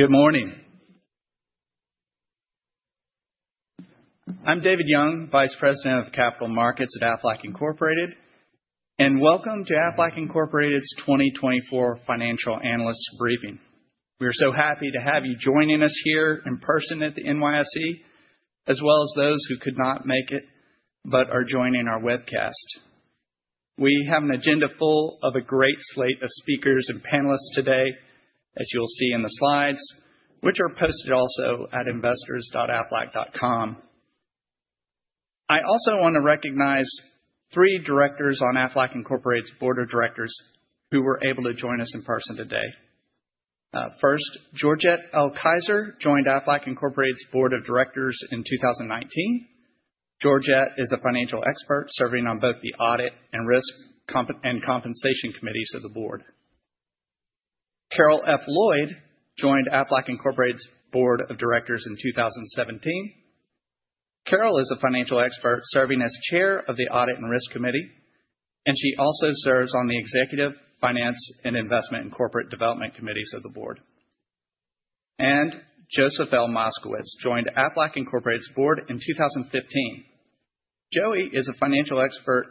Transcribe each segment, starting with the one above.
Good morning. I'm David Young, Vice President of Capital Markets at Aflac Incorporated, welcome to Aflac Incorporated's 2024 Financial Analysts Briefing. We are so happy to have you joining us here in person at the NYSE, as well as those who could not make it joining our webcast. We have an agenda full of a great slate of speakers and panelists today, as you'll see in the slides, which are posted also at investors.aflac.com. I also want to recognize three directors on Aflac Incorporated's board of directors who were able to join us in person today. First, Georgette D. Kiser joined Aflac Incorporated's board of directors in 2019. Georgette is a financial expert serving on both the audit and risk and compensation committees of the board. Karole F. Lloyd joined Aflac Incorporated's board of directors in 2017. Karole is a financial expert serving as chair of the audit and risk committee, she also serves on the executive, finance, investment, corporate development committees of the board. Joseph L. Moskowitz joined Aflac Incorporated's board in 2015. Joey is a financial expert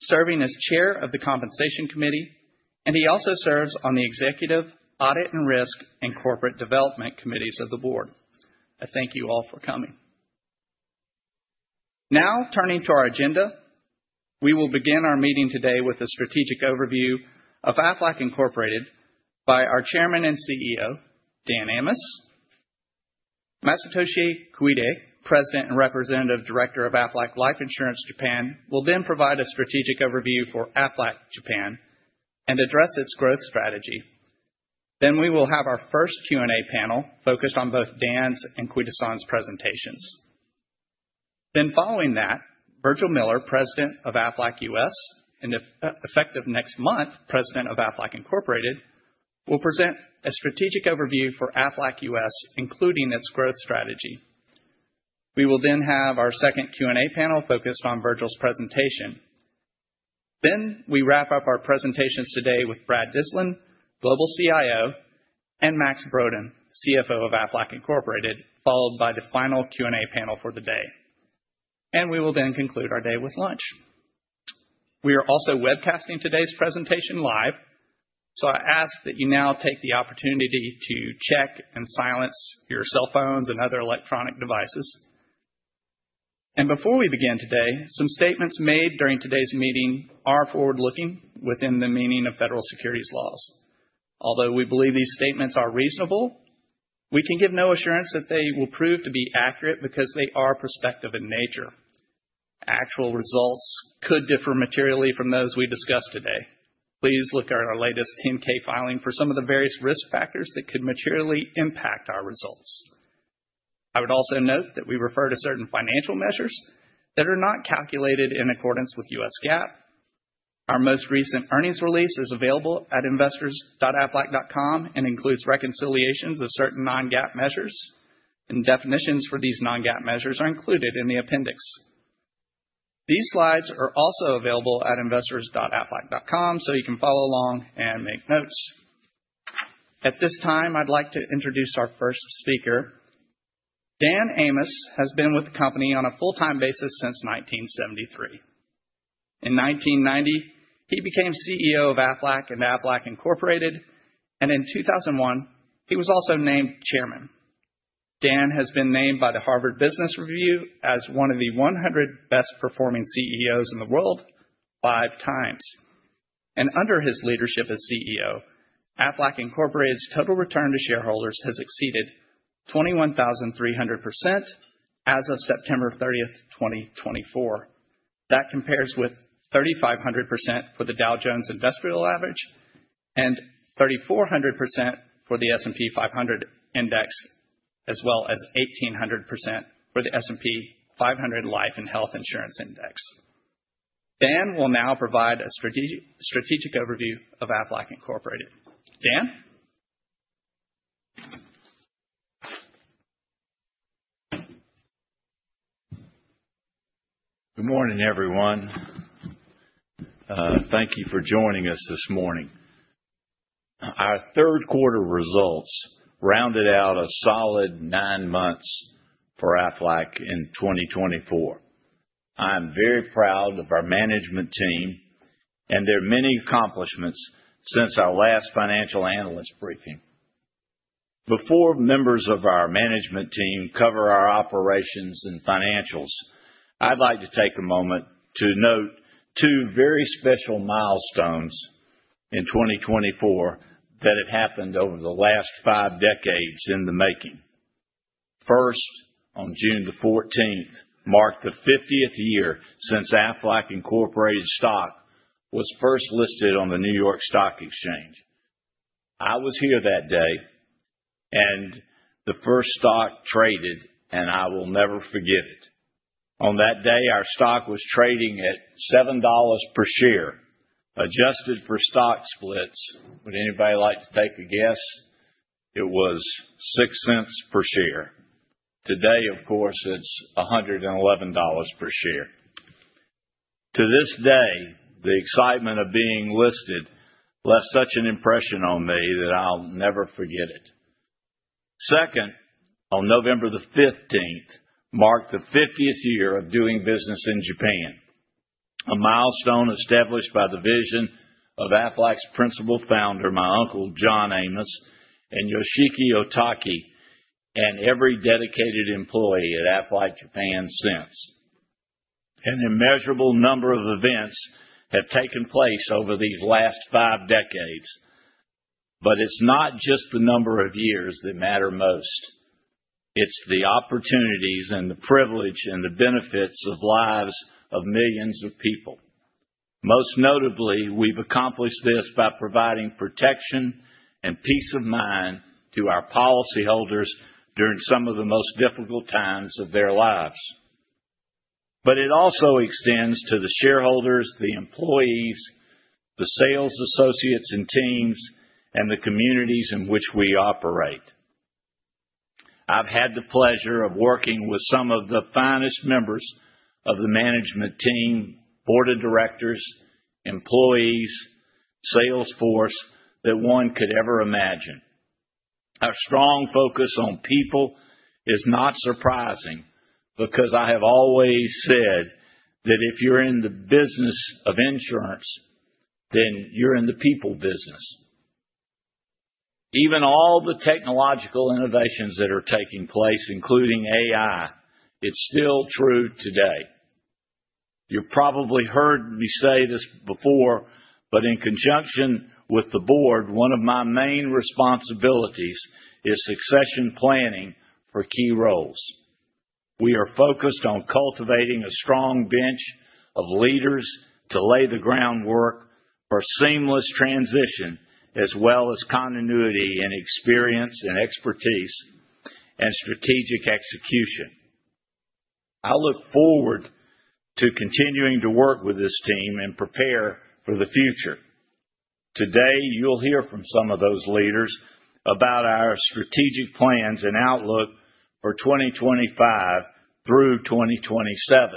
serving as chair of the compensation committee, he also serves on the executive, audit and risk, corporate development committees of the board. I thank you all for coming. Turning to our agenda, we will begin our meeting today with a strategic overview of Aflac Incorporated by our Chairman and CEO, Dan Amos. Masatoshi Koide, President and Representative Director of Aflac Life Insurance Japan, will provide a strategic overview for Aflac Japan and address its growth strategy. We will have our first Q&A panel focused on both Dan's and Koide-san's presentations. Following that, Virgil Miller, President of Aflac U.S., effective next month, President of Aflac Incorporated, will present a strategic overview for Aflac U.S., including its growth strategy. We will have our second Q&A panel focused on Virgil's presentation. We wrap up our presentations today with Brad Dyslin, Global CIO, Max Brodén, CFO of Aflac Incorporated, followed by the final Q&A panel for the day. We will conclude our day with lunch. We are also webcasting today's presentation live, so I ask that you now take the opportunity to check and silence your cell phones and other electronic devices. Before we begin today, some statements made during today's meeting are forward-looking within the meaning of Federal Securities Laws. Although we believe these statements are reasonable, we can give no assurance that they will prove to be accurate because they are prospective in nature. Actual results could differ materially from those we discuss today. Please look at our latest 10-K filing for some of the various risk factors that could materially impact our results. I would also note that we refer to certain financial measures that are not calculated in accordance with U.S. GAAP. Our most recent earnings release is available at investors.aflac.com includes reconciliations of certain non-GAAP measures, definitions for these non-GAAP measures are included in the appendix. These slides are also available at investors.aflac.com, so you can follow along and make notes. At this time, I'd like to introduce our first speaker. Dan Amos has been with the company on a full-time basis since 1973. In 1990, he became CEO of Aflac Incorporated, in 2001, he was also named Chairman. Dan has been named by the "Harvard Business Review" as one of the 100 best-performing CEOs in the world five times. Under his leadership as CEO, Aflac Incorporated's total return to shareholders has exceeded 21,300% as of September 30th, 2024. That compares with 3,500% for the Dow Jones Industrial Average and 3,400% for the S&P 500 Index, as well as 1,800% for the S&P 500 Life & Health Insurance Index. Dan will now provide a strategic overview of Aflac Incorporated. Dan? Good morning, everyone. Thank you for joining us this morning. Our third quarter results rounded out a solid nine months for Aflac in 2024. I am very proud of our management team and their many accomplishments since our last financial analyst briefing. Before members of our management team cover our operations and financials, I'd like to take a moment to note two very special milestones in 2024 that have happened over the last five decades in the making. First, on June the 14th, marked the 50th year since Aflac Incorporated's stock was first listed on the New York Stock Exchange. I was here that day and the first stock traded. I will never forget it. On that day, our stock was trading at $7 per share, adjusted for stock splits. Would anybody like to take a guess? It was $0.06 per share. Today, of course, it's $111 per share. To this day, the excitement of being listed left such an impression on me that I'll never forget it. Second, on November the 15th, marked the 50th year of doing business in Japan, a milestone established by the vision of Aflac's principal founder, my uncle, John Amos, Yoshiki Otake, and every dedicated employee at Aflac Japan since. An immeasurable number of events have taken place over these last five decades. It's not just the number of years that matter most, it's the opportunities and the privilege and the benefits of lives of millions of people. Most notably, we've accomplished this by providing protection and peace of mind to our policyholders during some of the most difficult times of their lives. It also extends to the shareholders, the employees, the sales associates and teams, and the communities in which we operate. I've had the pleasure of working with some of the finest members of the management team, board of directors, employees, sales force that one could ever imagine. Our strong focus on people is not surprising because I have always said that if you're in the business of insurance, you're in the people business. Even all the technological innovations that are taking place, including AI, it's still true today. You probably heard me say this before. In conjunction with the board, one of my main responsibilities is succession planning for key roles. We are focused on cultivating a strong bench of leaders to lay the groundwork for seamless transition, as well as continuity in experience and expertise and strategic execution. I look forward to continuing to work with this team and prepare for the future. Today, you'll hear from some of those leaders about our strategic plans and outlook for 2025 through 2027.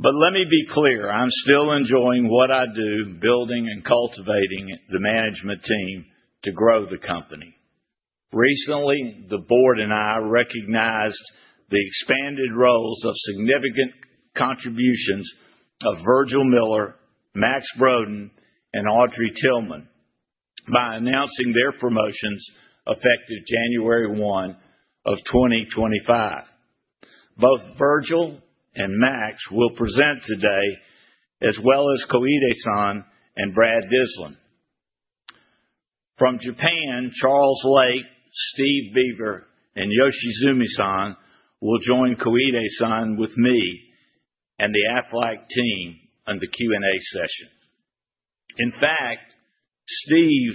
Let me be clear, I'm still enjoying what I do, building and cultivating the management team to grow the company. Recently, the board and I recognized the expanded roles of significant contributions of Virgil Miller, Max Brodén, and Audrey Tillman by announcing their promotions effective January 1, 2025. Both Virgil and Max will present today, as well as Koide-san and Brad Dyslin. From Japan, Charles Lake, Steve Beaver, and Yoshizumi-san will join Koide-san with me and the Aflac team on the Q&A session. In fact, Steve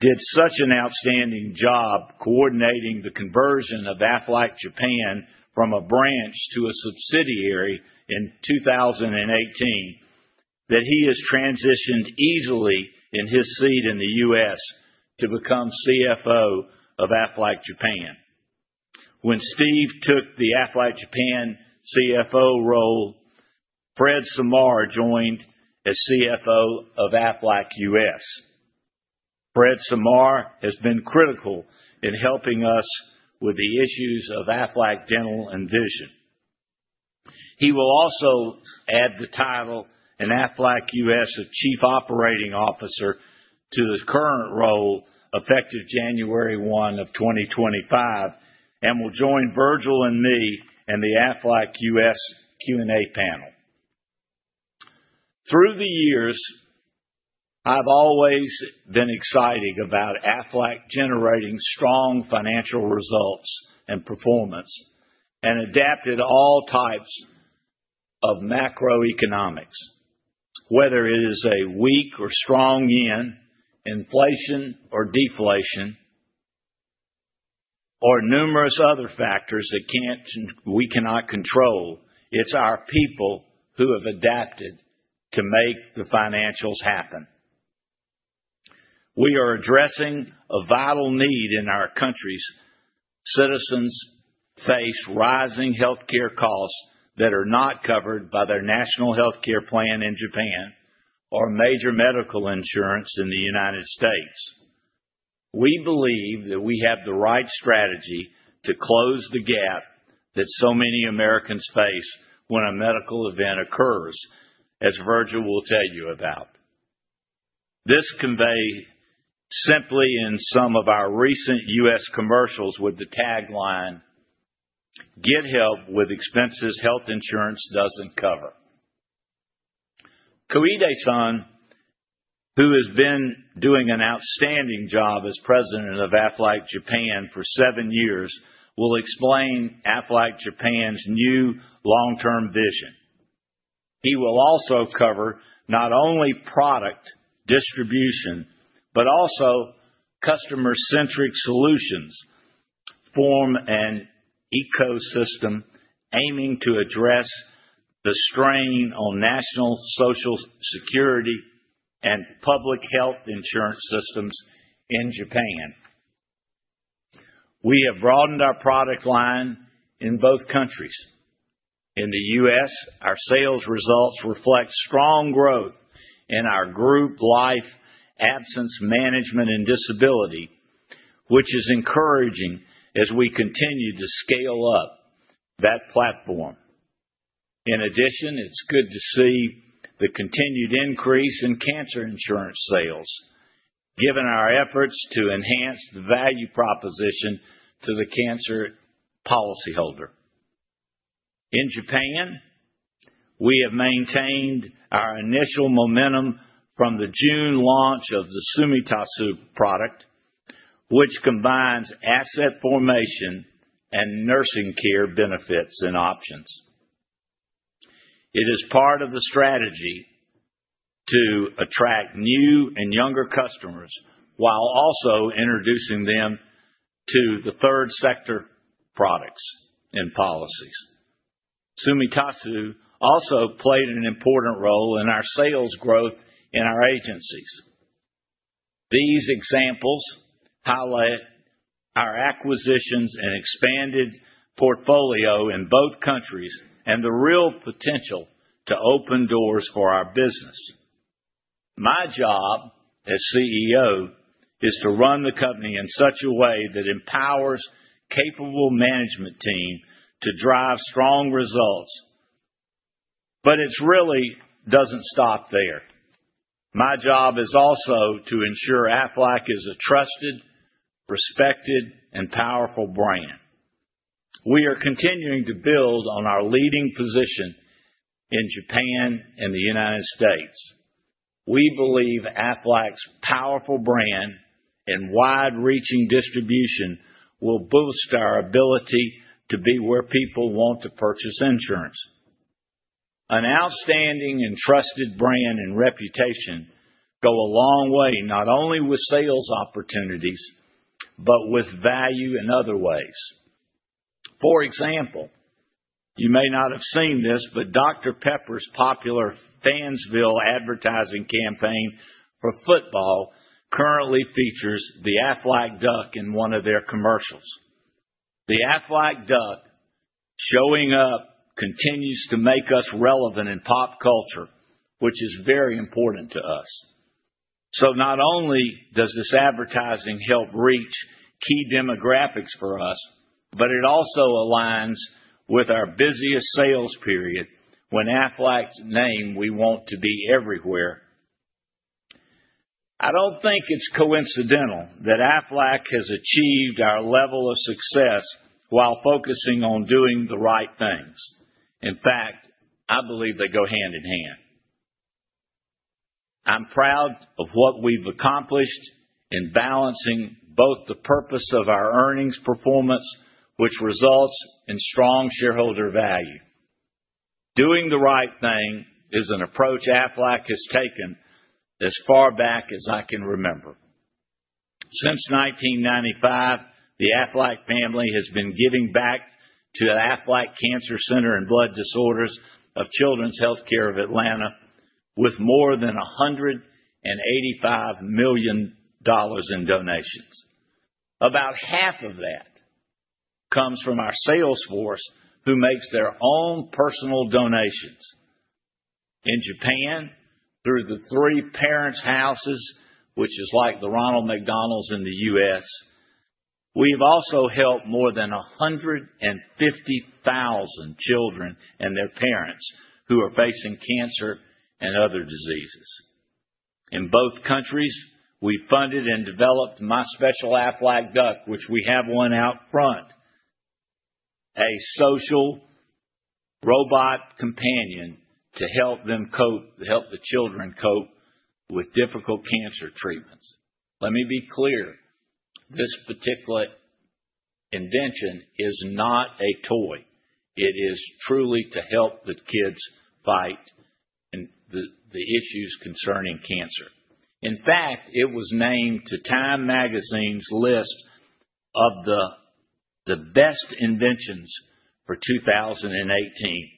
did such an outstanding job coordinating the conversion of Aflac Japan from a branch to a subsidiary in 2018, that he has transitioned easily in his seat in the U.S. to become CFO of Aflac Japan. When Steve took the Aflac Japan CFO role, Fred Simard joined as CFO of Aflac U.S. Fred Simard has been critical in helping us with the issues of Aflac dental and vision. He will also add the title in Aflac U.S. of Chief Operating Officer to his current role effective January 1, 2025, and will join Virgil and me in the Aflac U.S. Q&A panel. Through the years, I've always been excited about Aflac generating strong financial results and performance, and adapted all types of macroeconomics. Whether it is a weak or strong yen, inflation or deflation, or numerous other factors that we cannot control, it's our people who have adapted to make the financials happen. We are addressing a vital need in our countries. Citizens face rising healthcare costs that are not covered by their national healthcare plan in Japan or major medical insurance in the United States. We believe that we have the right strategy to close the gap that so many Americans face when a medical event occurs, as Virgil will tell you about. This convey simply in some of our recent U.S. commercials with the tagline, "Get help with expenses health insurance doesn't cover." Koide-san, who has been doing an outstanding job as President of Aflac Japan for seven years, will explain Aflac Japan's new long-term vision. He will also cover not only product distribution, but also customer-centric solutions, form an ecosystem aiming to address the strain on national social security and public health insurance systems in Japan. We have broadened our product line in both countries. In the U.S., our sales results reflect strong growth in our group life absence management and disability, which is encouraging as we continue to scale up that platform. In addition, it's good to see the continued increase in cancer insurance sales, given our efforts to enhance the value proposition to the cancer policyholder. In Japan, we have maintained our initial momentum from the June launch of the Tsumitasu product, which combines asset formation and nursing care benefits and options. It is part of the strategy to attract new and younger customers while also introducing them to the third sector products and policies. Tsumitasu also played an important role in our sales growth in our agencies. These examples highlight our acquisitions and expanded portfolio in both countries and the real potential to open doors for our business. My job as CEO is to run the company in such a way that empowers capable management team to drive strong results. It really doesn't stop there. My job is also to ensure Aflac is a trusted, respected, and powerful brand. We are continuing to build on our leading position in Japan and the U.S. We believe Aflac's powerful brand and wide-reaching distribution will boost our ability to be where people want to purchase insurance. An outstanding and trusted brand and reputation go a long way, not only with sales opportunities, but with value in other ways. For example, you may not have seen this, but Dr Pepper's popular Fansville advertising campaign for football currently features the Aflac Duck in one of their commercials. The Aflac Duck showing up continues to make us relevant in pop culture, which is very important to us. Not only does this advertising help reach key demographics for us, but it also aligns with our busiest sales period when Aflac's name we want to be everywhere. I don't think it's coincidental that Aflac has achieved our level of success while focusing on doing the right things. In fact, I believe they go hand in hand. I'm proud of what we've accomplished in balancing both the purpose of our earnings performance, which results in strong shareholder value. Doing the right thing is an approach Aflac has taken as far back as I can remember. Since 1995, the Aflac family has been giving back to the Aflac Cancer and Blood Disorders Center of Children's Healthcare of Atlanta with more than $185 million in donations. About half of that comes from our sales force who makes their own personal donations. In Japan, through the three parents' houses, which is like the Ronald McDonald House in the U.S., we've also helped more than 150,000 children and their parents who are facing cancer and other diseases. In both countries, we funded and developed My Special Aflac Duck, which we have one out front, a social robot companion to help the children cope with difficult cancer treatments. Let me be clear. This particular invention is not a toy. It is truly to help the kids fight the issues concerning cancer. In fact, it was named to Time's list of the best inventions for 2018,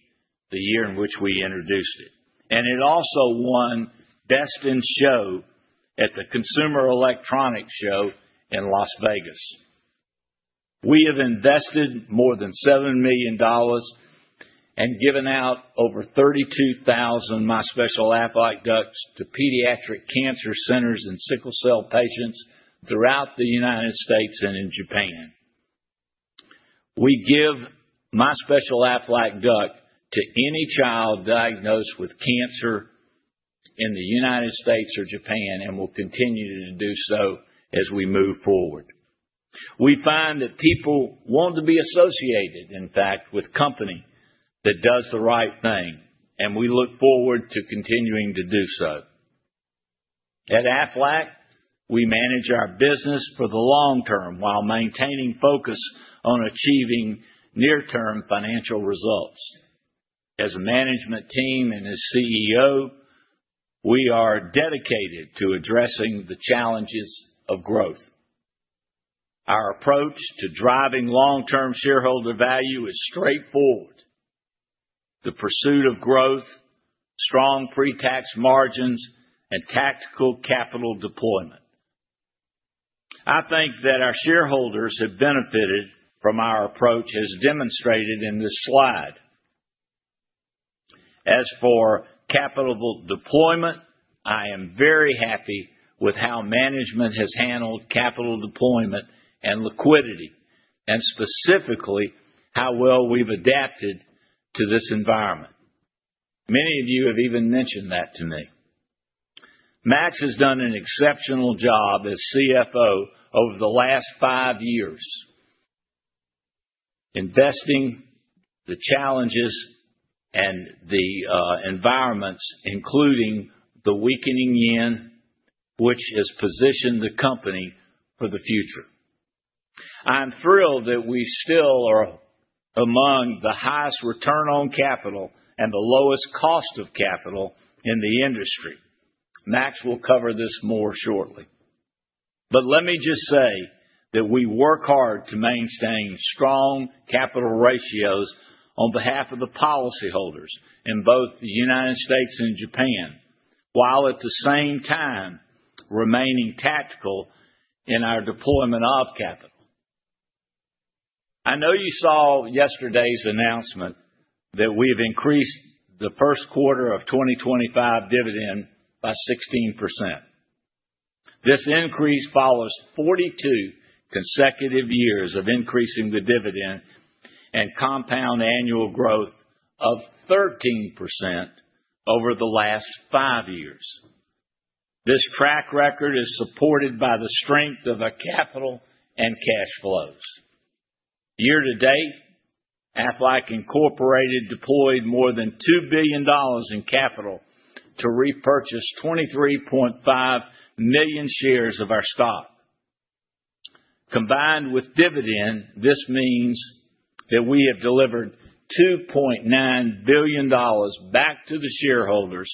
the year in which we introduced it. It also won best in show at the Consumer Electronics Show in Las Vegas. We have invested more than $7 million and given out over 32,000 My Special Aflac Ducks to pediatric cancer centers and sickle cell patients throughout the U.S. and in Japan. We give My Special Aflac Duck to any child diagnosed with cancer in the U.S. or Japan and will continue to do so as we move forward. We find that people want to be associated, in fact, with company that does the right thing, and we look forward to continuing to do so. At Aflac, we manage our business for the long term while maintaining focus on achieving near-term financial results. As a management team and as CEO, we are dedicated to addressing the challenges of growth. Our approach to driving long-term shareholder value is straightforward. The pursuit of growth, strong pre-tax margins, and tactical capital deployment. I think that our shareholders have benefited from our approach as demonstrated in this slide. As for capital deployment, I am very happy with how management has handled capital deployment and liquidity, and specifically how well we've adapted to this environment. Many of you have even mentioned that to me. Max has done an exceptional job as CFO over the last five years, investing the challenges and the environments, including the weakening yen, which has positioned the company for the future. I'm thrilled that we still are among the highest return on capital and the lowest cost of capital in the industry. Max will cover this more shortly. Let me just say that we work hard to maintain strong capital ratios on behalf of the policy holders in both the U.S. and Japan, while at the same time remaining tactical in our deployment of capital. I know you saw yesterday's announcement that we've increased the first quarter of 2025 dividend by 16%. This increase follows 42 consecutive years of increasing the dividend and compound annual growth of 13% over the last five years. This track record is supported by the strength of our capital and cash flows. Year to date, Aflac Incorporated deployed more than $2 billion in capital to repurchase 23.5 million shares of our stock. Combined with dividend, this means that we have delivered $2.9 billion back to the shareholders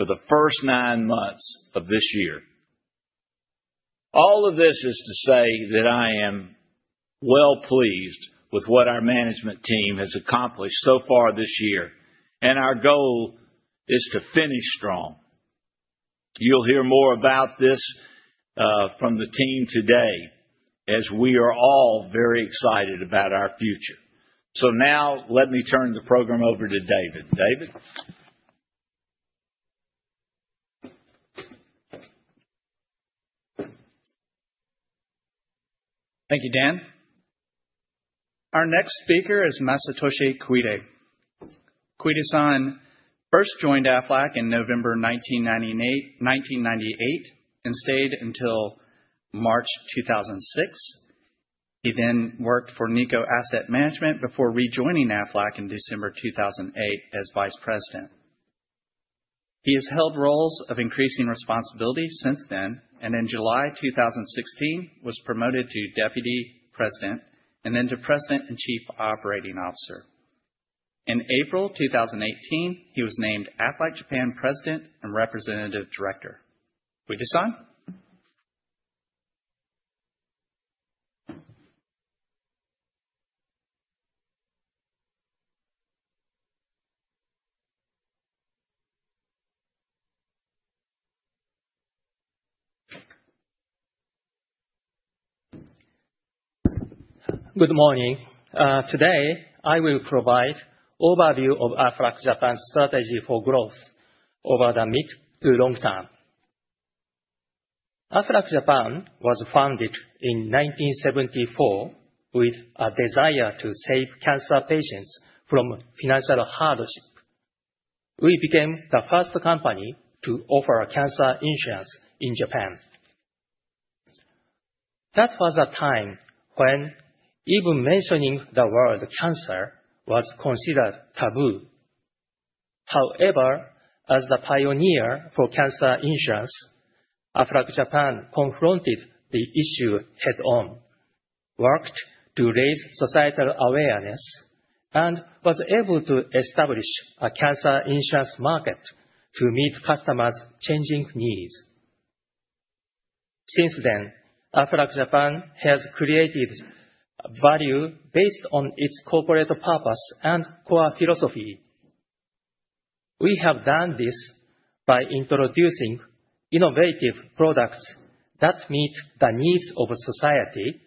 for the first nine months of this year. All of this is to say that I am well pleased with what our management team has accomplished so far this year. Our goal is to finish strong. You'll hear more about this from the team today as we are all very excited about our future. Now, let me turn the program over to David. David? Thank you, Dan. Our next speaker is Masatoshi Koide. Koide-san first joined Aflac in November 1998 and stayed until March 2006. He then worked for Nikko Asset Management before rejoining Aflac in December 2008 as Vice President. He has held roles of increasing responsibility since then, and in July 2016, was promoted to Deputy President, and then to President and Chief Operating Officer. In April 2018, he was named Aflac Japan President and Representative Director. Koide-san? Good morning. Today, I will provide overview of Aflac Japan's strategy for growth over the mid to long term. Aflac Japan was founded in 1974 with a desire to save cancer patients from financial hardship. We became the first company to offer cancer insurance in Japan. That was a time when even mentioning the word cancer was considered taboo. However, as the pioneer for cancer insurance, Aflac Japan confronted the issue head on, worked to raise societal awareness, and was able to establish a cancer insurance market to meet customers' changing needs. Since then, Aflac Japan has created value based on its corporate purpose and core philosophy. We have done this by introducing innovative products that meet the needs of a society,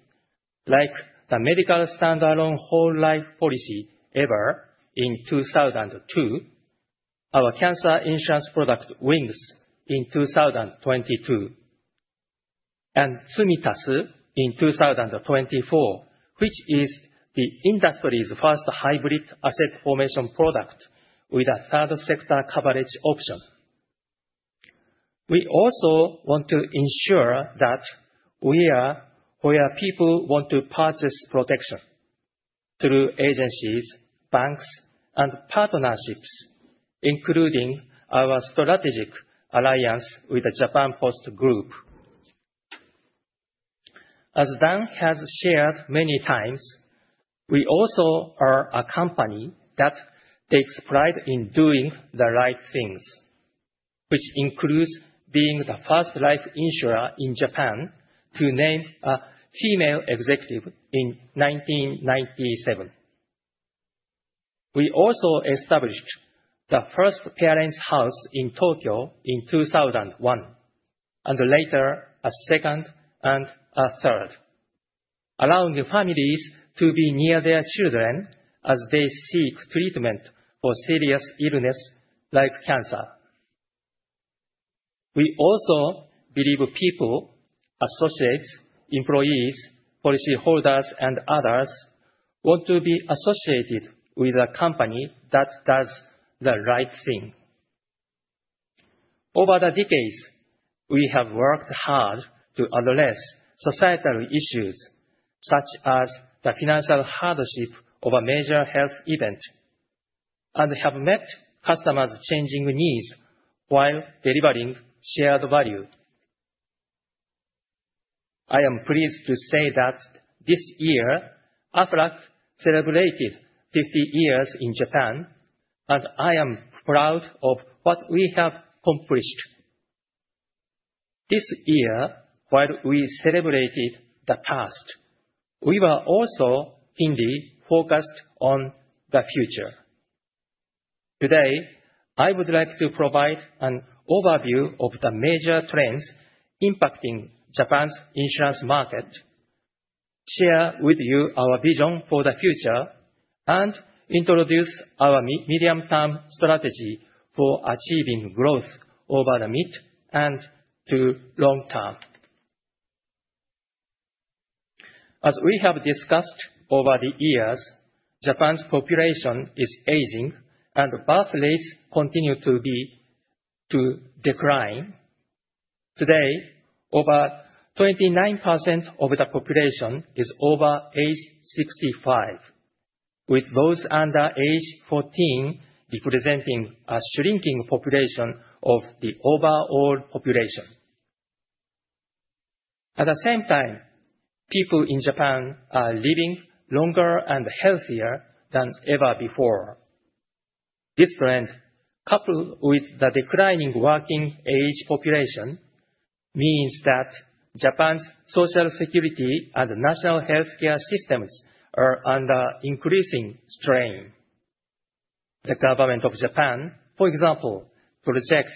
like the medical standalone whole life policy, EVER, in 2002, our cancer insurance product, Wings, in 2022, and Tsumitasu in 2024, which is the industry's first hybrid asset formation product with a third sector coverage option. We also want to ensure that we are where people want to purchase protection, through agencies, banks, and partnerships, including our strategic alliance with the Japan Post Group. As Dan has shared many times, we also are a company that takes pride in doing the right things which includes being the first life insurer in Japan to name a female executive in 1997. We also established the first Parents House in Tokyo in 2001, and later a second and a third, allowing families to be near their children as they seek treatment for serious illness like cancer. We also believe people, associates, employees, policy holders, and others want to be associated with a company that does the right thing. Over the decades, we have worked hard to address societal issues, such as the financial hardship of a major health event, and have met customers' changing needs while delivering shared value. I am pleased to say that this year, Aflac celebrated 50 years in Japan, and I am proud of what we have accomplished. This year, while we celebrated the past, we were also indeed focused on the future. Today, I would like to provide an overview of the major trends impacting Japan's insurance market, share with you our vision for the future, and introduce our medium-term strategy for achieving growth over the mid and to long term. As we have discussed over the years, Japan's population is aging, and birth rates continue to decline. Today, over 29% of the population is over age 65, with those under age 14 representing a shrinking population of the overall population. At the same time, people in Japan are living longer and healthier than ever before. This trend, coupled with the declining working age population, means that Japan's Social Security and national healthcare systems are under increasing strain. The government of Japan, for example, projects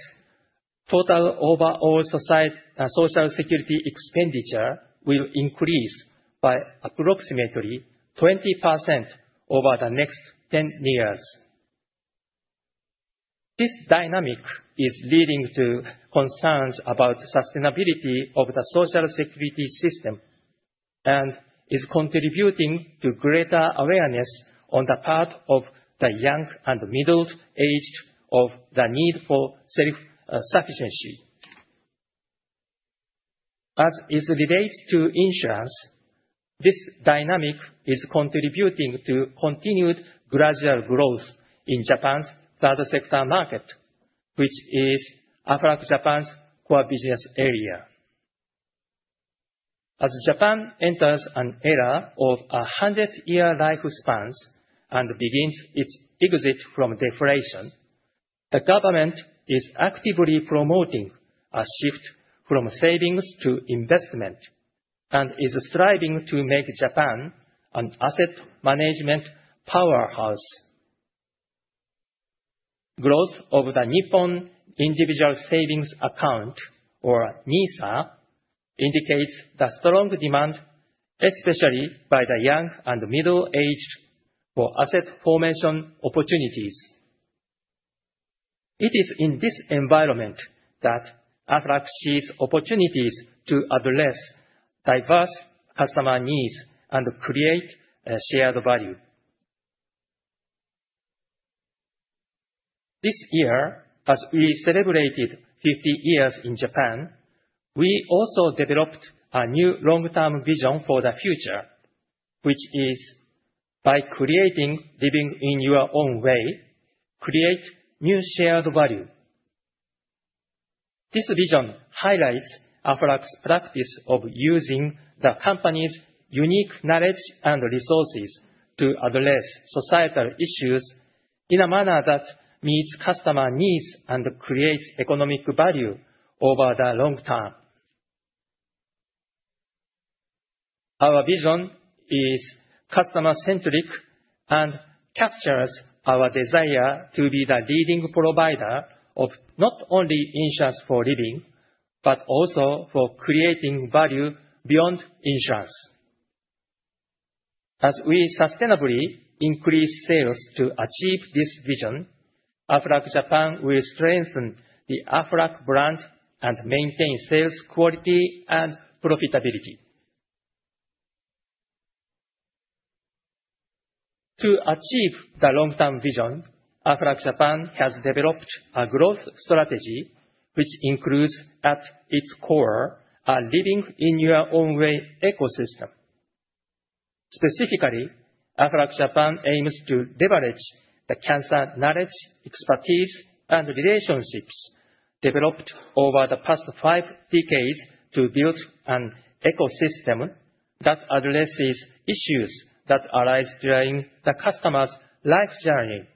total overall Social Security expenditure will increase by approximately 20% over the next 10 years. This dynamic is leading to concerns about sustainability of the Social Security system, and is contributing to greater awareness on the part of the young and middle-aged of the need for self-sufficiency. As it relates to insurance, this dynamic is contributing to continued gradual growth in Japan's third sector market, which is Aflac Japan's core business area. As Japan enters an era of 100-year lifespans and begins its exit from deflation, the government is actively promoting a shift from savings to investment and is striving to make Japan an asset management powerhouse. Growth of the Nippon Individual Savings Account, or NISA, indicates the strong demand, especially by the young and middle-aged, for asset formation opportunities. It is in this environment that Aflac sees opportunities to address diverse customer needs and create shared value. This year, as we celebrated 50 years in Japan, we also developed a new long-term vision for the future, which is, by creating living in your own way, create new shared value. This vision highlights Aflac's practice of using the company's unique knowledge and resources to address societal issues in a manner that meets customer needs and creates economic value over the long term. Our vision is customer centric and captures our desire to be the leading provider of not only insurance for living, but also for creating value beyond insurance. As we sustainably increase sales to achieve this vision, Aflac Japan will strengthen the Aflac brand and maintain sales quality and profitability. To achieve the long-term vision, Aflac Japan has developed a growth strategy which includes at its core a living in your own way ecosystem. Specifically, Aflac Japan aims to leverage the cancer knowledge, expertise, and relationships developed over the past five decades to build an ecosystem that addresses issues that arise during the customer's life journey.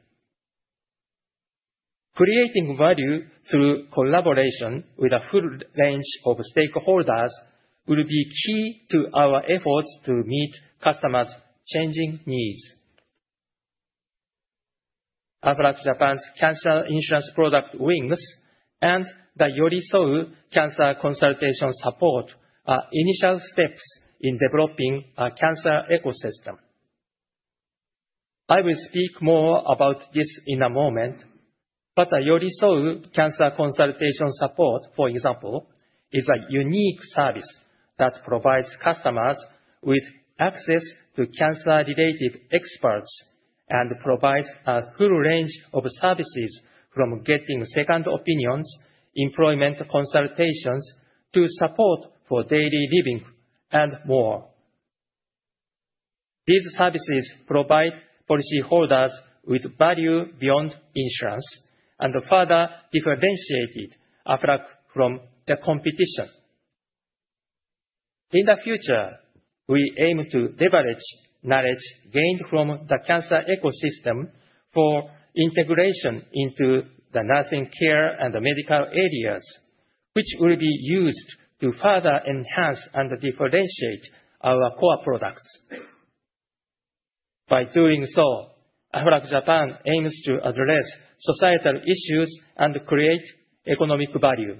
Creating value through collaboration with a full range of stakeholders will be key to our efforts to meet customers' changing needs. Aflac Japan's cancer insurance product Wings and the Yorisou Cancer Consultation Support are initial steps in developing a cancer ecosystem. I will speak more about this in a moment, the Yorisou Cancer Consultation Support, for example, is a unique service that provides customers with access to cancer-related experts and provides a full range of services from getting second opinions, employment consultations, to support for daily living and more. These services provide policyholders with value beyond insurance, further differentiated Aflac from the competition. In the future, we aim to leverage knowledge gained from the cancer ecosystem for integration into the nursing care and the medical areas, which will be used to further enhance and differentiate our core products. By doing so, Aflac Japan aims to address societal issues and create economic value.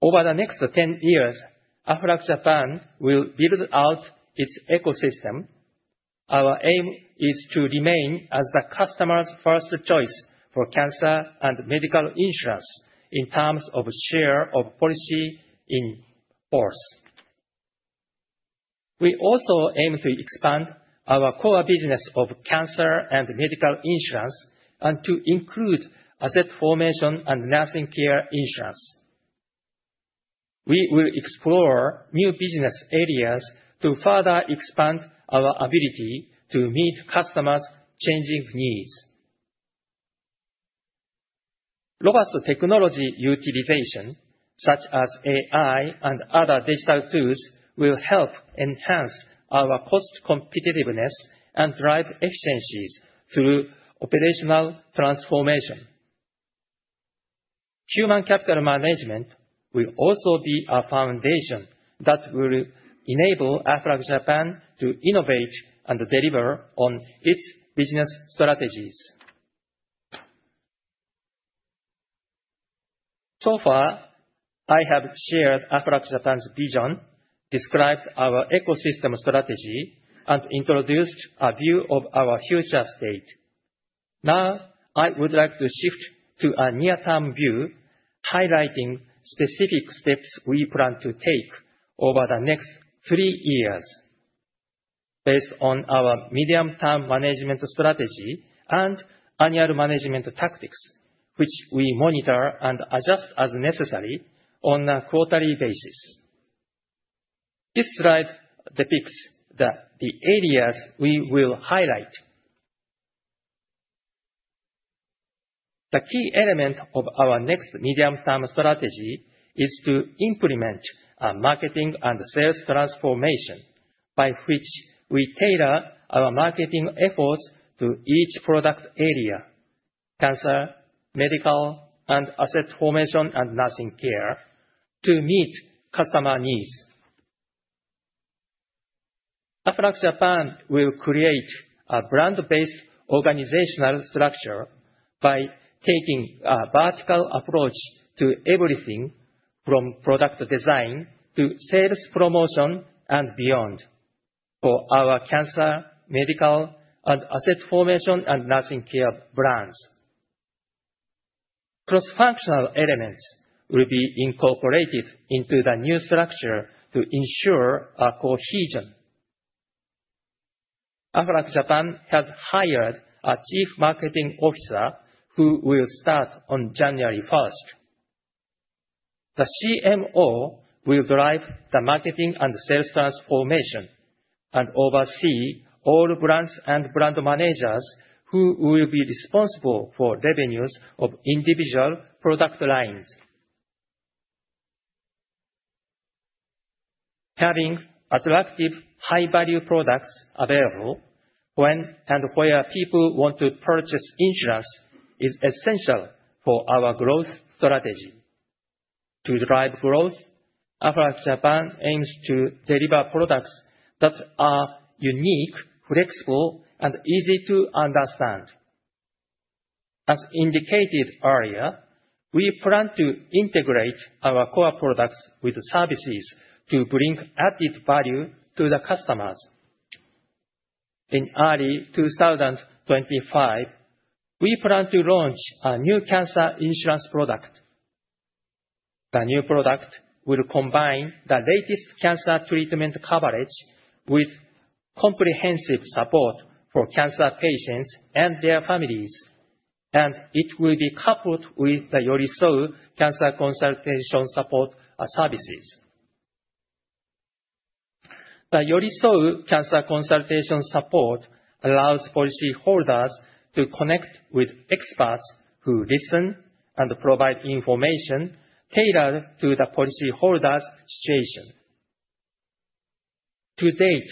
Over the next 10 years, Aflac Japan will build out its ecosystem. Our aim is to remain as the customer's first choice for cancer and medical insurance in terms of share of policy in force. We also aim to expand our core business of cancer and medical insurance and to include asset formation and nursing care insurance. We will explore new business areas to further expand our ability to meet customers' changing needs. Robust technology utilization, such as AI and other digital tools, will help enhance our cost competitiveness and drive efficiencies through operational transformation. Human capital management will also be a foundation that will enable Aflac Japan to innovate and deliver on its business strategies. Far, I have shared Aflac Japan's vision, described our ecosystem strategy, and introduced a view of our future state. I would like to shift to a near-term view, highlighting specific steps we plan to take over the next three years based on our medium-term management strategy and annual management tactics, which we monitor and adjust as necessary on a quarterly basis. This slide depicts the areas we will highlight. The key element of our next medium-term strategy is to implement a marketing and sales transformation by which we tailor our marketing efforts to each product area, cancer, medical, and asset formation and nursing care to meet customer needs. Aflac Japan will create a brand-based organizational structure by taking a vertical approach to everything from product design to sales promotion and beyond for our cancer, medical, and asset formation and nursing care brands. Cross-functional elements will be incorporated into the new structure to ensure cohesion. Aflac Japan has hired a Chief Marketing Officer who will start on January 1st. The CMO will drive the marketing and sales transformation and oversee all brands and brand managers who will be responsible for revenues of individual product lines. Having attractive high-value products available when and where people want to purchase insurance is essential for our growth strategy. To drive growth, Aflac Japan aims to deliver products that are unique, flexible, and easy to understand. As indicated earlier, we plan to integrate our core products with services to bring added value to the customers. In early 2025, we plan to launch a new cancer insurance product. The new product will combine the latest cancer treatment coverage with comprehensive support for cancer patients and their families, and it will be coupled with the Yorisou Cancer Consultation Support services. The Yorisou Cancer Consultation Support allows policyholders to connect with experts who listen and provide information tailored to the policyholder's situation. To date,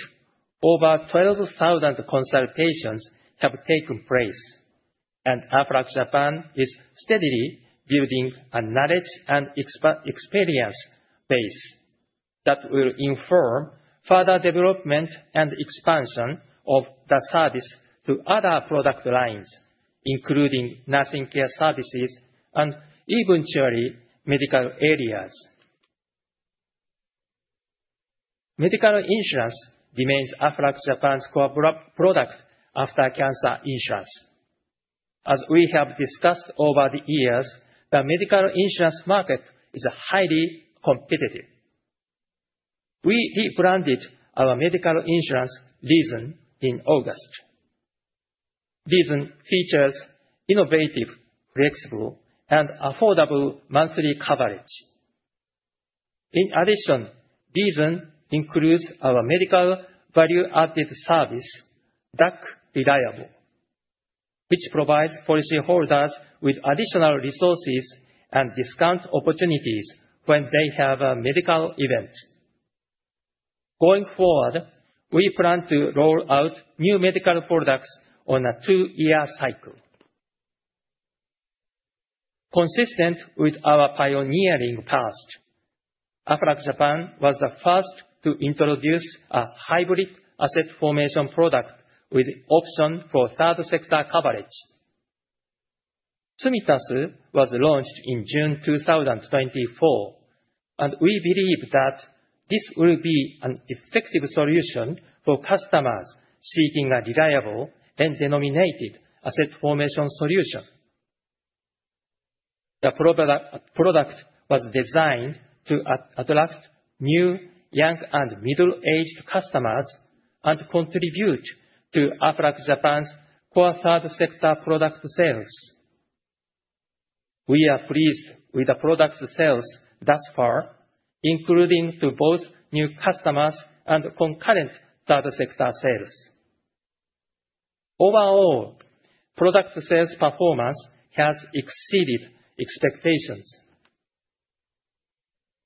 over 12,000 consultations have taken place. Aflac Japan is steadily building a knowledge and experience base that will inform further development and expansion of the service to other product lines, including nursing care services, and eventually, medical areas. Medical insurance remains Aflac Japan's core product after cancer insurance. As we have discussed over the years, the medical insurance market is highly competitive. We rebranded our medical insurance, REASON, in August. REASON features innovative, flexible, and affordable monthly coverage. In addition, REASON includes our medical value-added service, Duck Reliable, which provides policyholders with additional resources and discount opportunities when they have a medical event. Going forward, we plan to roll out new medical products on a two-year cycle. Consistent with our pioneering past, Aflac Japan was the first to introduce a hybrid asset formation product with an option for third-sector coverage. Tsumitasu was launched in June 2024. We believe that this will be an effective solution for customers seeking a reliable and denominated asset formation solution. The product was designed to attract new, young, and middle-aged customers and contribute to Aflac Japan's core third-sector product sales. We are pleased with the product sales thus far, including to both new customers and concurrent third-sector sales. Overall, product sales performance has exceeded expectations.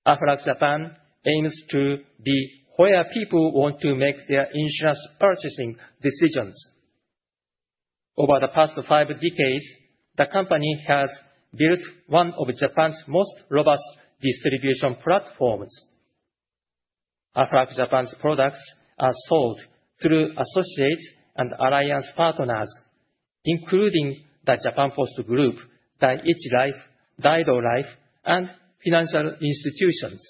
Aflac Japan aims to be where people want to make their insurance purchasing decisions. Over the past five decades, the company has built one of Japan's most robust distribution platforms. Aflac Japan's products are sold through associates and alliance partners, including the Japan Post Group, Dai-ichi Life, Daido Life, and financial institutions.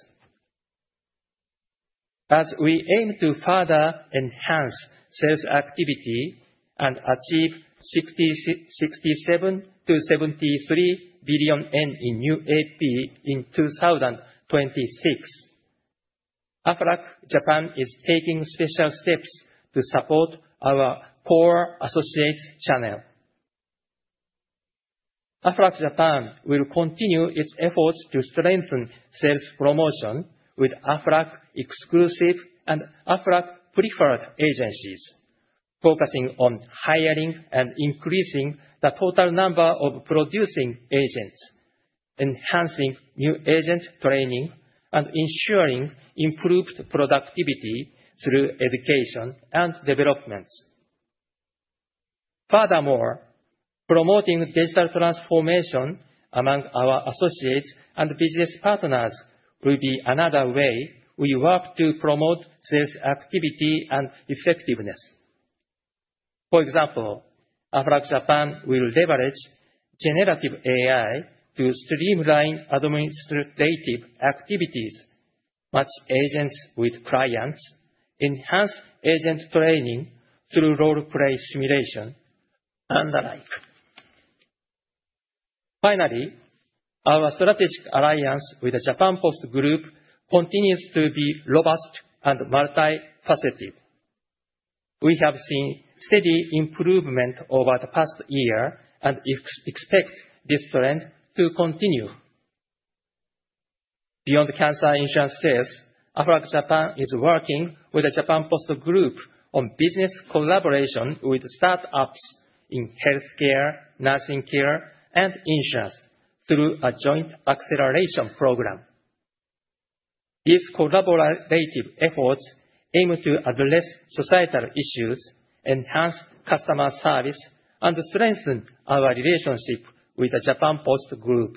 As we aim to further enhance sales activity and achieve 67 billion to 73 billion in new AP in 2026, Aflac Japan is taking special steps to support our core associate channel. Aflac Japan will continue its efforts to strengthen sales promotion with Aflac exclusive and Aflac preferred agencies, focusing on hiring and increasing the total number of producing agents, enhancing new agent training, and ensuring improved productivity through education and developments. Promoting digital transformation among our associates and business partners will be another way we work to promote sales activity and effectiveness. Aflac Japan will leverage generative AI to streamline administrative activities, match agents with clients, enhance agent training through role-play simulation, and the like. Our strategic alliance with the Japan Post Group continues to be robust and multifaceted. We have seen steady improvement over the past year and expect this trend to continue. Beyond cancer insurance sales, Aflac Japan is working with the Japan Post Group on business collaboration with startups in healthcare, nursing care, and insurance through a joint acceleration program. These collaborative efforts aim to address societal issues, enhance customer service, and strengthen our relationship with the Japan Post Group.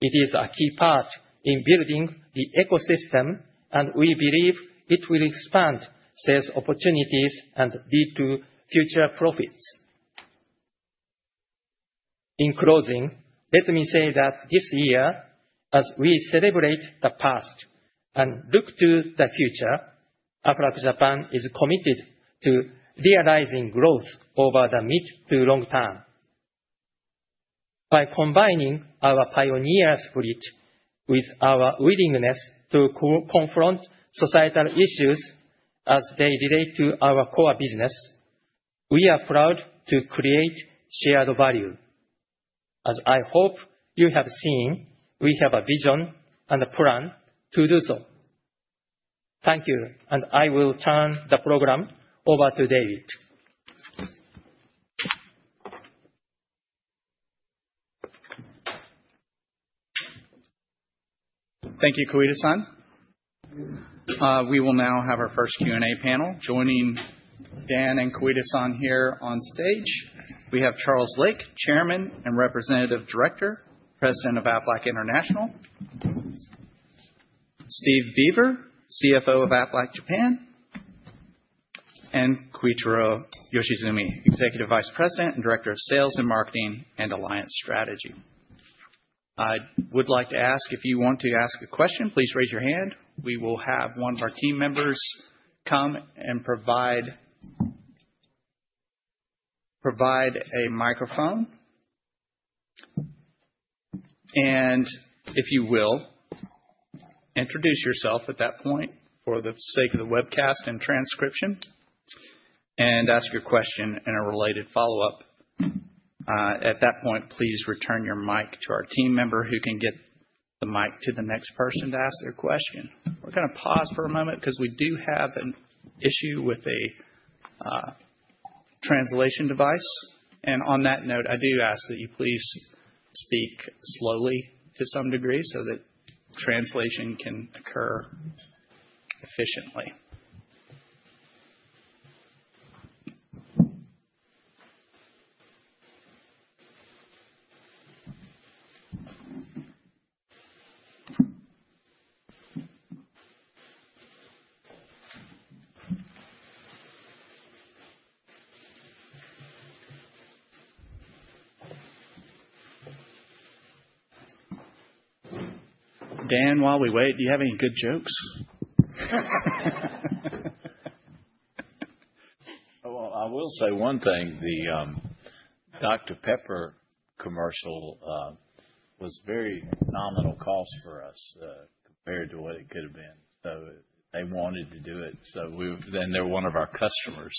It is a key part in building the ecosystem, and we believe it will expand sales opportunities and lead to future profits. In closing, let me say that this year, as we celebrate the past and look to the future, Aflac Japan is committed to realizing growth over the mid to long term. By combining our pioneer spirit with our willingness to confront societal issues as they relate to our core business, we are proud to create shared value. As I hope you have seen, we have a vision and a plan to do so. Thank you, and I will turn the program over to David. Thank you, Koide-san. We will now have our first Q&A panel. Joining Dan and Koide-san here on stage, we have Charles Lake, Chairman and Representative Director, President of Aflac International. Steve Beaver, CFO of Aflac Japan, and Koichiro Yoshizumi, Executive Vice President and Director of Sales and Marketing and Alliance Strategy. I would like to ask if you want to ask a question, please raise your hand. We will have one of our team members come and provide a microphone. If you will, introduce yourself at that point for the sake of the webcast and transcription, and ask your question and a related follow-up. At that point, please return your mic to our team member, who can give the mic to the next person to ask their question. We're going to pause for a moment because we do have an issue with a translation device. On that note, I do ask that you please speak slowly to some degree so that translation can occur efficiently. Dan, while we wait, do you have any good jokes? Well, I will say one thing. The Dr. Pepper commercial was very nominal cost for us, compared to what it could have been. They wanted to do it, and they're one of our customers.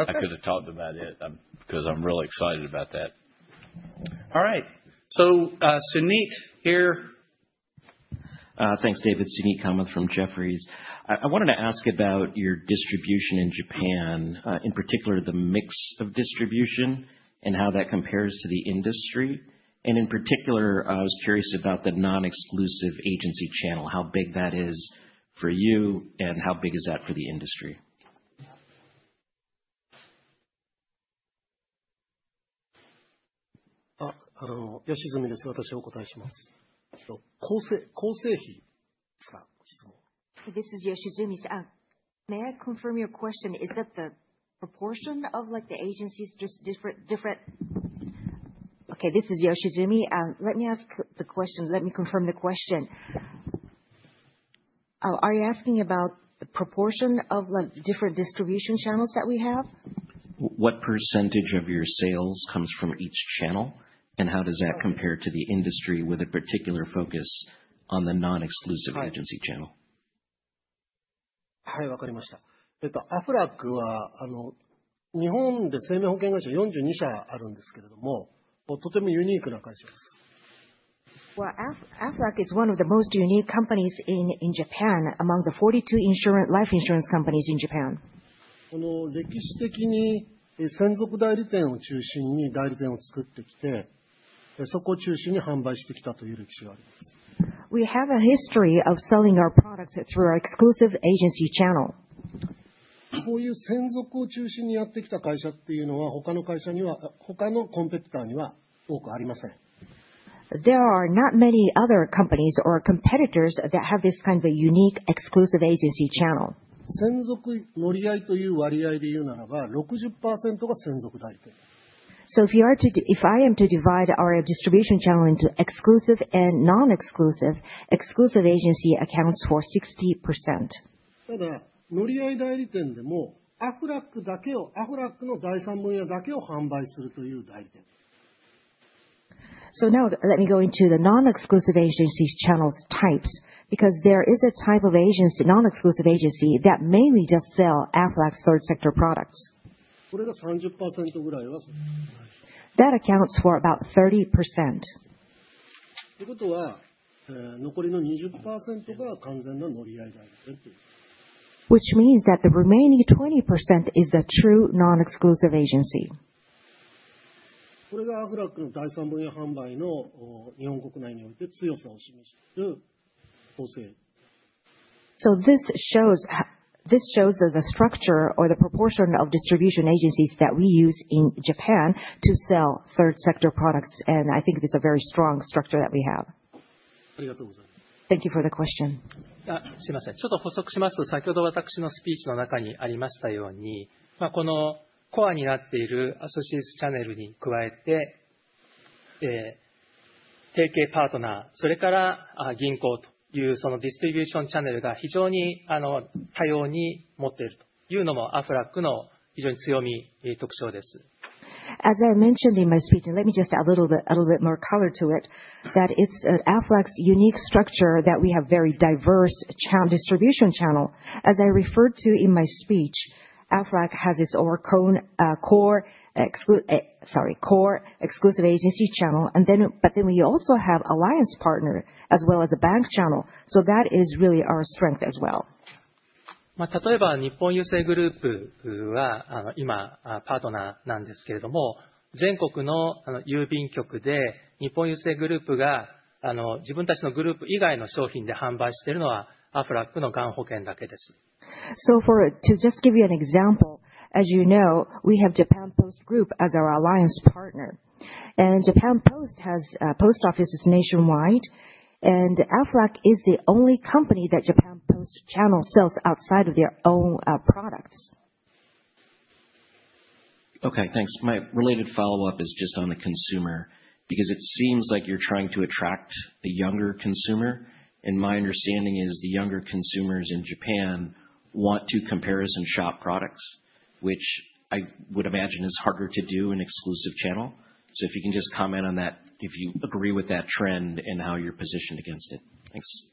Okay. I could have talked about it, because I'm really excited about that. All right. Suneet, here. Thanks, David. Suneet Kamath from Jefferies. I wanted to ask about your distribution in Japan, in particular, the mix of distribution and how that compares to the industry. In particular, I was curious about the non-exclusive agency channel, how big that is for you and how big is that for the industry? This is Yoshizumi. May I confirm your question? Is that the proportion of the agencies? This is Yoshizumi. Let me confirm the question. Are you asking about the proportion of different distribution channels that we have? What % of your sales comes from each channel, and how does that compare to the industry with a particular focus on the non-exclusive agency channel? Aflac is one of the most unique companies in Japan among the 42 life insurance companies in Japan. We have a history of selling our products through our exclusive agency channel. There are not many other companies or competitors that have this kind of a unique exclusive agency channel. If I am to divide our distribution channel into exclusive and non-exclusive, exclusive agency accounts for 60%. Now let me go into the non-exclusive agencies channels types, because there is a type of non-exclusive agency that mainly just sell Aflac third sector products. That accounts for about 30%. Which means that the remaining 20% is the true non-exclusive agency. This shows the structure or the proportion of distribution agencies that we use in Japan to sell third sector products, and I think it's a very strong structure that we have. Thank you for the question. Sorry. Just to add, as I mentioned in my speech earlier, in addition to the associates channel, which is at the core, Aflac has a very diverse distribution channel, including partnering companies and banks, which is one of Aflac's strengths and features. As I mentioned in my speech, let me just add a little bit more color to it, that it's Aflac's unique structure that we have very diverse distribution channel. As I referred to in my speech, Aflac has its own core exclusive agency channel. We also have alliance partner as well as a bank channel. That is really our strength as well. To just give you an example, as you know, we have Japan Post Group as our alliance partner. Japan Post has post offices nationwide, and Aflac is the only company that Japan Post channel sells outside of their own products. Okay, thanks. My related follow-up is just on the consumer, because it seems like you're trying to attract the younger consumer. My understanding is the younger consumers in Japan want to comparison shop products, which I would imagine is harder to do in exclusive channel. If you can just comment on that, if you agree with that trend and how you're positioned against it. Thanks.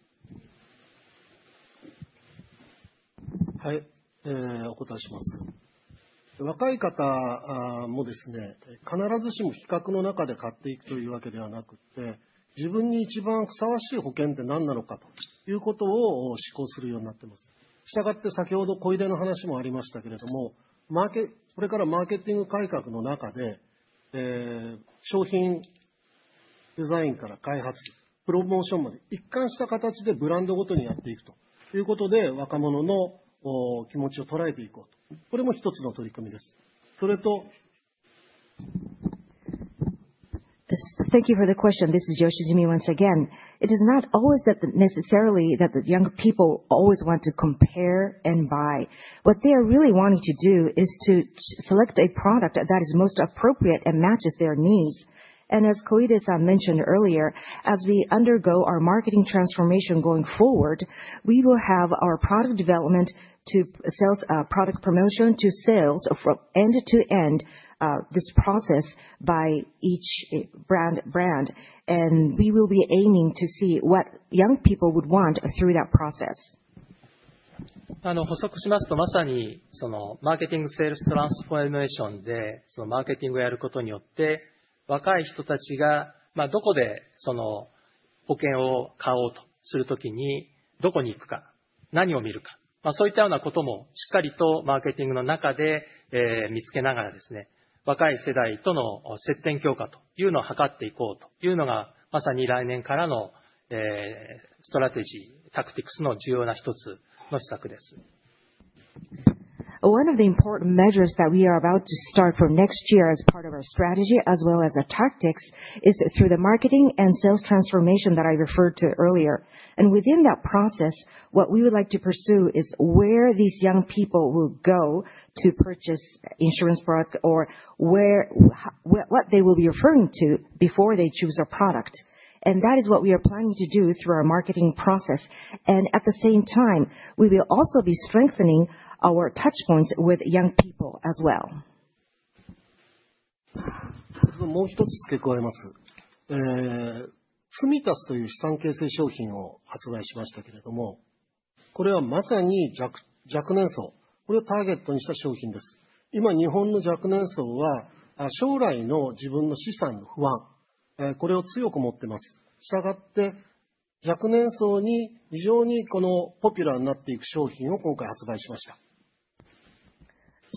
Thank you for the question. This is Yoshizumi once again. It is not always necessarily that the young people always want to compare and buy. What they are really wanting to do is to select a product that is most appropriate and matches their needs. As Koide-san mentioned earlier, as we undergo our marketing transformation going forward, we will have our product development to product promotion to sales end-to-end this process by each brand. We will be aiming to see what young people would want through that process. One of the important measures that we are about to start from next year as part of our strategy as well as our tactics is through the marketing and sales transformation that I referred to earlier. Within that process, what we would like to pursue is where these young people will go to purchase insurance products or what they will be referring to before they choose a product. That is what we are planning to do through our marketing process. At the same time, we will also be strengthening our touchpoints with young people as well.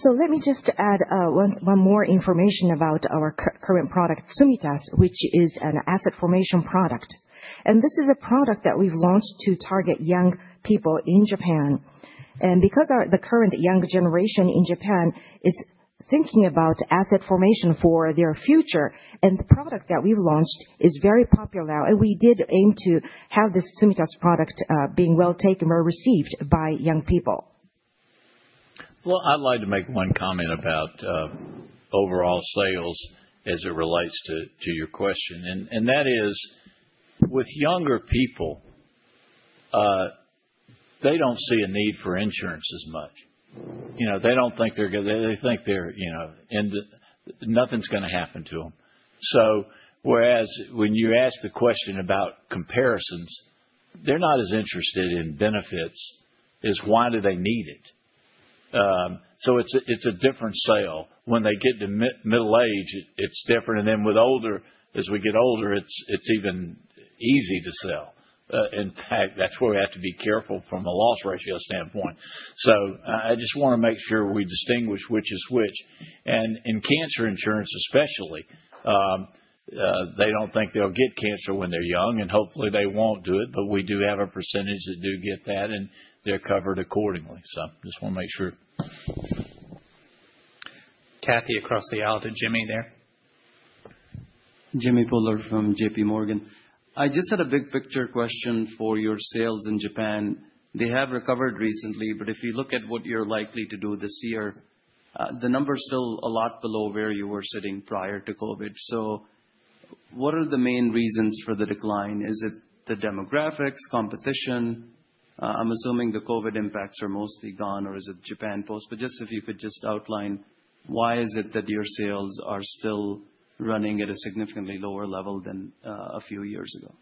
Let me just add one more information about our current product, Tsumitasu, which is an asset formation product. This is a product that we've launched to target young people in Japan. Because the current younger generation in Japan is thinking about asset formation for their future, and the product that we've launched is very popular now. We did aim to have this Tsumitasu product being well-taken or well-received by young people. I'd like to make one comment about overall sales as it relates to your question, and that is with younger people, they don't see a need for insurance as much. They think nothing's going to happen to them. Whereas when you ask the question about comparisons, they're not as interested in benefits as why do they need it. It's a different sale. When they get to middle age, it's different. Then as we get older, it's even easy to sell. In fact, that's where we have to be careful from a loss ratio standpoint. I just want to make sure we distinguish which is which. In cancer insurance especially, they don't think they'll get cancer when they're young, and hopefully they won't do it, but we do have a percentage that do get that, and they're covered accordingly. Just want to make sure. Cathy, across the aisle to Jimmy there. Jimmy Bhullar from JPMorgan. I just had a big picture question for your sales in Japan. They have recovered recently, but if you look at what you're likely to do this year, the number is still a lot below where you were sitting prior to COVID. What are the main reasons for the decline? Is it the demographics, competition? I'm assuming the COVID impacts are mostly gone, or is it Japan Post? If you could just outline why is it that your sales are still running at a significantly lower level than a few years ago.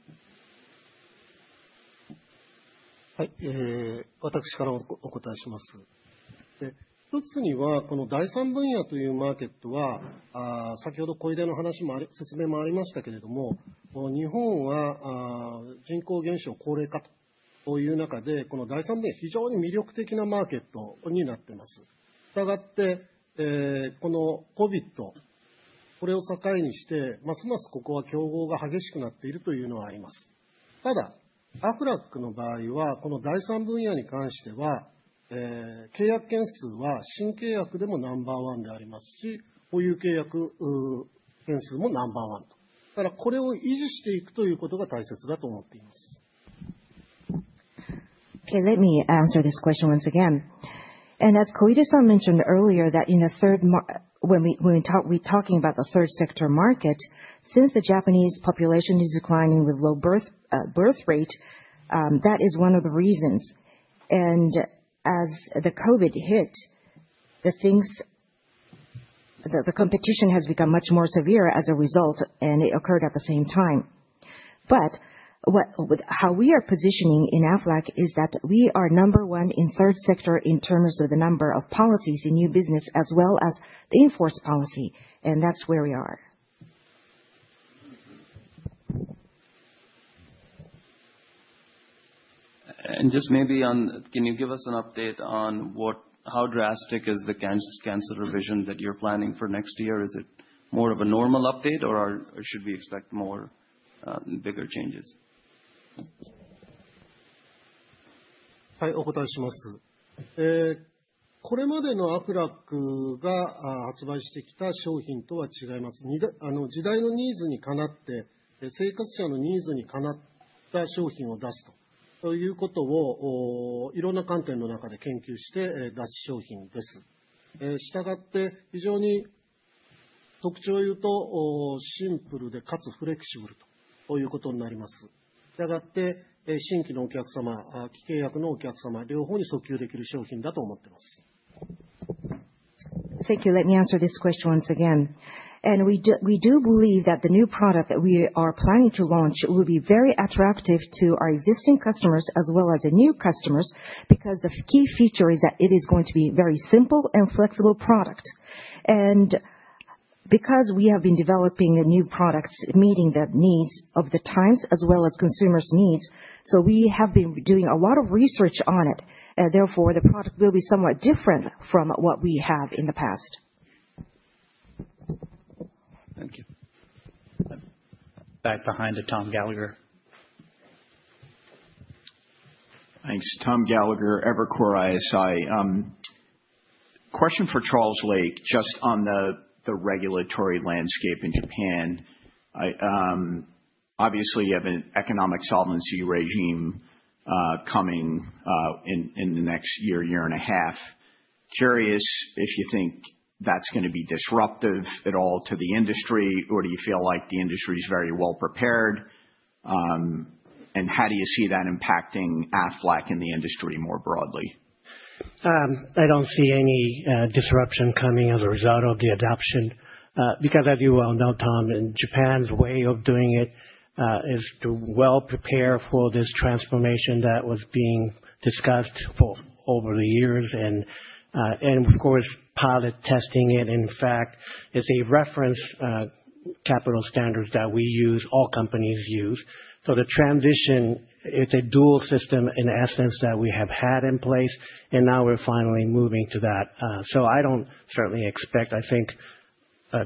Let me answer this question once again. As Koide-san mentioned earlier, when we're talking about the third sector market, since the Japanese population is declining with low birth rate, that is one of the reasons. As the COVID hit, the competition has become much more severe as a result, and it occurred at the same time. How we are positioning in Aflac is that we are number one in third sector in terms of the number of policies in new business as well as the in-force policy, and that's where we are. Just maybe, can you give us an update on how drastic is the cancer revision that you're planning for next year? Is it more of a normal update, or should we expect more bigger changes? Thank you. Let me answer this question once again. We do believe that the new product that we are planning to launch will be very attractive to our existing customers as well as the new customers, because the key feature is that it is going to be very simple and flexible product. Because we have been developing new products, meeting the needs of the times as well as consumers' needs. We have been doing a lot of research on it, and therefore the product will be somewhat different from what we have in the past. Thank you. Back behind to Thomas Gallagher. Thanks. Tom Gallagher, Evercore ISI. Question for Charles Lake, just on the regulatory landscape in Japan. Obviously, you have an economic solvency regime coming in the next year and a half. Curious if you think that's going to be disruptive at all to the industry, or do you feel like the industry is very well prepared? How do you see that impacting Aflac and the industry more broadly? I don't see any disruption coming as a result of the adoption. As you well know, Tom, in Japan's way of doing it, is to well prepare for this transformation that was being discussed for over the years. Of course, pilot testing it, in fact, is a reference capital standards that we use, all companies use. The transition, it's a dual system, in essence, that we have had in place, and now we're finally moving to that. I don't certainly expect, I think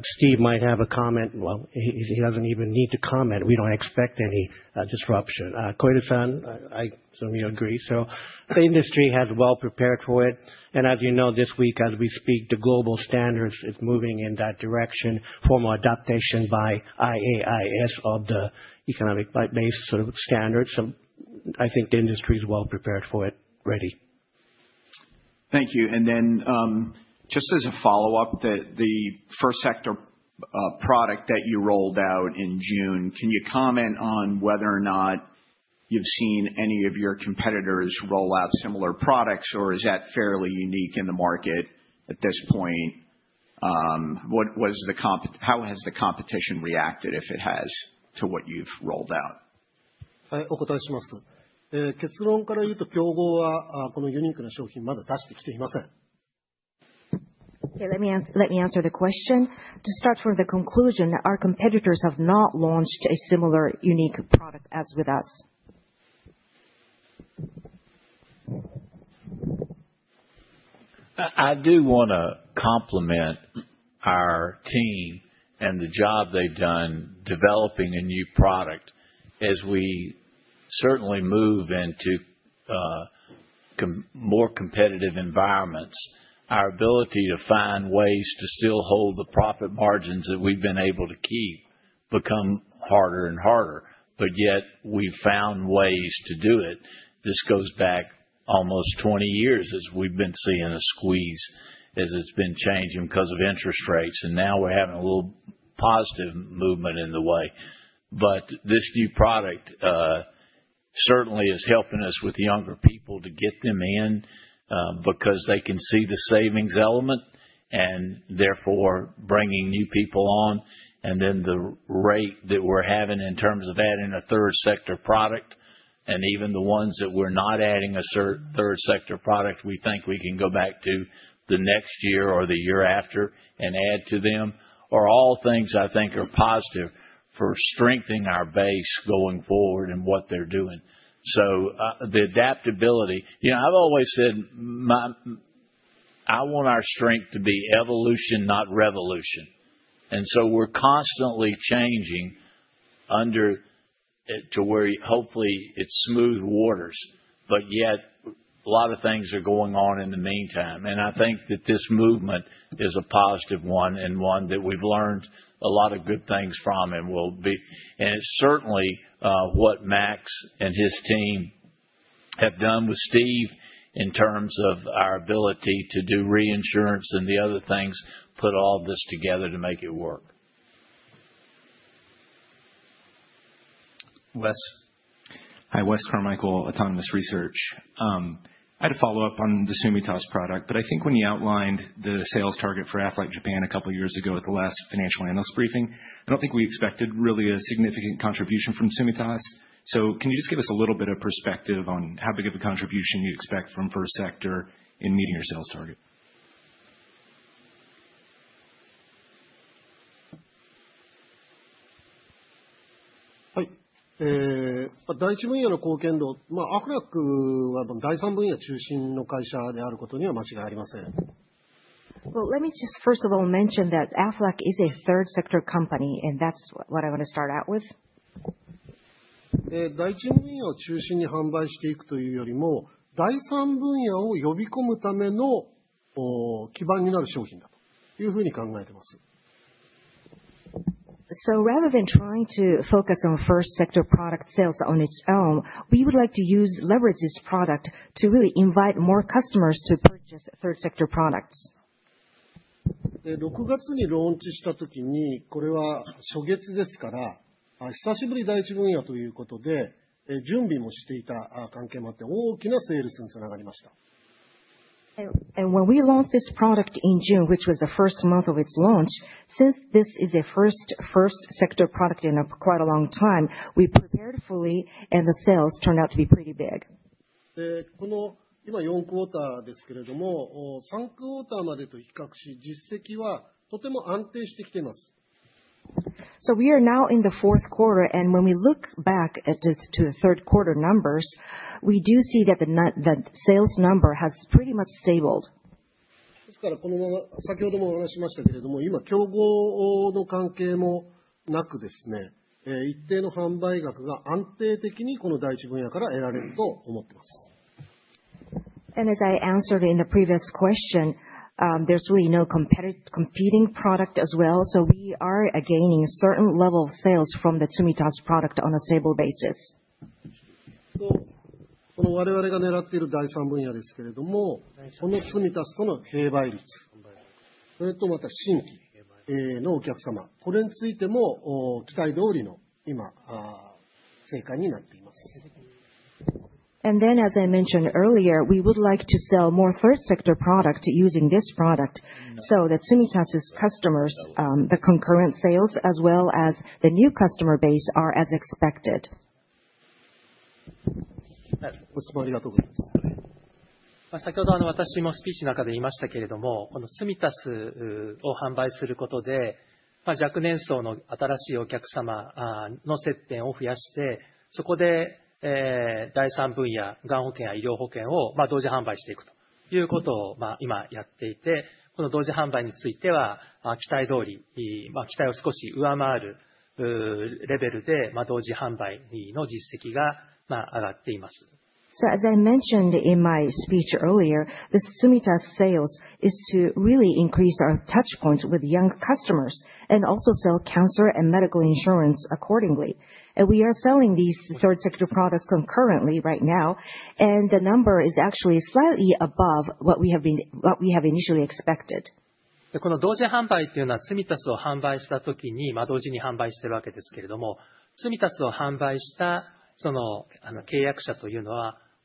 Steve might have a comment. Well, he doesn't even need to comment. We don't expect any disruption. Koide-san, I assume you agree. The industry has well prepared for it. As you know, this week as we speak, the global standards is moving in that direction for more adaptation by IAIS of the economic base sort of standards. I think the industry is well prepared for it, ready. Thank you. Just as a follow-up, the first sector product that you rolled out in June, can you comment on whether or not you've seen any of your competitors roll out similar products, or is that fairly unique in the market at this point? How has the competition reacted, if it has, to what you've rolled out? Okay, let me answer the question. To start from the conclusion, our competitors have not launched a similar unique product as with us. I do want to compliment our team and the job they've done developing a new product. As we certainly move into more competitive environments, our ability to find ways to still hold the profit margins that we've been able to keep become harder and harder. Yet we've found ways to do it. This goes back almost 20 years as we've been seeing a squeeze as it's been changing because of interest rates, Now we're having a little positive movement in the way. This new product certainly is helping us with younger people to get them in, because they can see the savings element and therefore bringing new people on. Then the rate that we're having in terms of adding a third sector product, and even the ones that we're not adding a third sector product, we think we can go back to the next year or the year after and add to them, are all things I think are positive for strengthening our base going forward and what they're doing. The adaptability. I've always said, I want our strength to be evolution, not revolution. So we're constantly changing to where hopefully it's smooth waters, but yet a lot of things are going on in the meantime. I think that this movement is a positive one, and one that we've learned a lot of good things from, and will be. Certainly, what Max and his team have done with Steve in terms of our ability to do reinsurance and the other things, put all this together to make it work. Wes. Hi, Wes Carmichael, Autonomous Research. I had a follow-up on the Tsumitasu product. I think when you outlined the sales target for Aflac Japan a couple of years ago at the last financial analyst briefing, I don't think we expected really a significant contribution from Tsumitasu. Can you just give us a little bit of perspective on how big of a contribution you expect from first sector in meeting your sales target? Well, let me just first of all mention that Aflac is a third sector company, and that's what I want to start out with. Rather than trying to focus on first sector product sales on its own, we would like to leverage this product to really invite more customers to purchase third sector products. When we launched this product in June, which was the first month of its launch, since this is a first sector product in quite a long time, we prepared fully and the sales turned out to be pretty big. We are now in the fourth quarter, and when we look back to the third quarter numbers, we do see that the sales number has pretty much stabled. As I answered in the previous question, there's really no competing product as well. We are gaining a certain level of sales from the Tsumitasu product on a stable basis. Then, as I mentioned earlier, we would like to sell more third sector product using this product so that Tsumitasu' customers, the concurrent sales, as well as the new customer base, are as expected. As I mentioned in my speech earlier, the Tsumitasu sales is to really increase our touch point with young customers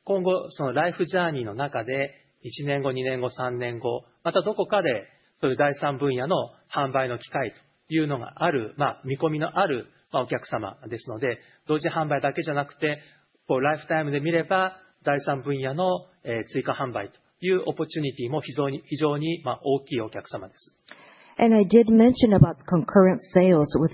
and also sell cancer and medical insurance accordingly. We are selling these third sector products concurrently right now, and the number is actually slightly above what we have initially expected. I did mention about concurrent sales with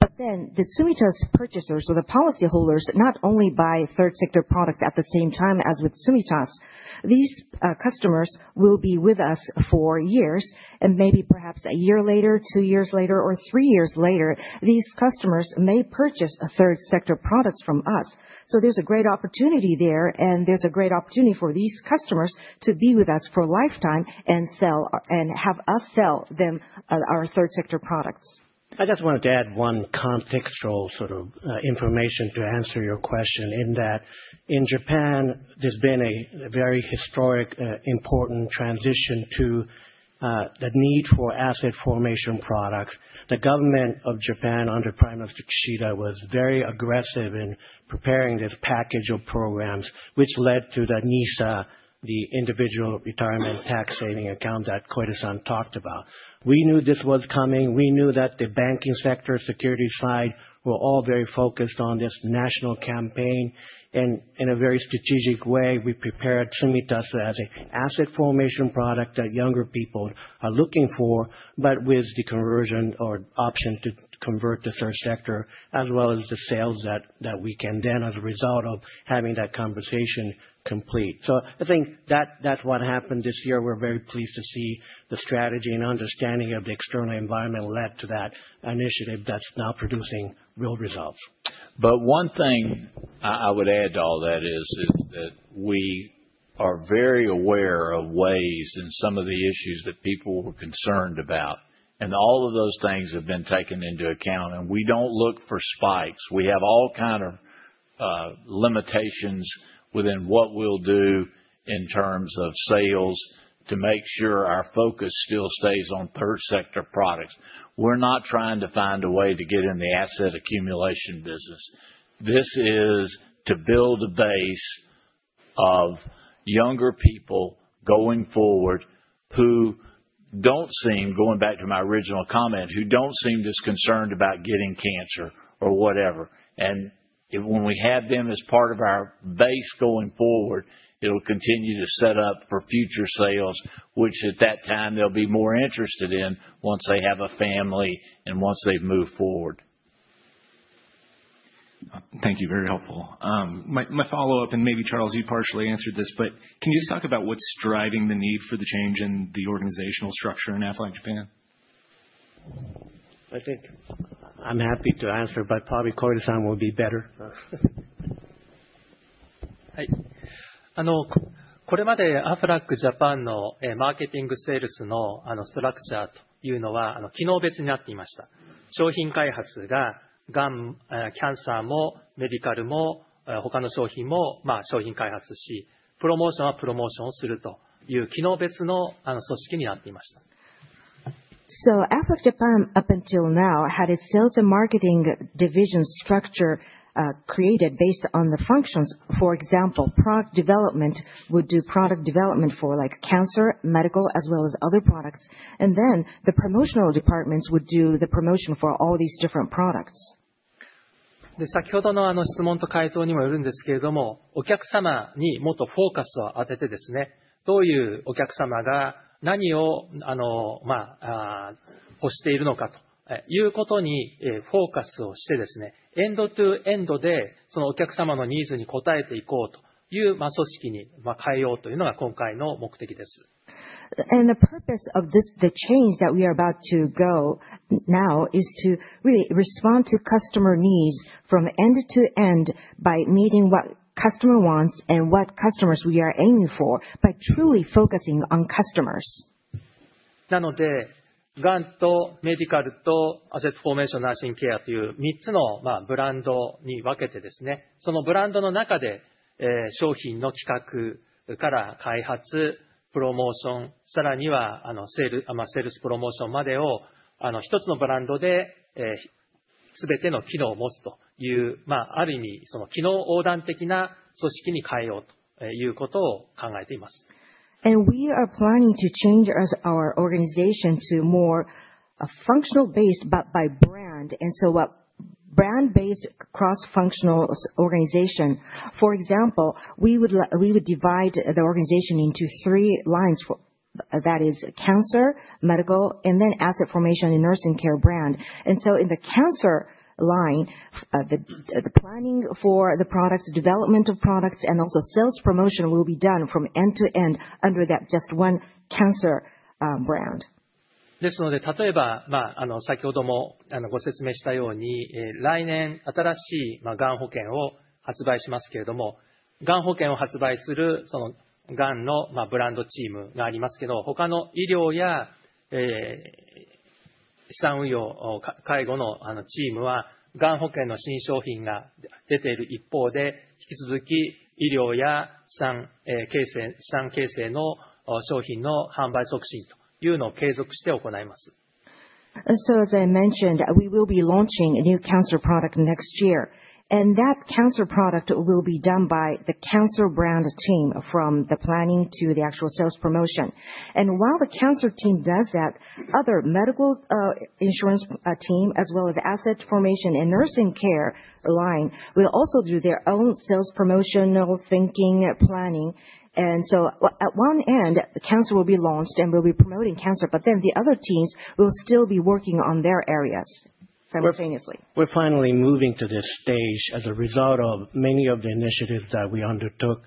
Tsumitasu, the Tsumitasu purchasers or the policyholders not only buy third sector products at the same time as with Tsumitasu. These customers will be with us for years and maybe perhaps a year later, two years later, or three years later, these customers may purchase a third sector product from us. There's a great opportunity there's a great opportunity for these customers to be with us for a lifetime and have us sell them our third sector products. I just wanted to add one contextual information to answer your question in that in Japan, there's been a very historic, important transition to the need for asset formation products. The government of Japan under Prime Minister Kishida was very aggressive in preparing this package of programs, which led to the NISA, the individual retirement tax saving account that Koide-san talked about. We knew this was coming. We knew that the banking sector security side were all very focused on this national campaign. In a very strategic way, we prepared Tsumitasu as an asset formation product that younger people are looking for, with the conversion or option to. Convert the first sector, as well as the sales that we can then, as a result of having that conversation complete. I think that's what happened this year. We're very pleased to see the strategy and understanding of the external environment led to that initiative that's now producing real results. One thing I would add to all that is that we are very aware of ways and some of the issues that people were concerned about, all of those things have been taken into account. We don't look for spikes. We have all kind of limitations within what we'll do in terms of sales to make sure our focus still stays on third sector products. We're not trying to find a way to get in the asset accumulation business. This is to build a base of younger people going forward who don't seem, going back to my original comment, who don't seem as concerned about getting cancer or whatever. When we have them as part of our base going forward, it'll continue to set up for future sales, which at that time they'll be more interested in once they have a family and once they've moved forward. Thank you, very helpful. My follow-up. Maybe Charles, you partially answered this, but can you just talk about what's driving the need for the change in the organizational structure in Aflac Japan? I think I'm happy to answer, but probably Koide-san will be better. Aflac Japan, up until now, had its sales and marketing division structure created based on the functions. For example, product development would do product development for cancer, medical, as well as other products. Then the promotional departments would do the promotion for all these different products. The purpose of the change that we are about to go now is to really respond to customer needs from end to end by meeting what customer wants and what customers we are aiming for by truly focusing on customers. We are planning to change our organization to more functional based, but by brand, a brand-based cross-functional organization. For example, we would divide the organization into three lines. That is cancer, medical, and then asset formation and nursing care brand. In the cancer line the planning for the products, development of products, and also sales promotion will be done from end to end under that just one cancer brand. As I mentioned, we will be launching a new cancer product next year, that cancer product will be done by the cancer brand team from the planning to the actual sales promotion. While the cancer team does that, other medical insurance team, as well as asset formation and nursing care line, will also do their own sales promotional thinking, planning. At one end, cancer will be launched, we'll be promoting cancer, the other teams will still be working on their areas simultaneously. We're finally moving to this stage as a result of many of the initiatives that we undertook,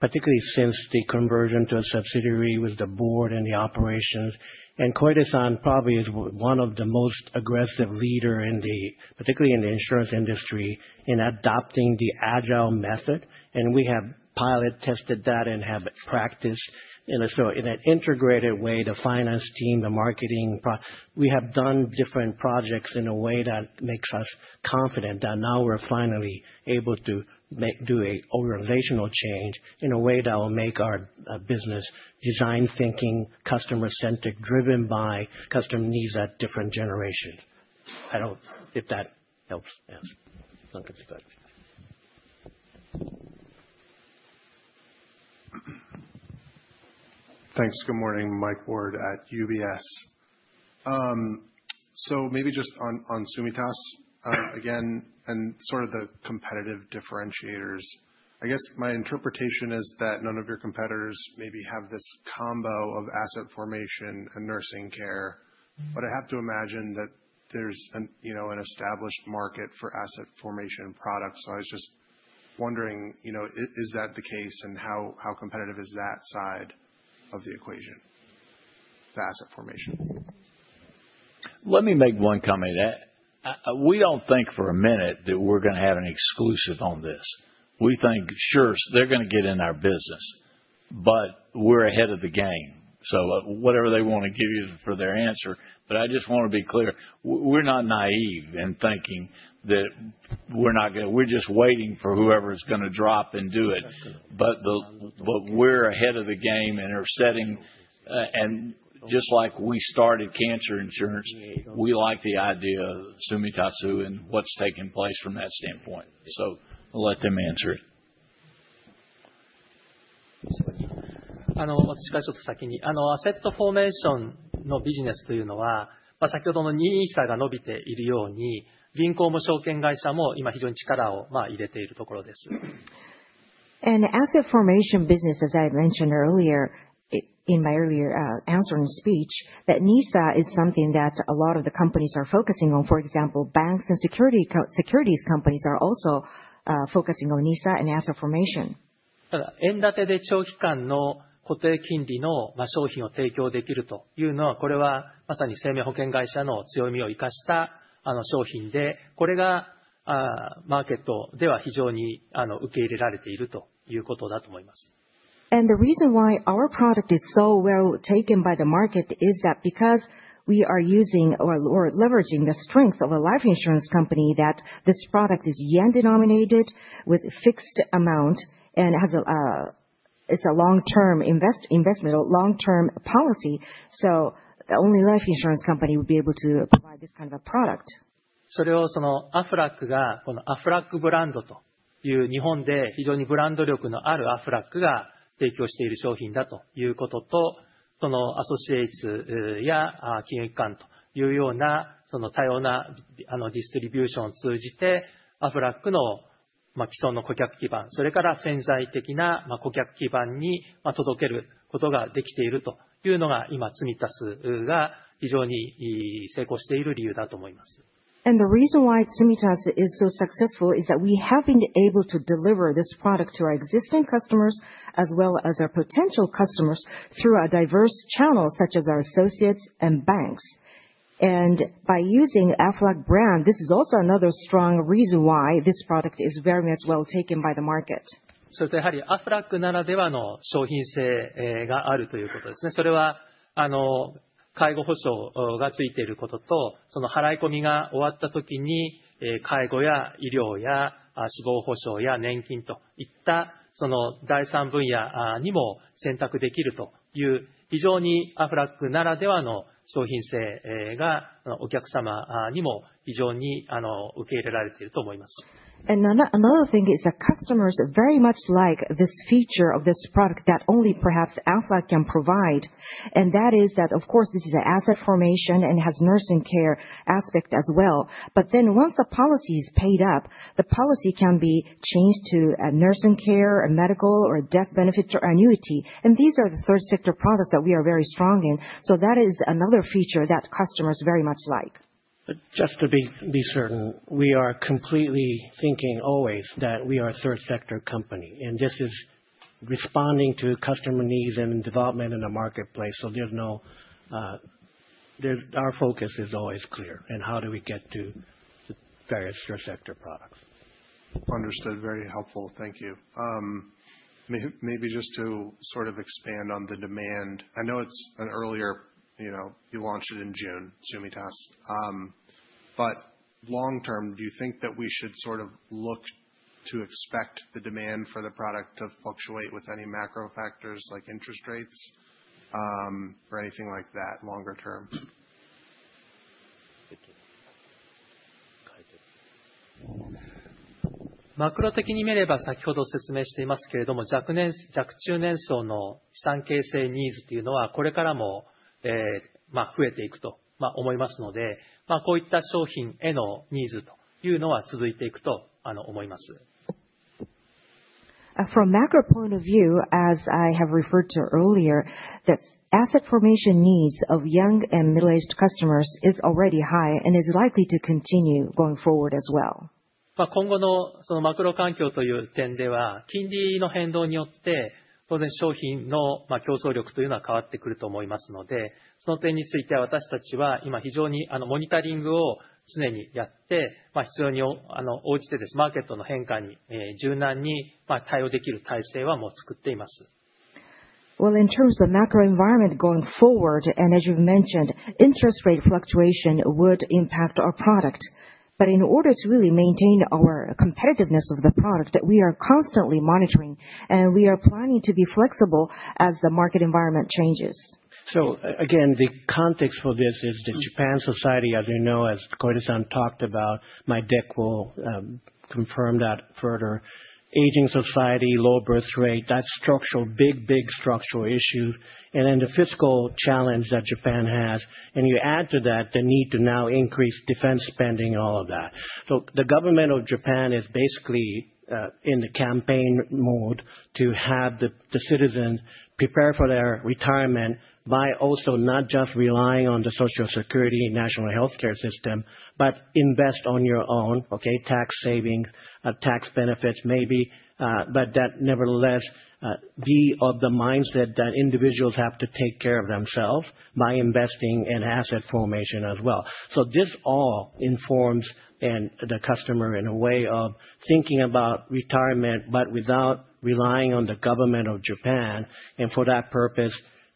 particularly since the conversion to a subsidiary with the board and the operations. Koide-san probably is one of the most aggressive leader, particularly in the insurance industry, in adopting the agile method. We have pilot tested that and have practiced in an integrated way, the finance team. We have done different projects in a way that makes us confident that now we're finally able to do an organizational change in a way that will make our business design thinking customer-centric, driven by customer needs at different generation. I don't know if that helps answer. Thanks. Good morning, Michael Ward at UBS. Maybe just on Tsumitasu, again, and sort of the competitive differentiators. I guess my interpretation is that none of your competitors maybe have this combo of asset formation and nursing care, but I have to imagine that there's an established market for asset formation products. I was just wondering, is that the case, and how competitive is that side of the equation, the asset formation? Let me make one comment. We don't think for a minute that we're going to have an exclusive on this. We think, sure, they're going to get in our business, but we're ahead of the game. Whatever they want to give you for their answer, but I just want to be clear, we're not naive in thinking that we're just waiting for whoever's going to drop and do it. We're ahead of the game and are setting. Just like we started cancer insurance, we like the idea of Tsumitasu and what's taking place from that standpoint. We'll let them answer it. The asset formation business, as I mentioned earlier in my earlier answer and speech, that NISA is something that a lot of the companies are focusing on. For example, banks and securities companies are also focusing on NISA and asset formation. The reason why our product is so well taken by the market is that because we are using or leveraging the strength of a life insurance company, that this product is JPY denominated with fixed amount, and it's a long-term investment or long-term policy. Only life insurance company would be able to provide this kind of a product. The reason why Tsumitasu is so successful is that we have been able to deliver this product to our existing customers as well as our potential customers through our diverse channels such as our associates and banks. By using Aflac brand, this is also another strong reason why this product is very much well taken by the market. Another thing is that customers very much like this feature of this product that only perhaps Aflac can provide, and that is that, of course, this is an asset formation and has nursing care aspect as well. Once the policy is paid up, the policy can be changed to a nursing care, a medical or a death benefit to annuity. These are the third sector products that we are very strong in. That is another feature that customers very much like. Just to be certain, we are completely thinking always that we are a third sector company, this is responding to customer needs and development in the marketplace. Our focus is always clear and how do we get to the various third sector products. Understood. Very helpful. Thank you. Maybe just to sort of expand on the demand. I know you launched it in June, Tsumitasu. Long term, do you think that we should sort of look to expect the demand for the product to fluctuate with any macro factors like interest rates, or anything like that longer term? From macro point of view, as I have referred to earlier, that asset formation needs of young and middle-aged customers is already high and is likely to continue going forward as well. Well, in terms of macro environment going forward, as you mentioned, interest rate fluctuation would impact our product. In order to really maintain our competitiveness of the product, we are constantly monitoring, and we are planning to be flexible as the market environment changes. Again, the context for this is the Japan Society, as you know, as Koide-san talked about, my deck will confirm that further. Aging society, low birth rate, that's big structural issue, then the fiscal challenge that Japan has. You add to that the need to now increase defense spending and all of that. The Government of Japan is basically in the campaign mode to have the citizens prepare for their retirement by also not just relying on the Social Security National Healthcare System, but invest on your own, okay, tax savings, tax benefits, maybe. That nevertheless, be of the mindset that individuals have to take care of themselves by investing in asset formation as well. This all informs the customer in a way of thinking about retirement, but without relying on the Government of Japan, and for that purpose,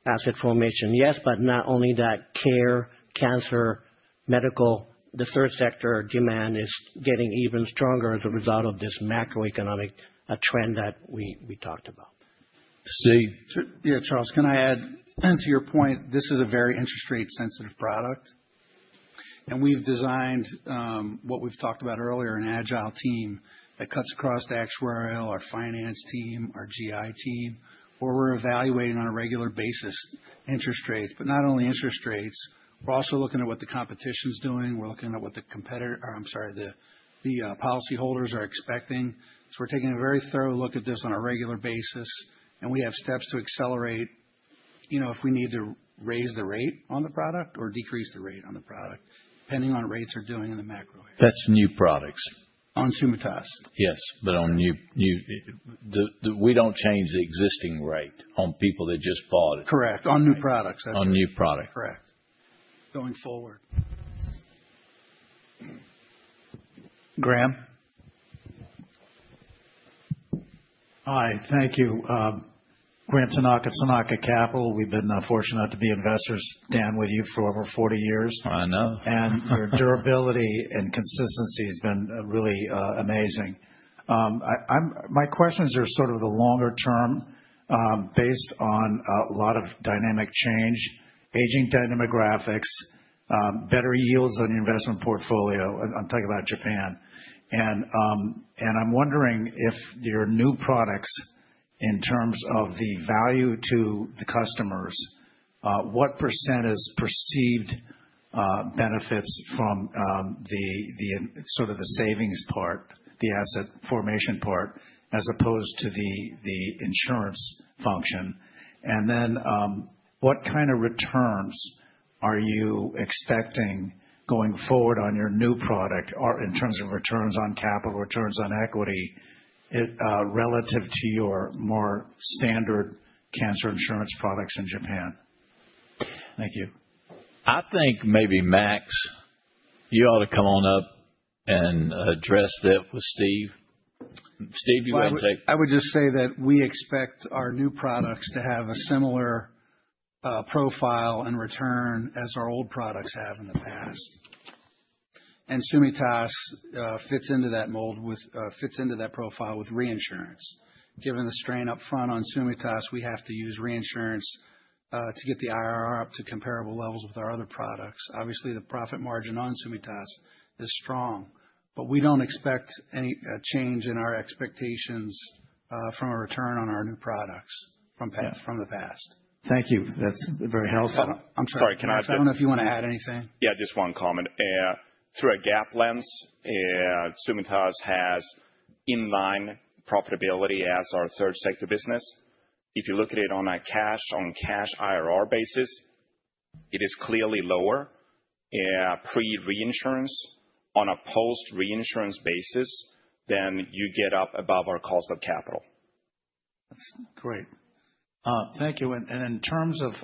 asset formation, yes, but not only that, care, cancer, medical, the third sector demand is getting even stronger as a result of this macroeconomic trend that we talked about. Steve? Yeah, Charles, can I add to your point, this is a very interest rate sensitive product. We've designed what we've talked about earlier, an agile team that cuts across the actuarial, our finance team, our GI team, where we're evaluating on a regular basis interest rates. Not only interest rates, we're also looking at what the competition's doing. We're looking at what the policyholders are expecting. We're taking a very thorough look at this on a regular basis, and we have steps to accelerate if we need to raise the rate on the product or decrease the rate on the product, depending on rates are doing in the macro. That's new products. On Tsumitasu. Yes. We don't change the existing rate on people that just bought it. Correct. On new products. On new product. Correct. Going forward. Graham? Hi, thank you. Graham Tanaka Capital. We've been fortunate to be investors, Dan, with you for over 40 years. I know. Your durability and consistency has been really amazing. My questions are sort of the longer term, based on a lot of dynamic change, aging demographics, better yields on your investment portfolio. I'm talking about Japan. I'm wondering if your new products, in terms of the value to the customers, what % is perceived benefits from the savings part, the asset formation part, as opposed to the insurance function? What kind of returns are you expecting going forward on your new product in terms of returns on capital, returns on equity, relative to your more standard cancer insurance products in Japan? Thank you. I think maybe Max, you ought to come on up and address that with Steve. Steve, you want to take I would just say that we expect our new products to have a similar profile and return as our old products have in the past. Tsumitasu fits into that mold, fits into that profile with reinsurance. Given the strain up front on Tsumitasu, we have to use reinsurance to get the IRR up to comparable levels with our other products. Obviously, the profit margin on Tsumitasu is strong. We don't expect any change in our expectations from a return on our new products from the past. Thank you. That's very helpful. I'm sorry. Sorry, can I- I don't know if you want to add anything. Yeah, just one comment. Through a GAAP lens, Tsumitasu has in line profitability as our third sector business. If you look at it on a cash IRR basis, it is clearly lower pre-reinsurance. On a post-reinsurance basis, then you get up above our cost of capital. That's great. Thank you. In terms of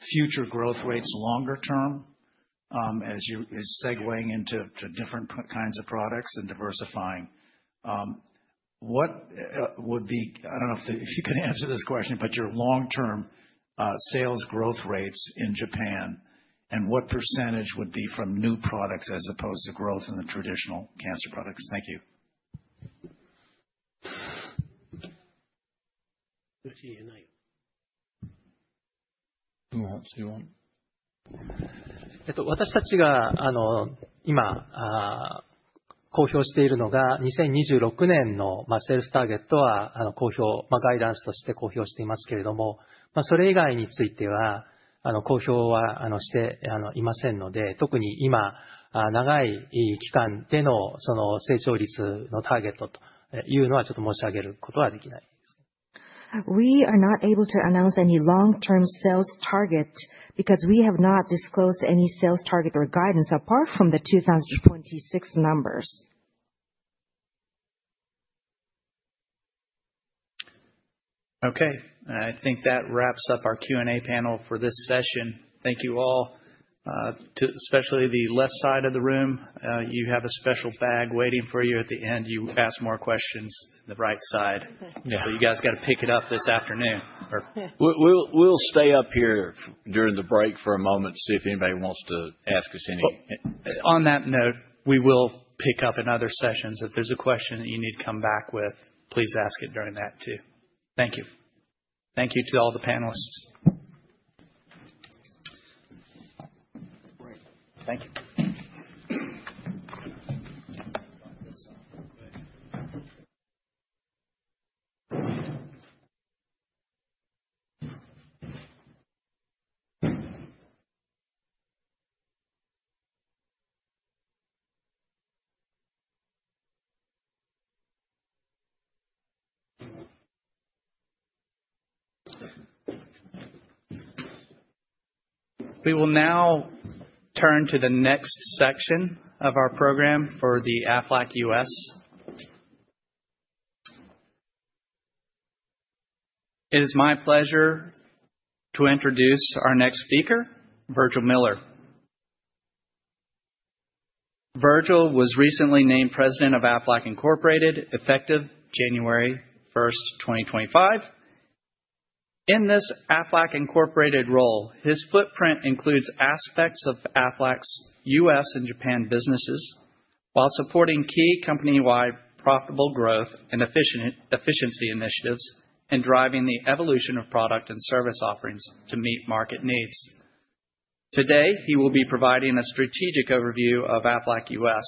future growth rates longer term, as you're segueing into different kinds of products and diversifying, what would be, I don't know if you can answer this question, but your long-term sales growth rates in Japan, and what % would be from new products as opposed to growth in the traditional cancer products? Thank you. Who wants to go on? We are not able to announce any long-term sales target because we have not disclosed any sales target or guidance apart from the 2026 numbers. Okay. I think that wraps up our Q&A panel for this session. Thank you all. Especially the left side of the room, you have a special bag waiting for you at the end. You asked more questions than the right side. Yeah. You guys got to pick it up this afternoon. We'll stay up here during the break for a moment, see if anybody wants to ask us anything. On that note, we will pick up in other sessions. If there's a question that you need to come back with, please ask it during that too. Thank you. Thank you to all the panelists. Great. Thank you. We will now turn to the next section of our program for the Aflac U.S. It is my pleasure to introduce our next speaker, Virgil Miller. Virgil was recently named President of Aflac Incorporated, effective January 1, 2025. In this Aflac Incorporated role, his footprint includes aspects of Aflac's U.S. and Japan businesses while supporting key company-wide profitable growth and efficiency initiatives and driving the evolution of product and service offerings to meet market needs. Today, he will be providing a strategic overview of Aflac U.S.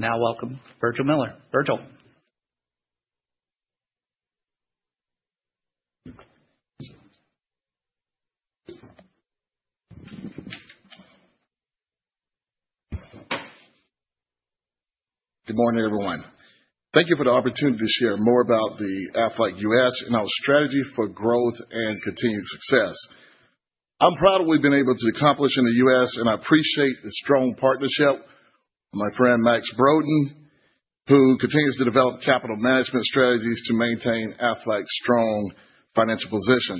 Welcome, Virgil Miller. Virgil. Good morning, everyone. Thank you for the opportunity to share more about the Aflac U.S. and our strategy for growth and continued success. I'm proud of what we've been able to accomplish in the U.S., and I appreciate the strong partnership of my friend Max Brodén, who continues to develop capital management strategies to maintain Aflac's strong financial position.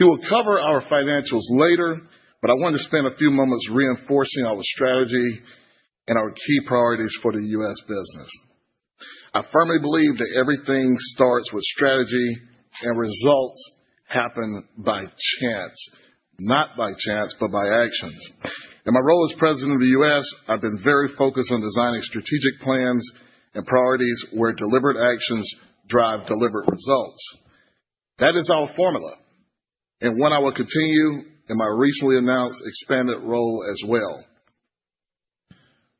He will cover our financials later, but I want to spend a few moments reinforcing our strategy and our key priorities for the U.S. business. I firmly believe that everything starts with strategy, and results happen by chance, not by chance, but by actions. In my role as President of the U.S., I've been very focused on designing strategic plans and priorities where deliberate actions drive deliberate results. One I will continue in my recently announced expanded role as well.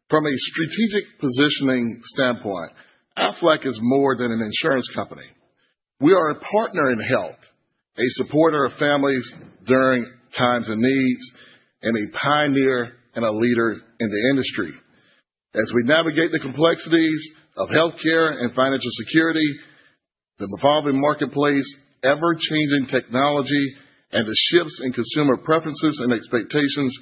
From a strategic positioning standpoint, Aflac is more than an insurance company. We are a partner in health, a supporter of families during times of need, and a pioneer and a leader in the industry. As we navigate the complexities of healthcare and financial security, the evolving marketplace, ever-changing technology, and the shifts in consumer preferences and expectations,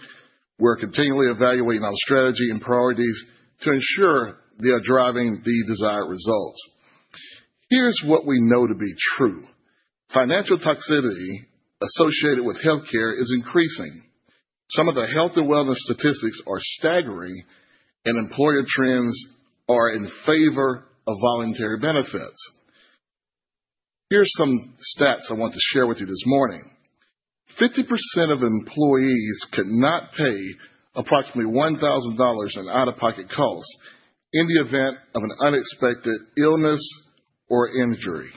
we're continually evaluating our strategy and priorities to ensure they are driving the desired results. Here's what we know to be true. Financial toxicity associated with healthcare is increasing. Some of the health and wellness statistics are staggering. Employer trends are in favor of voluntary benefits. Here are some stats I want to share with you this morning. 50% of employees cannot pay approximately $1,000 in out-of-pocket costs in the event of an unexpected illness or injury.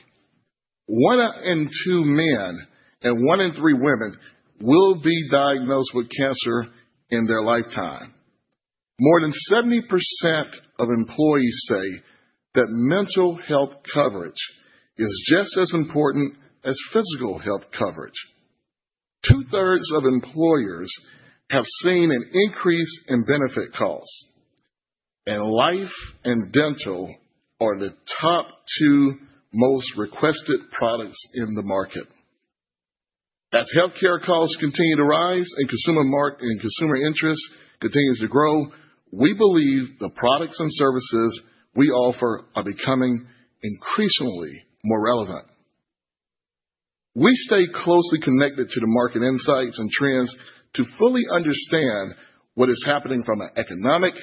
One in two men and one in three women will be diagnosed with cancer in their lifetime. More than 70% of employees say that mental health coverage is just as important as physical health coverage. Two-thirds of employers have seen an increase in benefit costs, and life and dental are the top two most requested products in the market. As healthcare costs continue to rise and consumer interest continues to grow, we believe the products and services we offer are becoming increasingly more relevant. We stay closely connected to the market insights and trends to fully understand what is happening from an economic,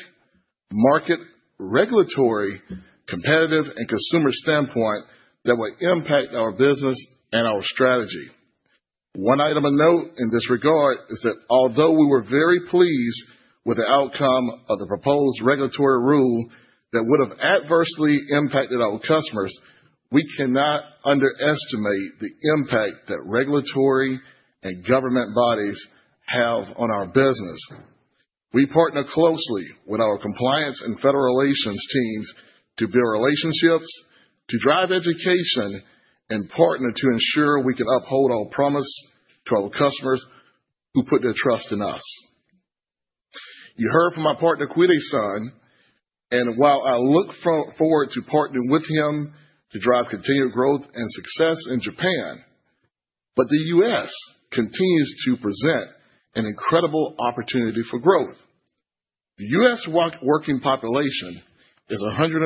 market, regulatory, competitive, and consumer standpoint that will impact our business and our strategy. One item of note in this regard is that although we were very pleased with the outcome of the proposed regulatory rule that would have adversely impacted our customers, we cannot underestimate the impact that regulatory and government bodies have on our business. We partner closely with our compliance and federal relations teams to build relationships, to drive education and partner to ensure we can uphold our promise to our customers who put their trust in us. You heard from my partner, Koide-san, and while I look forward to partnering with him to drive continued growth and success in Japan. The U.S. continues to present an incredible opportunity for growth. The U.S. working population is 161.2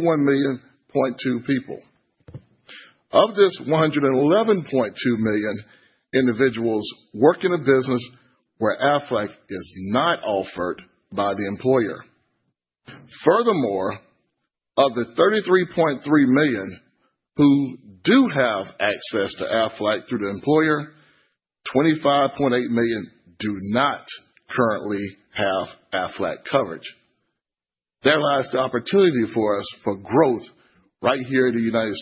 million people. Of this, 111.2 million individuals work in a business where Aflac is not offered by the employer. Furthermore, of the 33.3 million who do have access to Aflac through the employer, 25.8 million do not currently have Aflac coverage. There lies the opportunity for us for growth right here in the U.S.,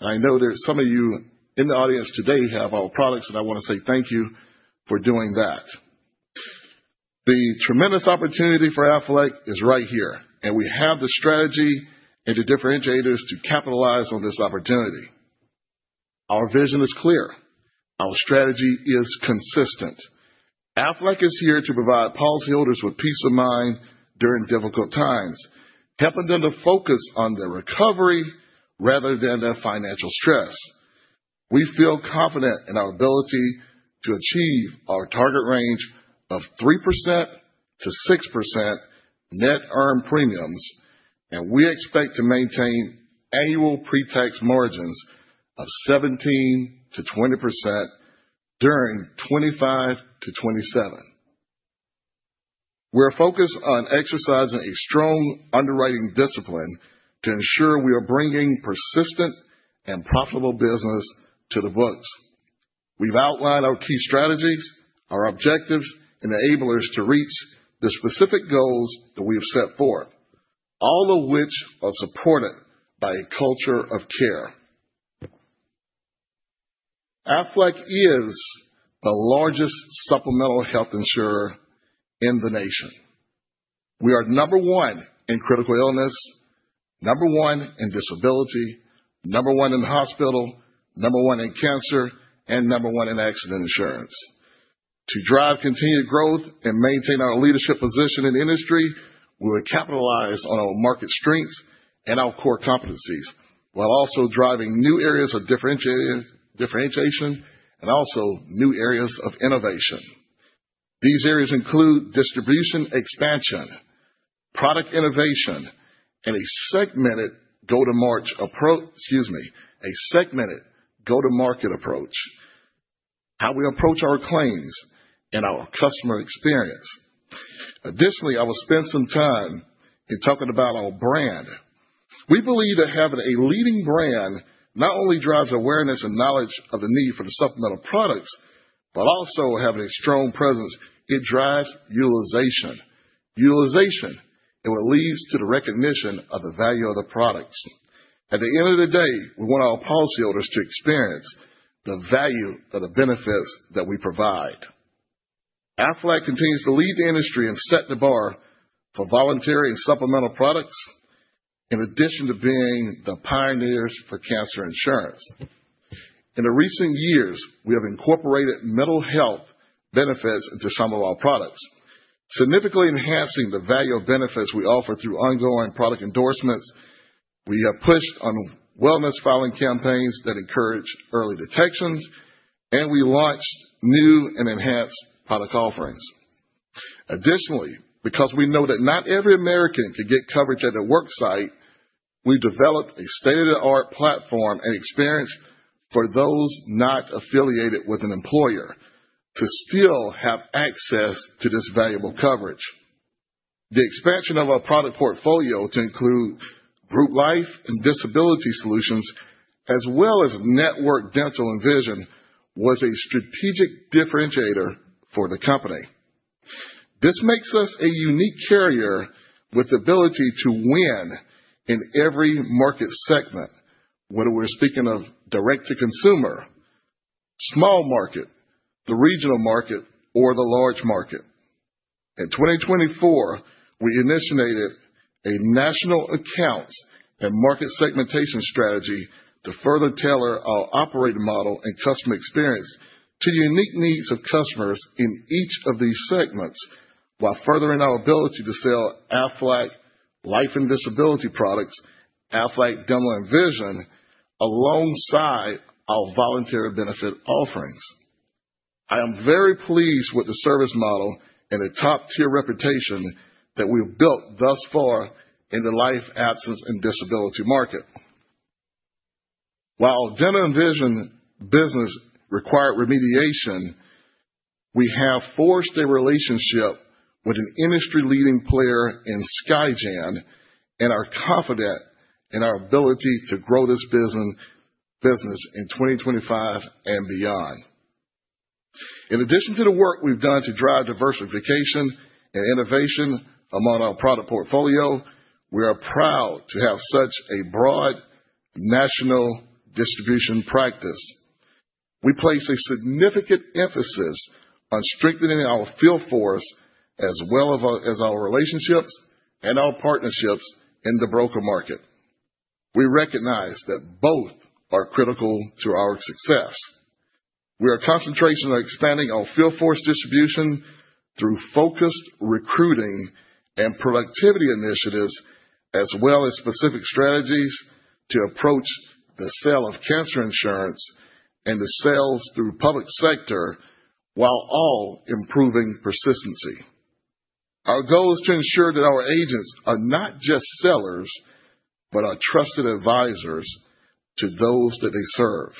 and I know that some of you in the audience today have our products, and I want to say thank you for doing that. The tremendous opportunity for Aflac is right here, and we have the strategy and the differentiators to capitalize on this opportunity. Our vision is clear. Our strategy is consistent. Aflac is here to provide policyholders with peace of mind during difficult times, helping them to focus on their recovery rather than their financial stress. We feel confident in our ability to achieve our target range of 3%-6% net earned premiums, and we expect to maintain annual pre-tax margins of 17%-20% during 2025-2027. We're focused on exercising a strong underwriting discipline to ensure we are bringing persistent and profitable business to the books. We've outlined our key strategies, our objectives, and enablers to reach the specific goals that we have set forth, all of which are supported by a culture of care. Aflac is the largest supplemental health insurer in the nation. We are number one in critical illness, number one in disability, number one in hospital, number one in cancer, and number one in accident insurance. To drive continued growth and maintain our leadership position in the industry, we will capitalize on our market strengths and our core competencies while also driving new areas of differentiation and also new areas of innovation. These areas include distribution expansion, product innovation, and a segmented go-to-market approach. How we approach our claims and our customer experience. Additionally, I will spend some time in talking about our brand. We believe that having a leading brand not only drives awareness and knowledge of the need for the supplemental products, but also having a strong presence, it drives utilization. Utilization is what leads to the recognition of the value of the products. At the end of the day, we want our policyholders to experience the value of the benefits that we provide. Aflac continues to lead the industry and set the bar for voluntary and supplemental products, in addition to being the pioneers for cancer insurance. In the recent years, we have incorporated mental health benefits into some of our products, significantly enhancing the value of benefits we offer through ongoing product endorsements. We have pushed on wellness filing campaigns that encourage early detections, and we launched new and enhanced product offerings. Additionally, because we know that not every American can get coverage at their worksite, we developed a state-of-the-art platform and experience for those not affiliated with an employer to still have access to this valuable coverage. The expansion of our product portfolio to include group life and disability solutions, as well as network dental and vision, was a strategic differentiator for the company. This makes us a unique carrier with the ability to win in every market segment, whether we're speaking of direct to consumer, small market, the regional market, or the large market. In 2024, we initiated a national accounts and market segmentation strategy to further tailor our operating model and customer experience to the unique needs of customers in each of these segments, while furthering our ability to sell Aflac life and disability products, Aflac dental and vision, alongside our voluntary benefit offerings. I am very pleased with the service model and the top-tier reputation that we've built thus far in the life absence and disability market. While dental and vision business required remediation, we have forged a relationship with an industry-leading player in SKYGEN and are confident in our ability to grow this business in 2025 and beyond. In addition to the work we've done to drive diversification and innovation among our product portfolio, we are proud to have such a broad national distribution practice. We place a significant emphasis on strengthening our field force as well as our relationships and our partnerships in the broker market. We recognize that both are critical to our success. We are concentrating on expanding our field force distribution Through focused recruiting and productivity initiatives, as well as specific strategies to approach the sale of cancer insurance and the sales through public sector, while all improving persistency. Our goal is to ensure that our agents are not just sellers, but are trusted advisors to those that they serve.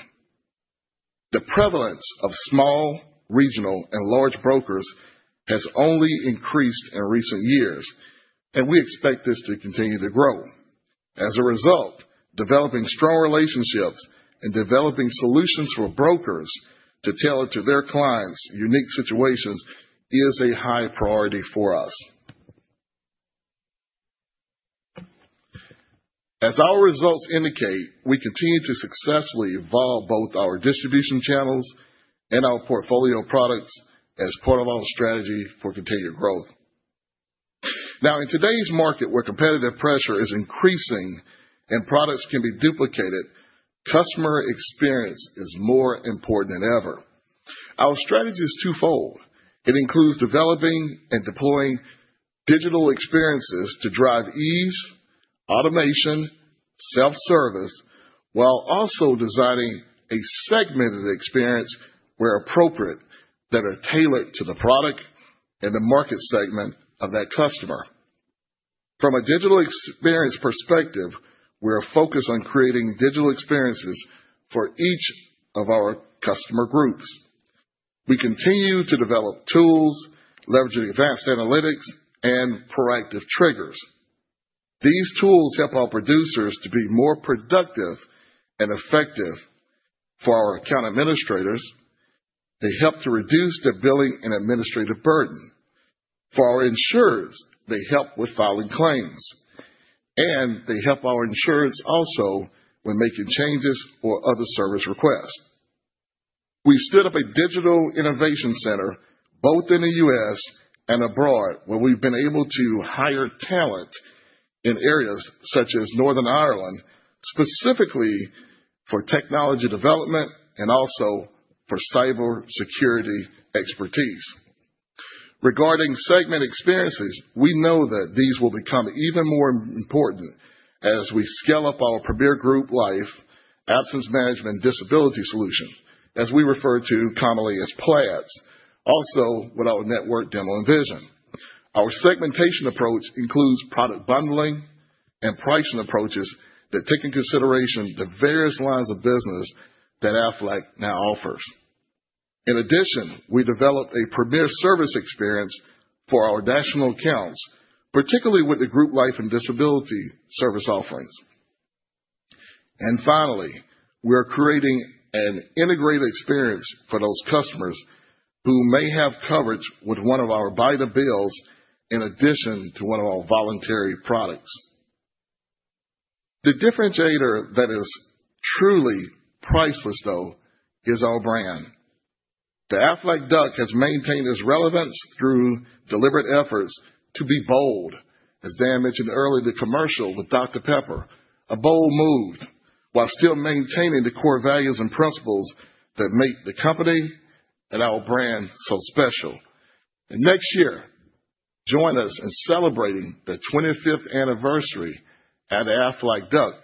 The prevalence of small, regional, and large brokers has only increased in recent years, and we expect this to continue to grow. As a result, developing strong relationships and developing solutions for brokers to tailor to their clients' unique situations is a high priority for us. As our results indicate, we continue to successfully evolve both our distribution channels and our portfolio products as part of our strategy for continued growth. Now, in today's market, where competitive pressure is increasing and products can be duplicated, customer experience is more important than ever. Our strategy is twofold. It includes developing and deploying digital experiences to drive ease, automation, self-service, while also designing a segmented experience where appropriate, that are tailored to the product and the market segment of that customer. From a digital experience perspective, we are focused on creating digital experiences for each of our customer groups. We continue to develop tools leveraging advanced analytics and proactive triggers. These tools help our producers to be more productive and effective. For our account administrators, they help to reduce the billing and administrative burden. For our insureds, they help with filing claims, and they help our insureds also when making changes or other service requests. We've set up a digital innovation center both in the U.S. and abroad, where we've been able to hire talent in areas such as Northern Ireland, specifically for technology development and also for cybersecurity expertise. Regarding segment experiences, we know that these will become even more important as we scale up our Premier Group Life Absence Management Disability solution, as we refer to commonly as PLADS. Also with our network, dental, and vision. Our segmentation approach includes product bundling and pricing approaches that take into consideration the various lines of business that Aflac now offers. In addition, we developed a premier service experience for our national accounts, particularly with the Group Life and Disability service offerings. Finally, we are creating an integrated experience for those customers who may have coverage with one of our buy-to-builds in addition to one of our voluntary products. The differentiator that is truly priceless, though, is our brand. The Aflac Duck has maintained its relevance through deliberate efforts to be bold. As Dan mentioned earlier, the commercial with Dr Pepper, a bold move, while still maintaining the core values and principles that make the company and our brand so special. Next year, join us in celebrating the twenty-fifth anniversary of the Aflac Duck.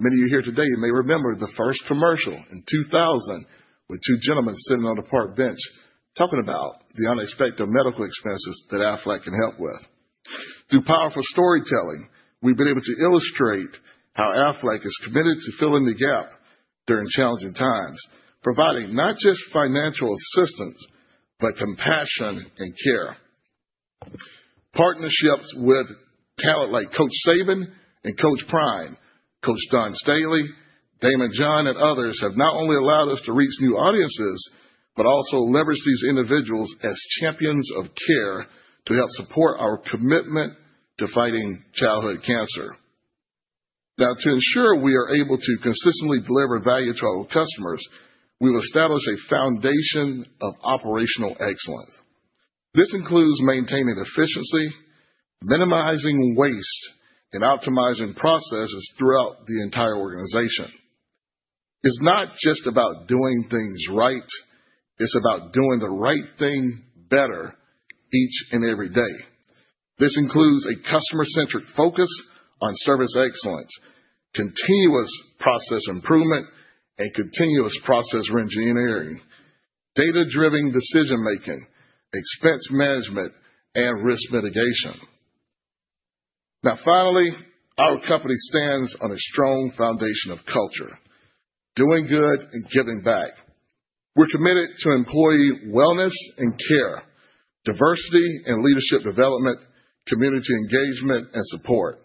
Many of you here today may remember the first commercial in 2000 with two gentlemen sitting on a park bench talking about the unexpected medical expenses that Aflac can help with. Through powerful storytelling, we've been able to illustrate how Aflac is committed to filling the gap during challenging times, providing not just financial assistance, but compassion and care. Partnerships with talent like Coach Saban and Coach Prime, Coach Dawn Staley, Daymond John, and others have not only allowed us to reach new audiences, but also leverage these individuals as champions of care to help support our commitment to fighting childhood cancer. To ensure we are able to consistently deliver value to our customers, we've established a foundation of operational excellence. This includes maintaining efficiency, minimizing waste, and optimizing processes throughout the entire organization. It's not just about doing things right, it's about doing the right thing better each and every day. This includes a customer-centric focus on service excellence, continuous process improvement and continuous process reengineering, data-driven decision making, expense management and risk mitigation. Finally, our company stands on a strong foundation of culture, doing good and giving back. We're committed to employee wellness and care, diversity and leadership development, community engagement and support,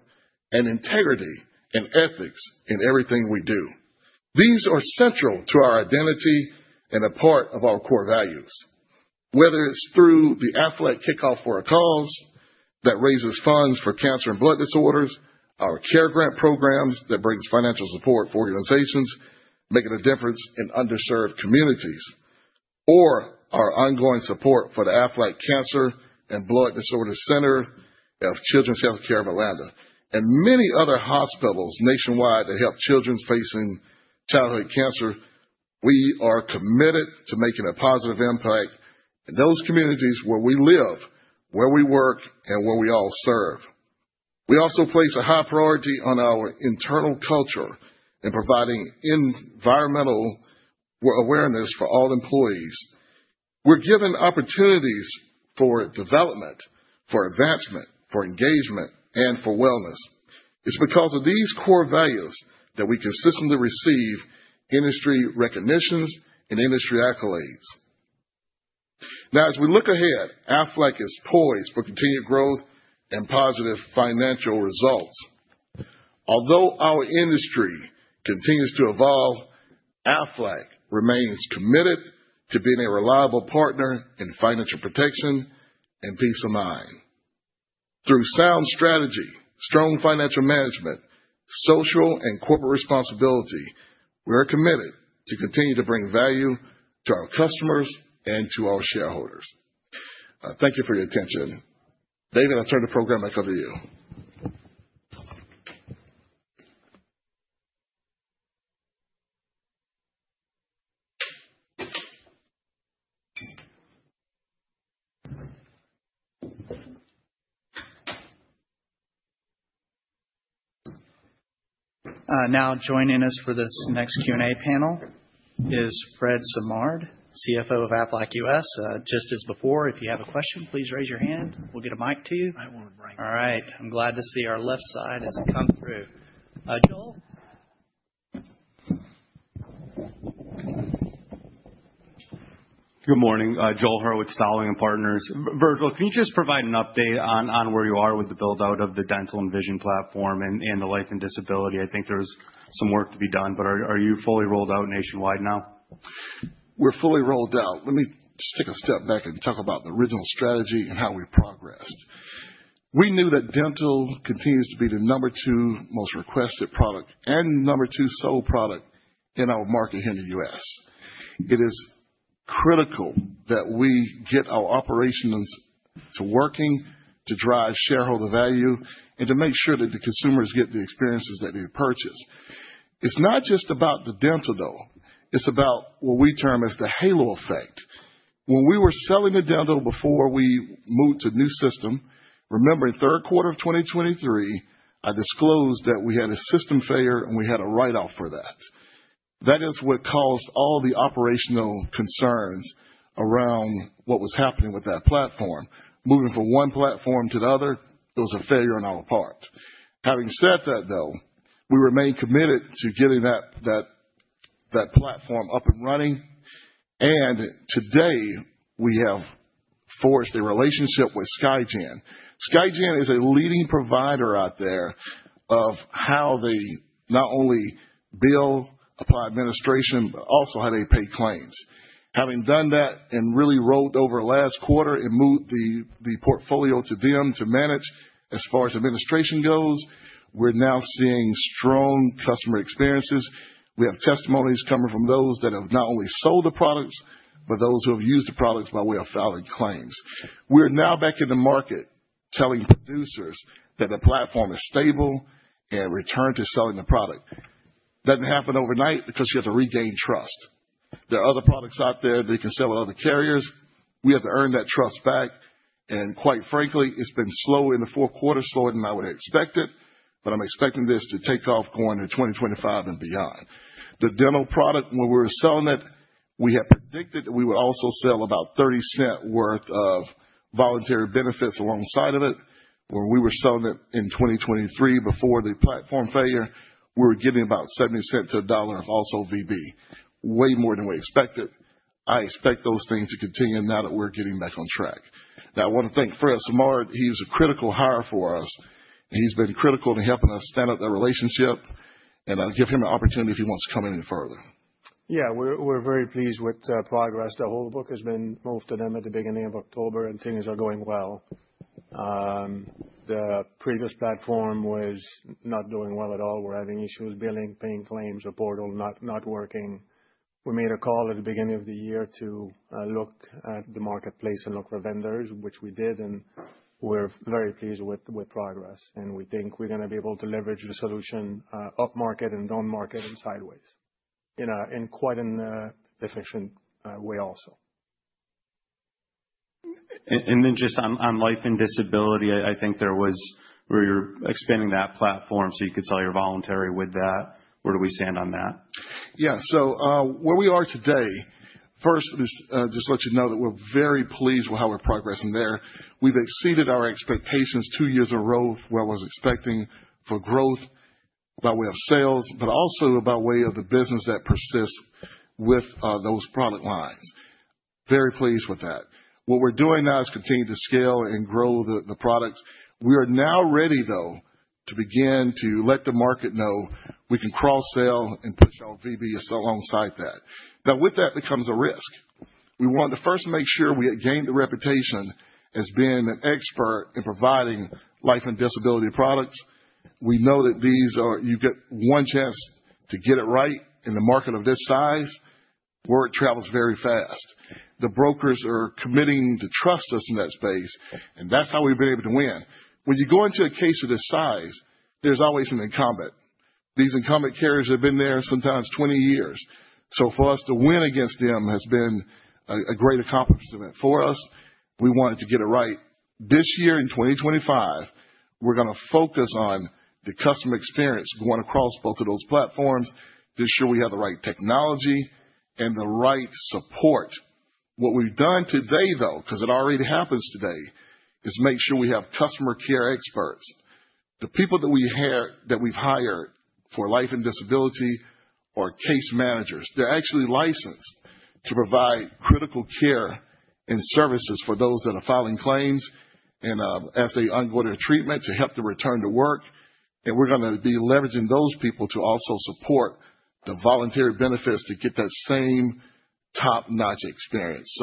and integrity and ethics in everything we do. These are central to our identity and a part of our core values. Whether it's through the Aflac Kickoff for a Cause that raises funds for cancer and blood disorders, our CareGrants that brings financial support for organizations making a difference in underserved communities, or our ongoing support for the Aflac Cancer and Blood Disorders Center of Children's Healthcare of Atlanta and many other hospitals nationwide that help children facing childhood cancer. We are committed to making a positive impact in those communities where we live, where we work, and where we all serve. We also place a high priority on our internal culture and providing environmental awareness for all employees. We're given opportunities for development, for advancement, for engagement, and for wellness. It's because of these core values that we consistently receive industry recognitions and industry accolades. As we look ahead, Aflac is poised for continued growth and positive financial results. Although our industry continues to evolve, Aflac remains committed to being a reliable partner in financial protection and peace of mind. Through sound strategy, strong financial management, social and corporate responsibility, we are committed to continue to bring value to our customers and to our shareholders. Thank you for your attention. David, I turn the program back over to you. Joining us for this next Q&A panel is Fred Simard, CFO of Aflac U.S. Just as before, if you have a question, please raise your hand. We'll get a mic to you. All right. I'm glad to see our left side has come through. Joel? Good morning. Joel Hurwitz, Dowling & Partners. Virgil, can you just provide an update on where you are with the build-out of the dental and vision platform and the life and disability? I think there's some work to be done, but are you fully rolled out nationwide now? We're fully rolled out. Let me just take a step back and talk about the original strategy and how we progressed. We knew that dental continues to be the number two most requested product and number two sold product in our market here in the U.S. It is critical that we get our operations to working to drive shareholder value and to make sure that the consumers get the experiences that they purchase. It's not just about the dental, though. It's about what we term as the halo effect. When we were selling the dental before we moved to the new system, remember in the third quarter of 2023, I disclosed that we had a system failure, and we had a write-off for that. That is what caused all the operational concerns around what was happening with that platform. Moving from one platform to the other, it was a failure on our part. Having said that, though, we remain committed to getting that platform up and running, and today, we have forged a relationship with SKYGEN. SKYGEN is a leading provider out there of how they not only bill, apply administration, but also how they pay claims. Having done that and really rolled over last quarter and moved the portfolio to them to manage as far as administration goes, we're now seeing strong customer experiences. We have testimonies coming from those that have not only sold the products, but those who have used the products by way of filing claims. We're now back in the market telling producers that the platform is stable and return to selling the product. Doesn't happen overnight because you have to regain trust. There are other products out there that you can sell with other carriers. We have to earn that trust back, and quite frankly, it's been slow in the fourth quarter, slower than I would expect it, but I'm expecting this to take off going into 2025 and beyond. The dental product, when we were selling it, we had predicted that we would also sell about $0.30 worth of voluntary benefits alongside of it. When we were selling it in 2023 before the platform failure, we were getting about $0.70 to $1 of also VB. Way more than we expected. I expect those things to continue now that we're getting back on track. I want to thank Fred Simard. He was a critical hire for us. He's been critical in helping us stand up that relationship, I'll give him an opportunity if he wants to come in any further. We're very pleased with the progress. The whole book has been moved to them at the beginning of October, and things are going well. The previous platform was not doing well at all. We were having issues billing, paying claims, the portal not working. We made a call at the beginning of the year to look at the marketplace and look for vendors, which we did, and we're very pleased with progress, and we think we're going to be able to leverage the solution up market and down market and sideways in quite an efficient way also. Just on life and disability, I think there was where you're expanding that platform so you could sell your voluntary with that. Where do we stand on that? Where we are today, first, just to let you know that we're very pleased with how we're progressing there. We've exceeded our expectations two years in a row for what I was expecting for growth by way of sales, but also by way of the business that persists with those product lines. Very pleased with that. What we're doing now is continue to scale and grow the products. We are now ready, though, to begin to let the market know we can cross-sell and push our VB alongside that. With that becomes a risk. We want to first make sure we have gained the reputation as being an expert in providing life and disability products. We know that these are, you get one chance to get it right in a market of this size, word travels very fast. The brokers are committing to trust us in that space, and that's how we've been able to win. When you go into a case of this size, there's always an incumbent. These incumbent carriers have been there sometimes 20 years. For us to win against them has been a great accomplishment for us. We wanted to get it right. This year, in 2025, we're going to focus on the customer experience going across both of those platforms, to ensure we have the right technology and the right support. What we've done today, though, because it already happens today, is make sure we have customer care experts. The people that we've hired for life and disability are case managers. They're actually licensed to provide critical care and services for those that are filing claims and as they undergo their treatment to help them return to work. We're going to be leveraging those people to also support the voluntary benefits to get that same top-notch experience.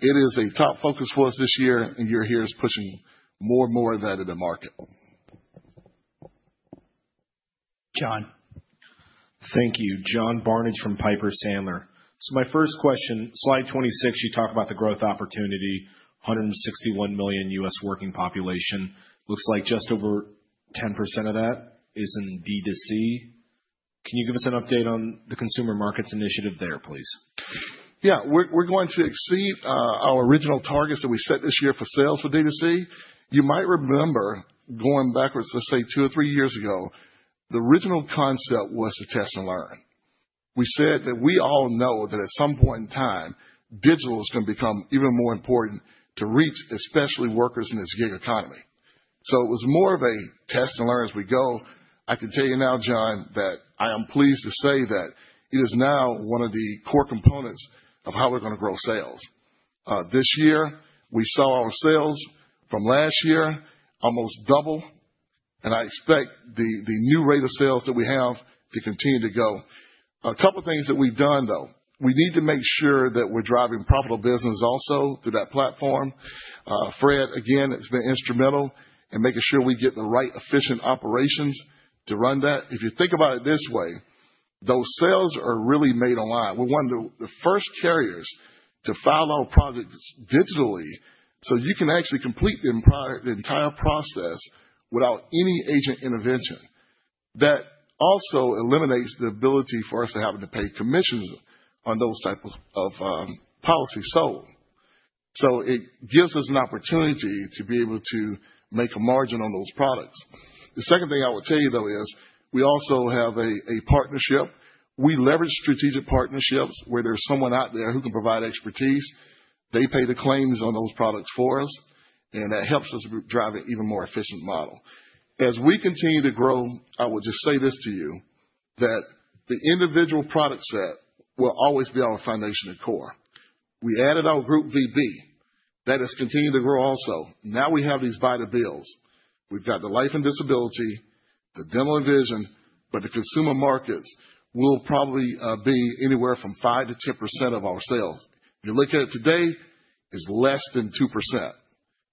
It is a top focus for us this year, and you'll hear us pushing more and more of that in the market. John? Thank you. John Barnidge from Piper Sandler. My first question, slide 26, you talk about the growth opportunity, 161 million U.S. working population. Looks like just over 10% of that is in D to C. Can you give us an update on the consumer markets initiative there, please? Yeah. We're going to exceed our original targets that we set this year for sales for D to C. You might remember going backwards, let's say two or three years ago, the original concept was to test and learn. We said that we all know that at some point in time, digital is going to become even more important to reach, especially workers in this gig economy. It was more of a test and learn as we go. I can tell you now, John, that I am pleased to say that it is now one of the core components of how we're going to grow sales. This year, we saw our sales from last year almost double, and I expect the new rate of sales that we have to continue to go. A couple things that we've done, though. We need to make sure that we're driving profitable business also through that platform. Fred, again, has been instrumental in making sure we get the right efficient operations to run that. If you think about it this way, those sales are really made online. We're one of the first carriers to file our products digitally, so you can actually complete the entire process without any agent intervention. That also eliminates the ability for us to having to pay commissions on those type of policies sold. It gives us an opportunity to be able to make a margin on those products. The second thing I would tell you, though, is we also have a partnership. We leverage strategic partnerships where there's someone out there who can provide expertise. They pay the claims on those products for us, and that helps us drive an even more efficient model. As we continue to grow, I would just say this to you, that the individual product set will always be our foundation and core. We added our Group VB. That has continued to grow also. Now we have these vital bills. We've got the life and disability, the dental and vision, but the consumer markets will probably be anywhere from 5%-10% of our sales. You look at it today, it's less than 2%,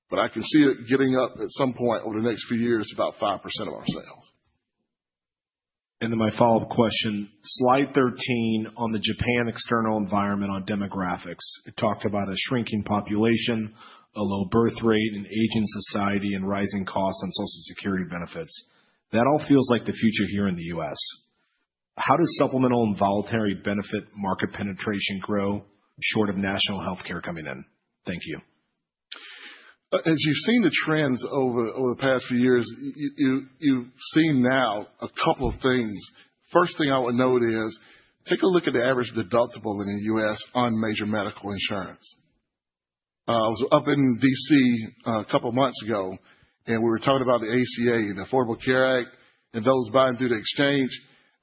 but I can see it getting up at some point over the next few years to about 5% of our sales. My follow-up question, slide 13 on the Japan external environment on demographics. It talked about a shrinking population, a low birth rate, an aging society, and rising costs on Social Security benefits. That all feels like the future here in the U.S. How does supplemental and voluntary benefit market penetration grow short of national healthcare coming in? Thank you. As you've seen the trends over the past few years, you've seen now a couple of things. First thing I would note is, take a look at the average deductible in the U.S. on major medical insurance. I was up in D.C. a couple of months ago, and we were talking about the ACA and Affordable Care Act and those buying through the exchange.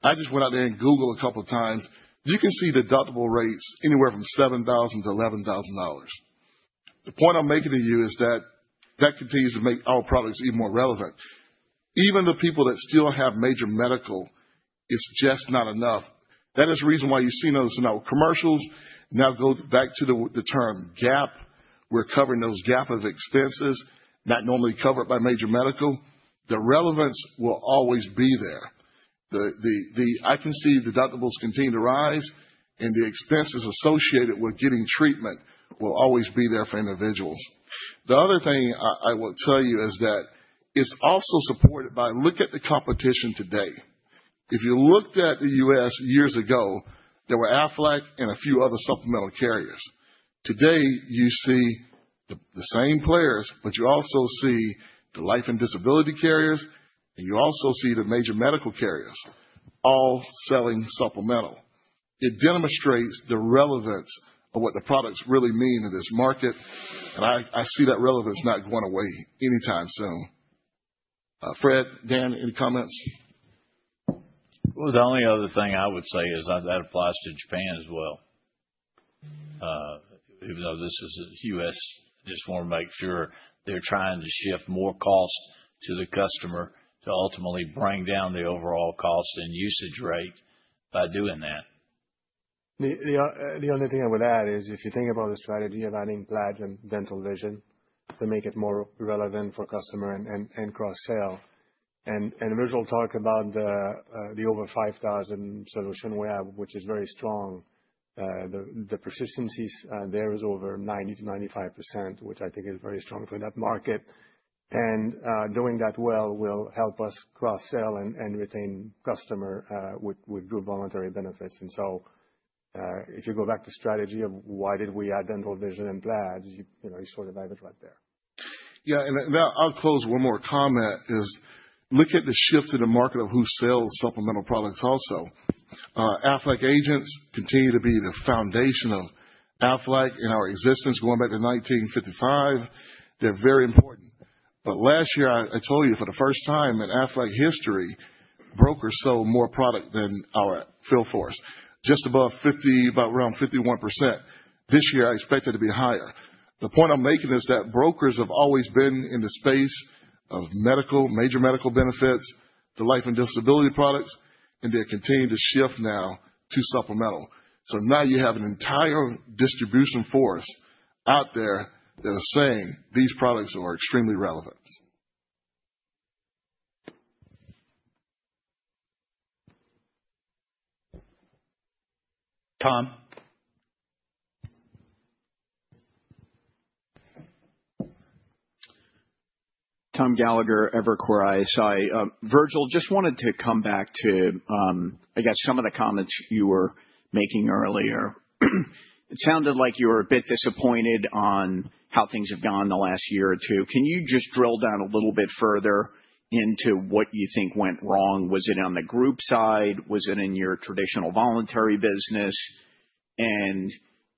I just went out there and Googled a couple of times. You can see the deductible rates anywhere from $7,000-$11,000. The point I'm making to you is that that continues to make our products even more relevant. Even the people that still have major medical, it's just not enough. That is the reason why you're seeing those now commercials. Go back to the term gap. We're covering those gap of expenses not normally covered by major medical. The relevance will always be there. I can see deductibles continuing to rise, and the expenses associated with getting treatment will always be there for individuals. The other thing I will tell you is that it's also supported by look at the competition today. If you looked at the U.S. years ago, there were Aflac and a few other supplemental carriers. Today, you see the same players, but you also see the life and disability carriers, and you also see the major medical carriers all selling supplemental. It demonstrates the relevance of what the products really mean in this market, and I see that relevance not going away anytime soon. Fred, Dan, any comments? Well, the only other thing I would say is that applies to Japan as well. Even though this is U.S., just want to make sure they're trying to shift more cost to the customer to ultimately bring down the overall cost and usage rate by doing that. The only thing I would add is if you think about the strategy of adding PLADS and dental vision to make it more relevant for customer and cross-sell. Virgil talk about the over 5,000 solution we have, which is very strong. The persistencies there is over 90%-95%, which I think is very strong for that market. Doing that well will help us cross-sell and retain customer with good voluntary benefits. If you go back to strategy of why did we add dental vision and PLADS, you saw the value right there. Yeah, I'll close one more comment is look at the shift in the market of who sells supplemental products also. Aflac agents continue to be the foundation of Aflac in our existence, going back to 1955. They're very important. Last year, I told you for the first time in Aflac history, brokers sold more product than our field force, just above 50, around 51%. This year, I expect it to be higher. The point I'm making is that brokers have always been in the space of major medical benefits to life and disability products, and they're continuing to shift now to supplemental. Now you have an entire distribution force out there that are saying these products are extremely relevant. Tom. Thomas Gallagher, Evercore ISI. Virgil, just wanted to come back to, I guess, some of the comments you were making earlier. It sounded like you were a bit disappointed on how things have gone the last year or two. Can you just drill down a little bit further into what you think went wrong? Was it on the group side? Was it in your traditional voluntary business?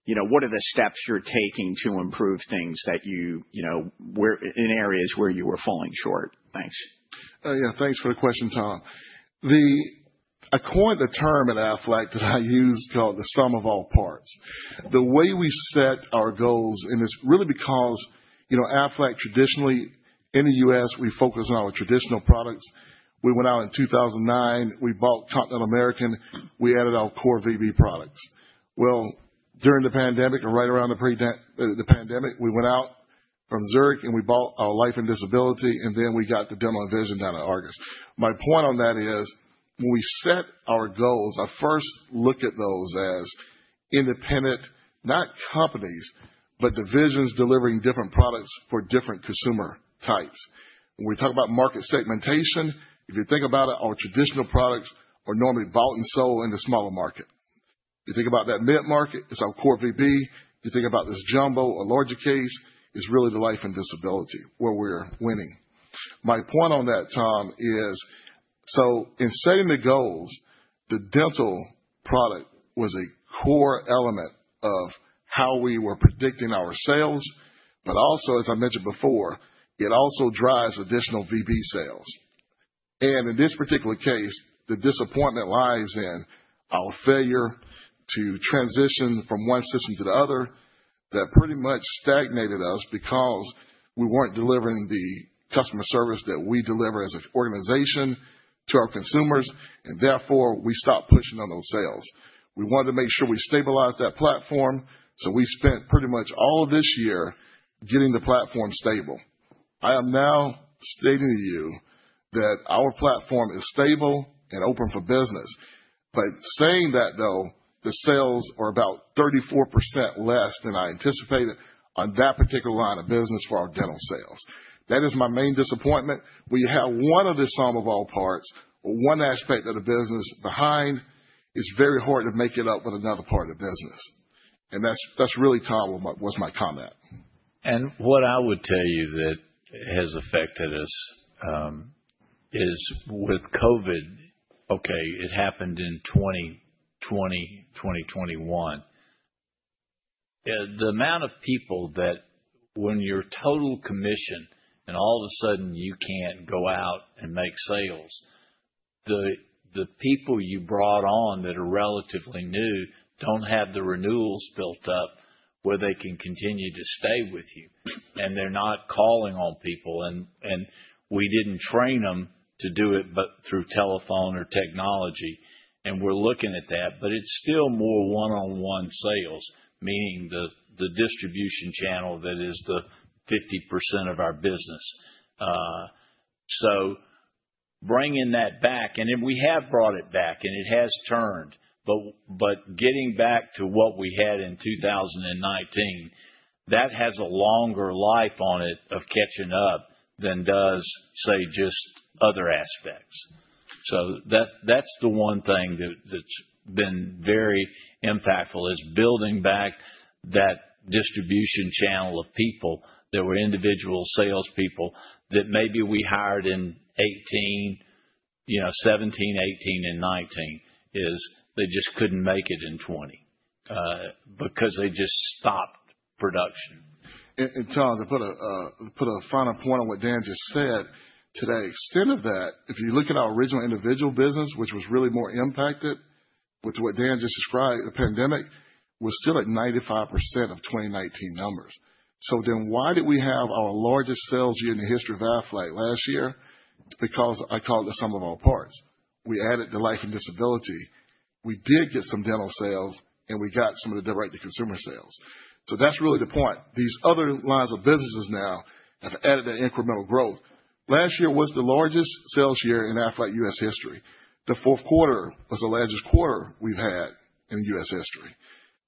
What are the steps you're taking to improve things in areas where you were falling short? Thanks. Yeah. Thanks for the question, Tom. I coined the term at Aflac that I use called the sum of all parts. The way we set our goals, it's really because Aflac traditionally in the U.S., we focus on our traditional products. We went out in 2009, we bought Continental American, we added our core VB products. Well, during the pandemic or right around the pandemic, we went out from Zurich and we bought our life and disability, we got the dental vision down in August. My point on that is, when we set our goals, I first look at those as independent, not companies, but divisions delivering different products for different consumer types. When we talk about market segmentation, if you think about it, our traditional products are normally bought and sold in the smaller market. You think about that mid-market, it's our core VB. You think about this jumbo or larger case, it's really the life and disability where we're winning. My point on that, Tom, is, in setting the goals, the dental product was a core element of how we were predicting our sales. It also, as I mentioned before, drives additional VB sales. In this particular case, the disappointment lies in our failure to transition from one system to the other. That pretty much stagnated us because we weren't delivering the customer service that we deliver as an organization to our consumers, and therefore, we stopped pushing on those sales. We wanted to make sure we stabilized that platform, so we spent pretty much all of this year getting the platform stable. I am now stating to you that our platform is stable and open for business. Saying that though, the sales are about 34% less than I anticipated on that particular line of business for our dental sales. That is my main disappointment. When you have one of the sum of all parts or one aspect of the business behind, it's very hard to make it up with another part of the business. That's really, Tom, was my comment. What I would tell you that has affected us, is with COVID, okay, it happened in 2020, 2021. The amount of people that when your total commission and all of a sudden you can't go out and make sales, the people you brought on that are relatively new don't have the renewals built up where they can continue to stay with you. They're not calling on people, and we didn't train them to do it, but through telephone or technology, and we're looking at that. It's still more one-on-one sales, meaning the distribution channel that is the 50% of our business. Bringing that back, we have brought it back and it has turned. Getting back to what we had in 2019, that has a longer life on it of catching up than does, say, just other aspects. That's the one thing that's been very impactful is building back that distribution channel of people that were individual salespeople that maybe we hired in 2018, 2017, 2018, and 2019, is they just couldn't make it in 2020, because they just stopped production. Tom, to put a final point on what Dan just said. To the extent of that, if you look at our original individual business, which was really more impacted with what Dan just described, the pandemic, we're still at 95% of 2019 numbers. Why did we have our largest sales year in the history of Aflac last year? Because I call it the sum of all parts. We added the life and disability. We did get some dental sales, and we got some of the direct-to-consumer sales. That's really the point. These other lines of businesses now have added that incremental growth. Last year was the largest sales year in Aflac U.S. history. The fourth quarter was the largest quarter we've had in U.S. history.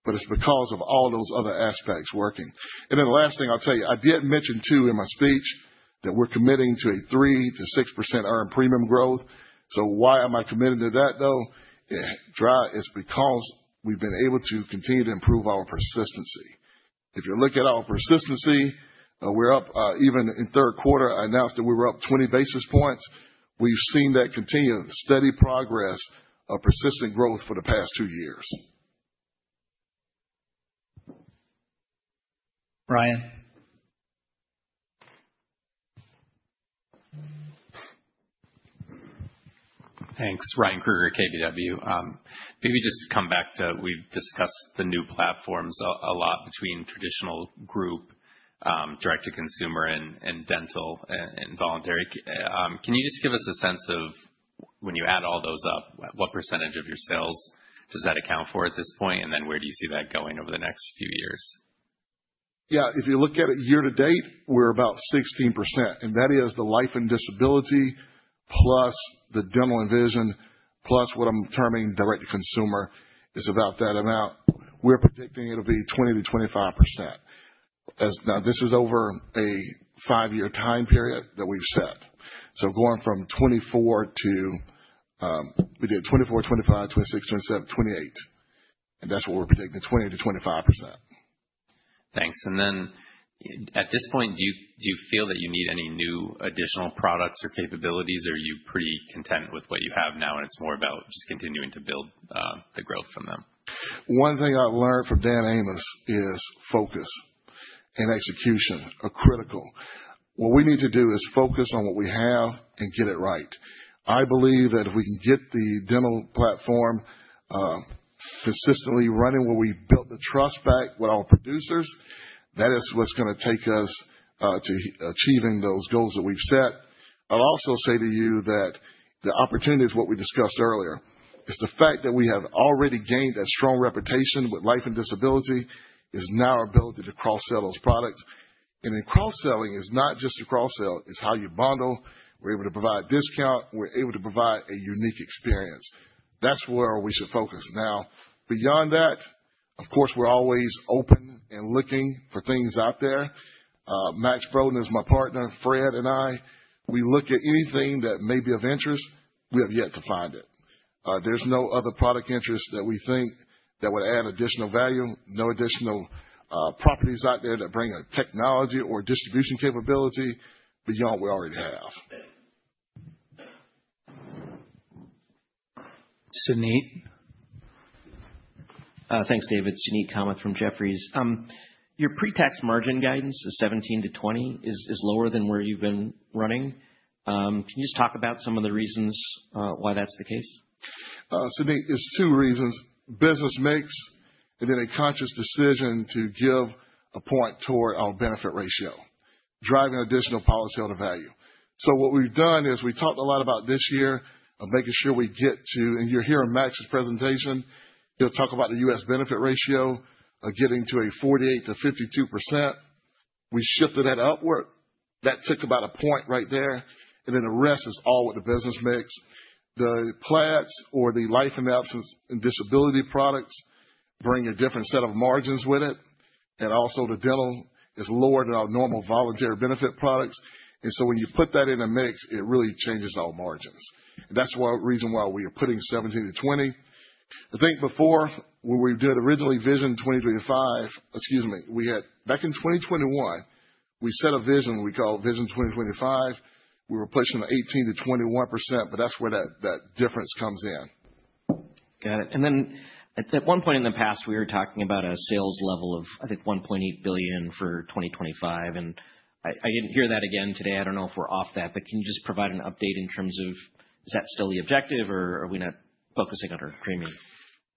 It's because of all those other aspects working. The last thing I'll tell you, I did mention too in my speech, that we're committing to a 3%-6% earned premium growth. Why am I committing to that, though? It's because we've been able to continue to improve our persistency. If you look at our persistency, we're up even in the third quarter, I announced that we were up 20 basis points. We've seen that continue, steady progress of persistent growth for the past two years. Ryan? Thanks. Ryan Krueger, KBW. Maybe just come back to, we've discussed the new platforms a lot between traditional group, direct to consumer and dental, and voluntary. Can you just give us a sense of when you add all those up, what percentage of your sales does that account for at this point, and then where do you see that going over the next few years? Yeah. If you look at it year to date, we're about 16%, and that is the life and disability, plus the dental and vision, plus what I'm terming direct to consumer is about that amount. We're predicting it'll be 20%-25%. This is over a five-year time period that we've set. Going from 2024 to We did 2024, 2025, 2026, 2027, 2028. That's what we're predicting, 20%-25%. Thanks. At this point, do you feel that you need any new additional products or capabilities? Are you pretty content with what you have now and it's more about just continuing to build the growth from them? One thing I've learned from Dan Amos is focus and execution are critical. What we need to do is focus on what we have and get it right. I believe that if we can get the dental platform consistently running where we built the trust back with our producers, that is what's going to take us to achieving those goals that we've set. I'll also say to you that the opportunities, what we discussed earlier, is the fact that we have already gained a strong reputation with life and disability is now our ability to cross-sell those products. In cross-selling, it's not just to cross-sell, it's how you bundle. We're able to provide discount. We're able to provide a unique experience. That's where we should focus. Beyond that, of course, we're always open and looking for things out there. Max Brodén is my partner, Fred and I, we look at anything that may be of interest. We have yet to find it. There's no other product interest that we think that would add additional value, no additional properties out there that bring a technology or distribution capability beyond what we already have. Suneet. Thanks, David. Suneet Kamath from Jefferies. Your pre-tax margin guidance of 17%-20% is lower than where you've been running. Can you just talk about some of the reasons why that's the case? Suneet, it's two reasons. Business mix, and then a conscious decision to give a point toward our benefit ratio, driving additional policy holder value. What we've done is we talked a lot about this year of making sure we get to, and you'll hear in Max's presentation, he'll talk about the U.S. benefit ratio of getting to a 48%-52%. We shifted that upward. That took about a point right there, and then the rest is all what the business makes. The PLADS or the life and disability products bring a different set of margins with it, and also the dental is lower than our normal voluntary benefit products. When you put that in the mix, it really changes our margins. That's the reason why we are putting 17%-20%. I think before, when we did originally Vision 2035, excuse me, back in 2021, we set a vision we call Vision 2025. We were pushing 18%-21%, that's where that difference comes in. Got it. At one point in the past, we were talking about a sales level of, I think, $1.8 billion for 2025, I didn't hear that again today. I don't know if we're off that, but can you just provide an update in terms of, is that still the objective or are we not focusing on earned premium?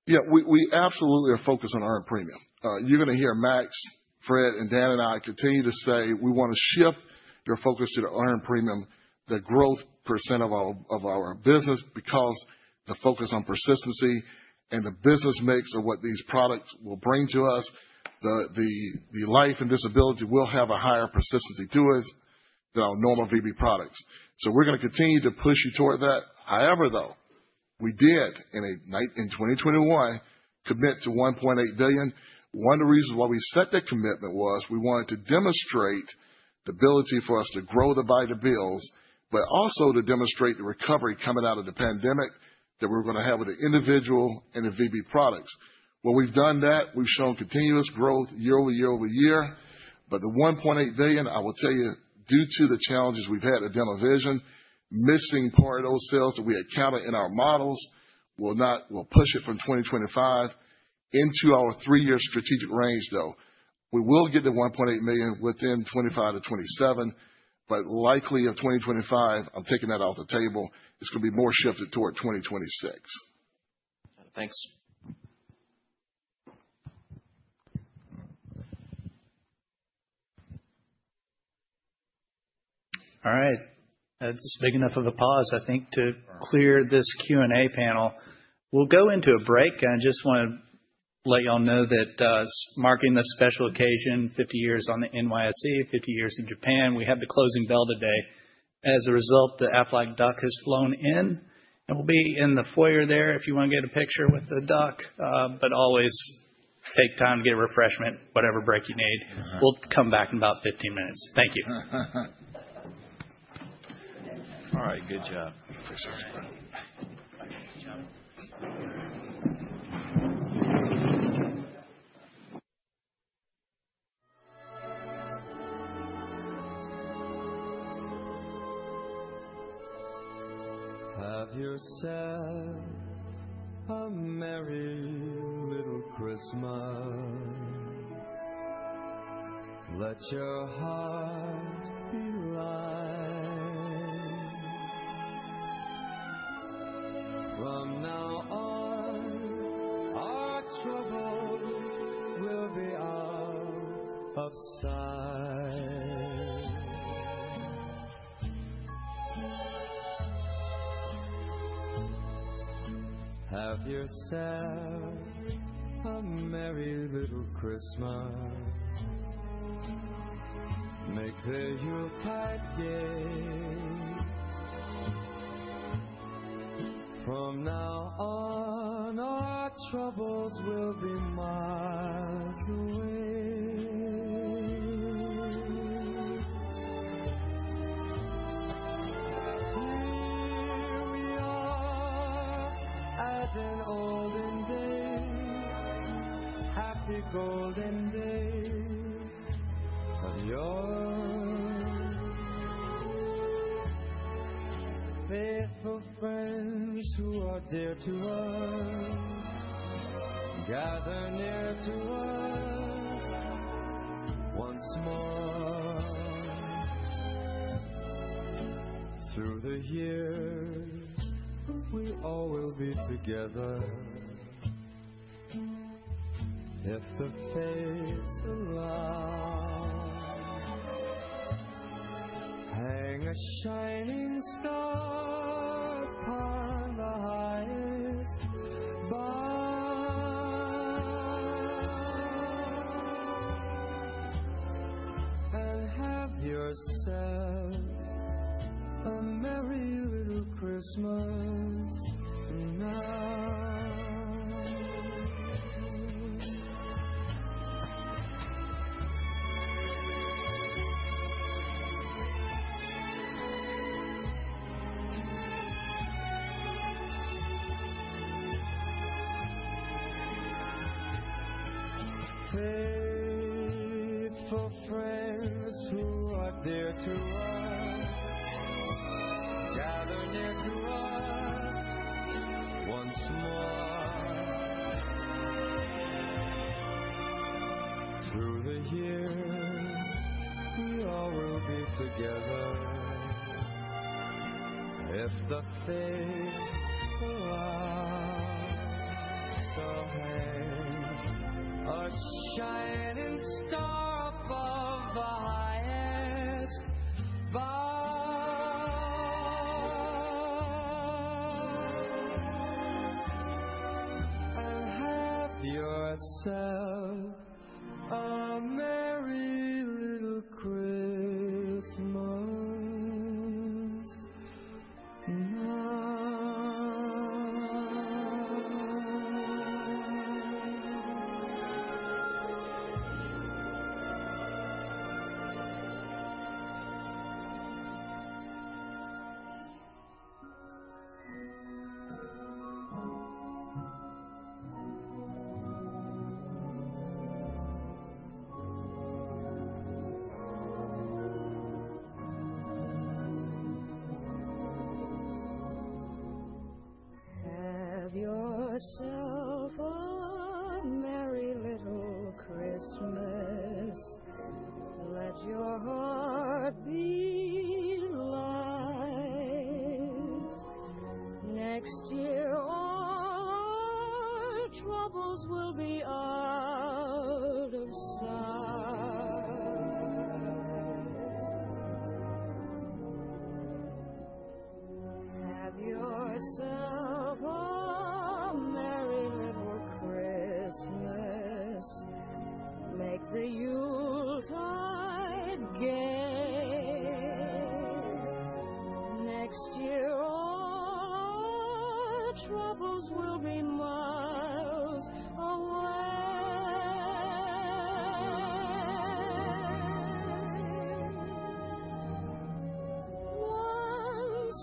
Yeah. We absolutely are focused on earned premium. You're going to hear Max, Fred, and Dan and I continue to say, we want to shift your focus to the earned premium, the growth % of our business, because the focus on persistency and the business mix of what these products will bring to us, the life and disability will have a higher persistency to us than our normal VB products. We're going to continue to push you toward that. However, though, we did in 2021 commit to $1.8 billion. One of the reasons why we set that commitment was we wanted to demonstrate the ability for us to grow the business, but also to demonstrate the recovery coming out of the pandemic that we were going to have with the individual and the VB products. Well, we've done that. We've shown continuous growth year-over-year. The $1.8 billion, I will tell you, due to the challenges we've had at Dental Vision, missing part of those sales that we accounted in our models will push it from 2025 into our three-year strategic range, though. We will get to $1.8 billion within 2025-2027, but likely in 2025, I'm taking that off the table. It's going to be more shifted toward 2026. Thanks. All right. That's big enough of a pause, I think, to clear this Q&A panel. We'll go into a break. I just want to let y'all know that marking this special occasion, 50 years on the NYSE, 50 years in Japan, we have the closing bell today. As a result, the Aflac Duck has flown in and will be in the foyer there if you want to get a picture with the Duck. Always take time, get a refreshment, whatever break you need. We'll come back in about 15 minutes. Thank you. All right. Good job. Have yourself a merry little Christmas. Let your heart be light. From now on, our troubles will be out of sight. Have yourself a merry little Christmas. Make the Yuletide gay. From now on, our troubles will be miles away. Here we are as in olden days. Happy golden days of yore. Faithful friends who are dear to us, gather near to us once more. Through the years, we all will be together, if the fates allow. Hang a shining star upon the highest bough. Have yourself a merry little Christmas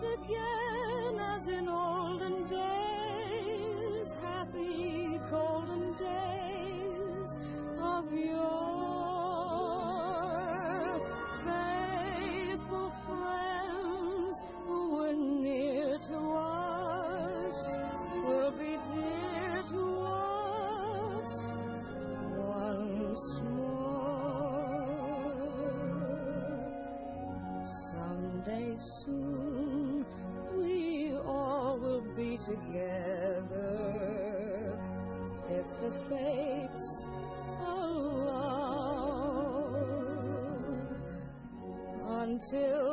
now. Faithful friends who are dear to us, gather near to us once more. Through the years, we all will be together, if the fates allow. Hang a shining star above the highest bough. Have yourself a merry little Christmas now. Have yourself a merry little Christmas. Let your heart be light. Next year, all our troubles will be out of sight. Have yourself a merry little Christmas. Make the Yuletide gay. Next year, all our troubles will be miles away. Once again as in olden days, happy golden days of yore. Faithful friends who are near to us will be dear to us once more. Someday soon, we all will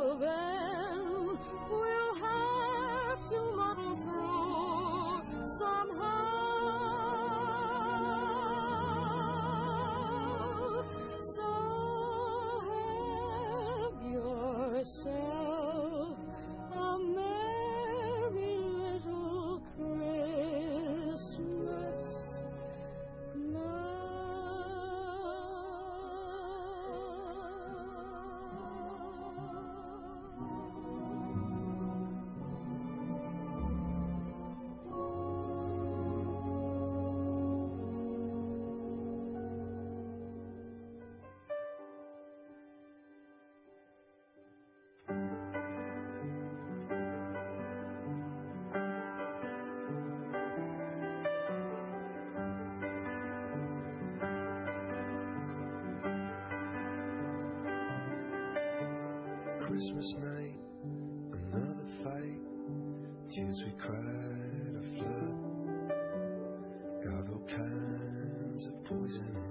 be together, if the fates allow. Until then, we'll have to muddle through somehow. So have yourself Christmas night, another fight. Tears we cried a flood. Got all kinds of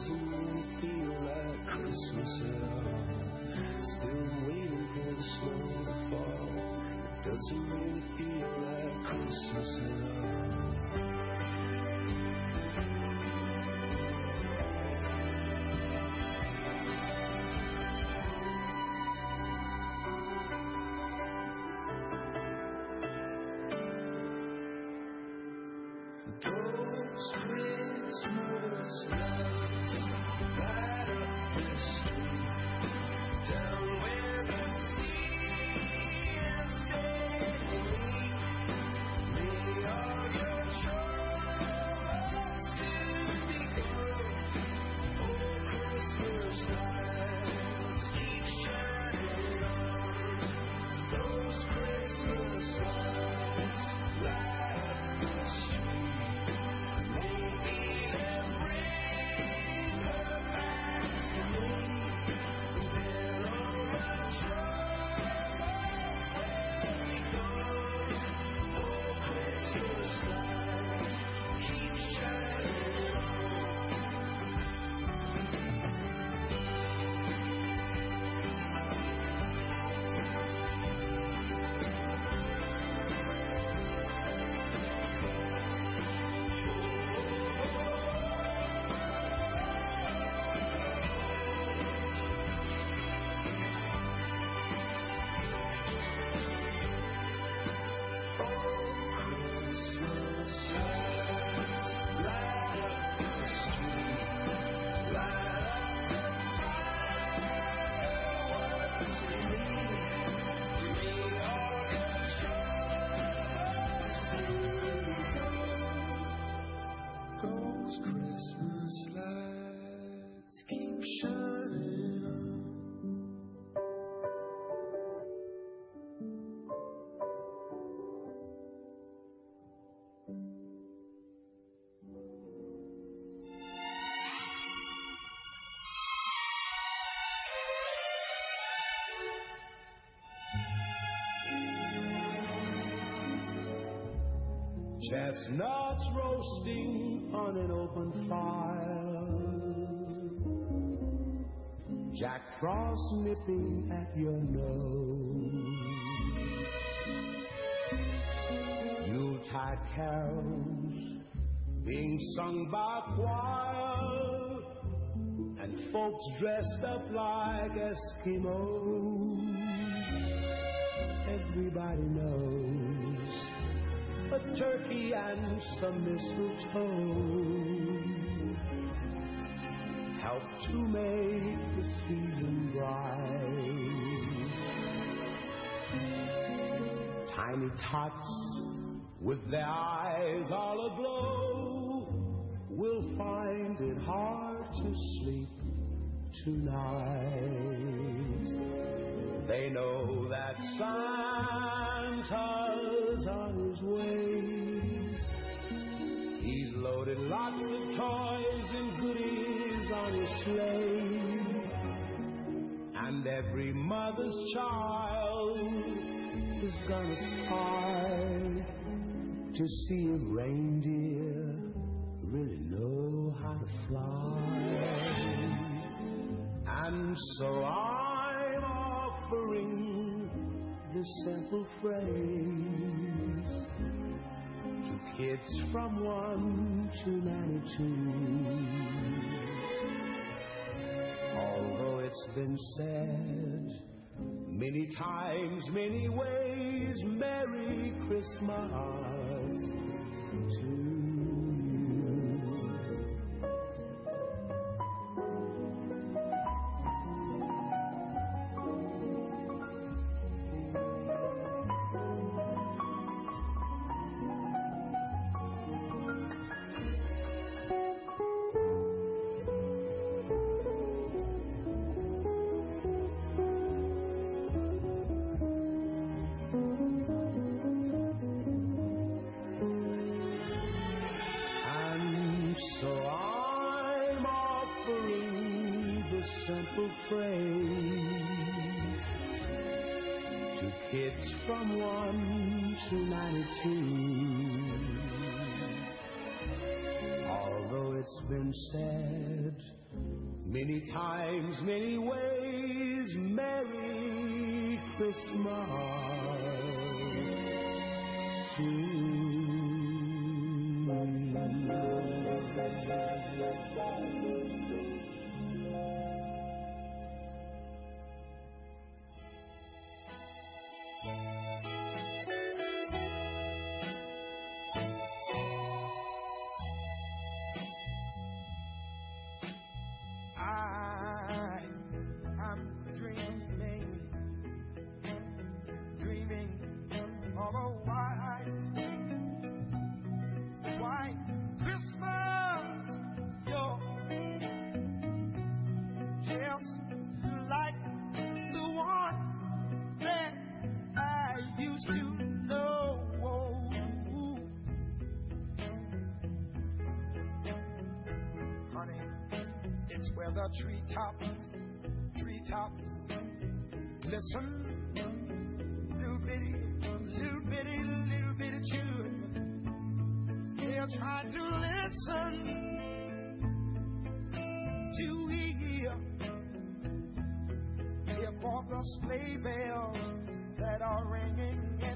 poison in my blood. Took my to me. All my troubles will be gone. Oh, Christmas lights, keep shining on. Oh, Christmas lights light up the street. Light up the fire within me. May all your troubles soon be gone. Those Christmas lights keep shining on. Chestnuts roasting on an open fire. Jack Frost nipping at your nose. Yuletide carols being sung by a choir. Folks dressed up like Eskimos. Everybody knows a turkey and some mistletoe. Help to make the season bright. Tiny tots with their eyes all aglow. Will find it hard to sleep tonight. They know that Santa's on his way. He's loaded lots of toys and goodies on his sleigh. Every mother's child is gonna spy. To see if reindeer really know how to fly. I'm offering this simple phrase. To kids from one to 92. It's been said many times, many ways. Merry Christmas to you. I'm offering this simple phrase. To kids from one to 92. Although it's been said many times, many ways. Merry Christmas ringing in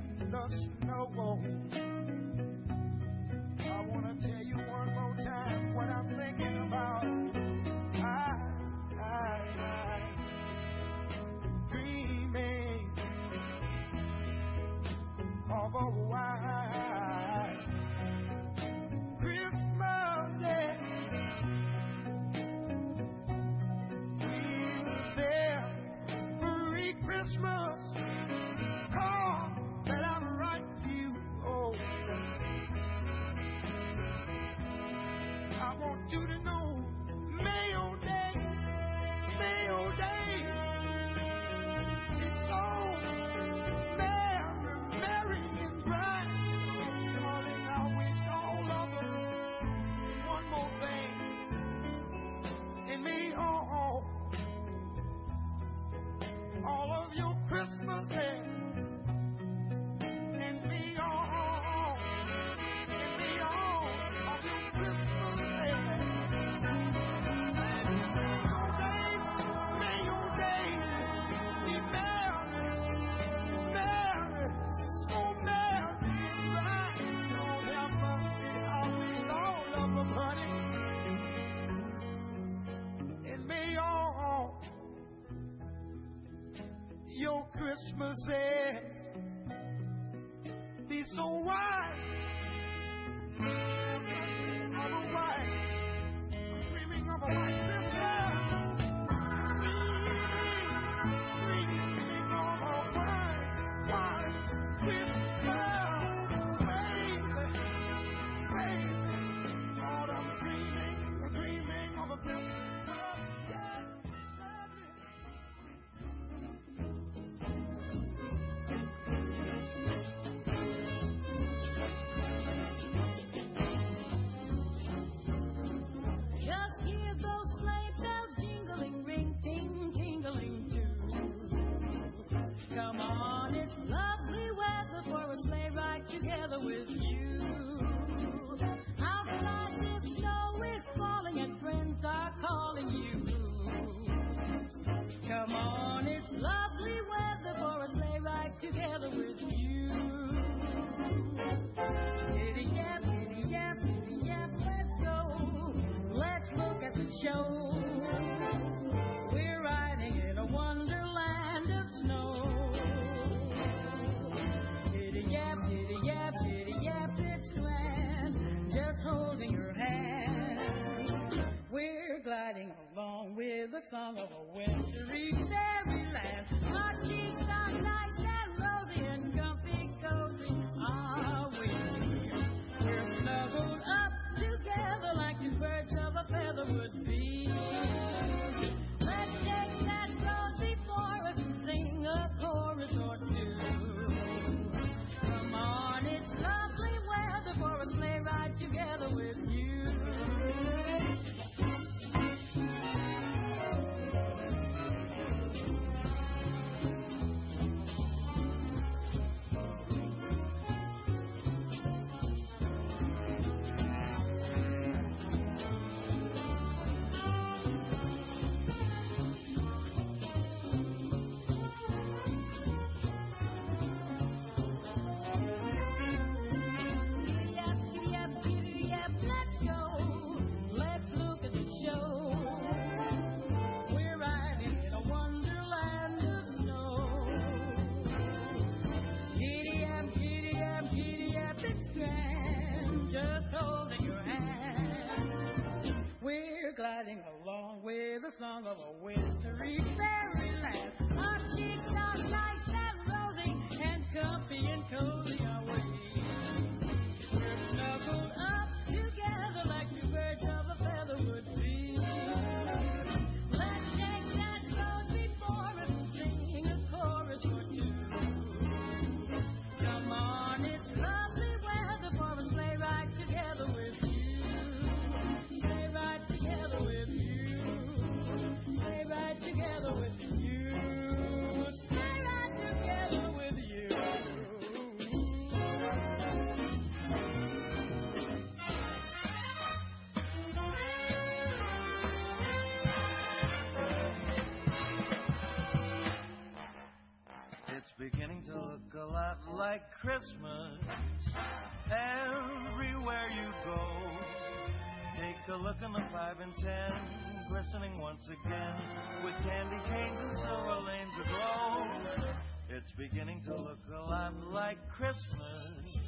It's beginning to look a lot like Christmas,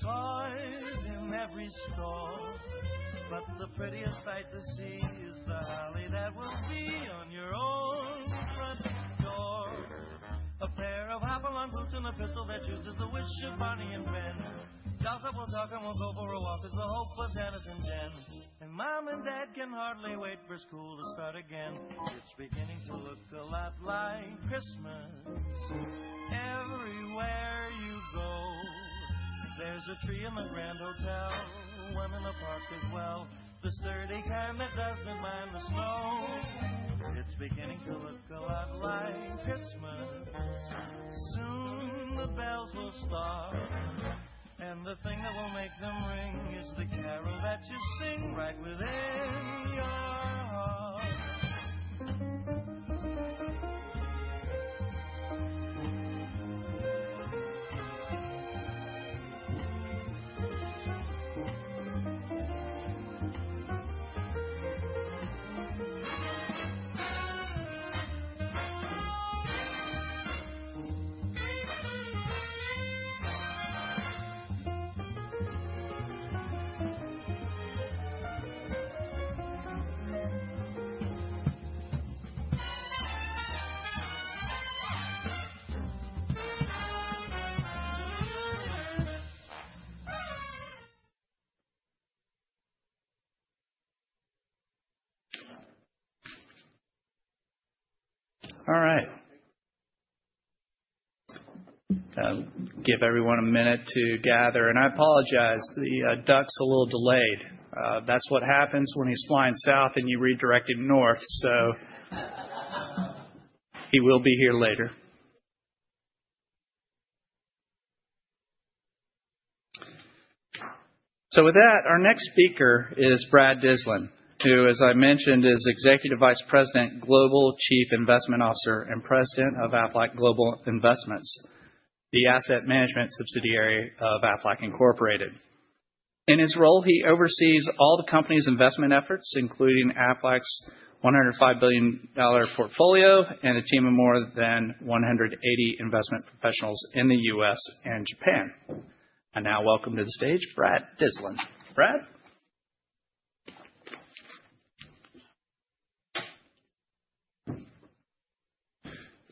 toys in every store. The prettiest sight to see is the holly that will be on your own front door. A pair of Hopalong boots and a pistol that shoots is the wish of Barney and Ben. Dolls that will talk and will go for a walk is the hope of Janice and Jen. Mom and Dad can hardly wait for school to start again. It's beginning to look a lot like Christmas everywhere you go. There's a tree in the Grand Hotel, one in the park as well, the sturdy kind that doesn't mind the snow. It's beginning to look a lot like Christmas, soon the bells will start. The thing that will make them ring is the carol that you sing right within your heart. All right. Give everyone a minute to gather, and I apologize, the duck's a little delayed. That's what happens when he's flying south and you redirect him north, so he will be here later. With that, our next speaker is Brad Dyslin, who as I mentioned is Executive Vice President, Global Chief Investment Officer, and President of Aflac Global Investments, the asset management subsidiary of Aflac Incorporated. In his role, he oversees all the company's investment efforts, including Aflac's $105 billion portfolio and a team of more than 180 investment professionals in the U.S. and Japan. Now welcome to the stage Brad Dyslin. Brad.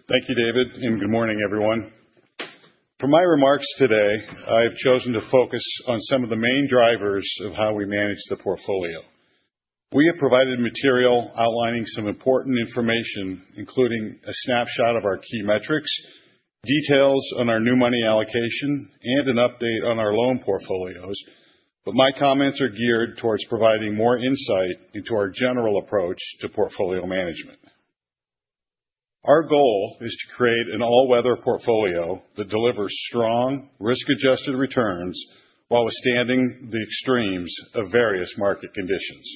Thank you, David, and good morning, everyone. For my remarks today, I've chosen to focus on some of the main drivers of how we manage the portfolio. We have provided material outlining some important information, including a snapshot of our key metrics, details on our new money allocation, and an update on our loan portfolios. My comments are geared towards providing more insight into our general approach to portfolio management. Our goal is to create an all-weather portfolio that delivers strong risk-adjusted returns while withstanding the extremes of various market conditions.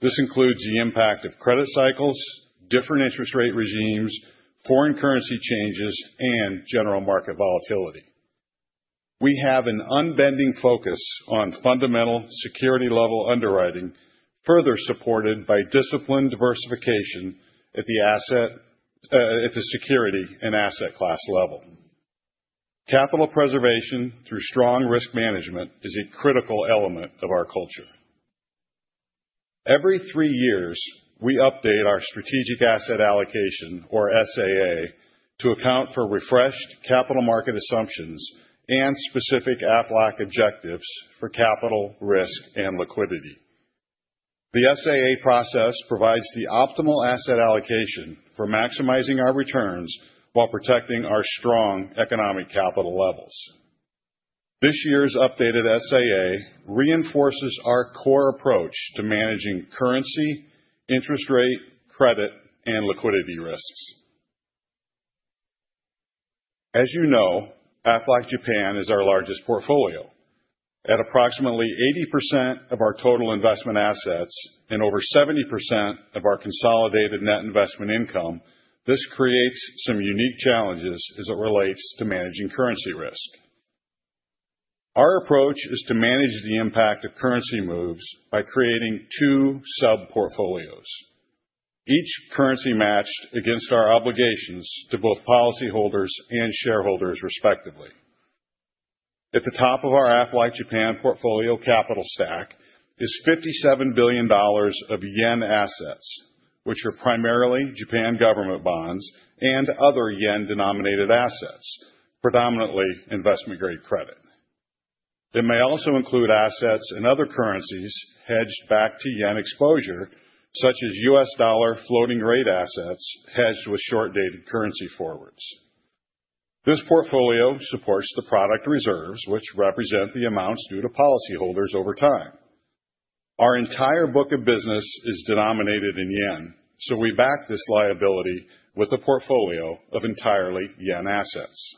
This includes the impact of credit cycles, different interest rate regimes, foreign currency changes, and general market volatility. We have an unbending focus on fundamental security level underwriting, further supported by disciplined diversification at the security and asset class level. Capital preservation through strong risk management is a critical element of our culture. Every three years, we update our strategic asset allocation, or SAA, to account for refreshed capital market assumptions and specific Aflac objectives for capital, risk, and liquidity. The SAA process provides the optimal asset allocation for maximizing our returns while protecting our strong economic capital levels. This year's updated SAA reinforces our core approach to managing currency, interest rate, credit, and liquidity risks. As you know, Aflac Japan is our largest portfolio. At approximately 80% of our total investment assets and over 70% of our consolidated net investment income, this creates some unique challenges as it relates to managing currency risk. Our approach is to manage the impact of currency moves by creating two sub-portfolios, each currency matched against our obligations to both policyholders and shareholders respectively. At the top of our Aflac Japan portfolio capital stack is $57 billion of yen assets, which are primarily Japanese Government Bonds and other yen-denominated assets, predominantly investment-grade credit. They may also include assets in other currencies hedged back to yen exposure, such as U.S. dollar floating rate assets hedged with short-dated currency forwards. Our entire book of business is denominated in yen, so we back this liability with a portfolio of entirely yen assets.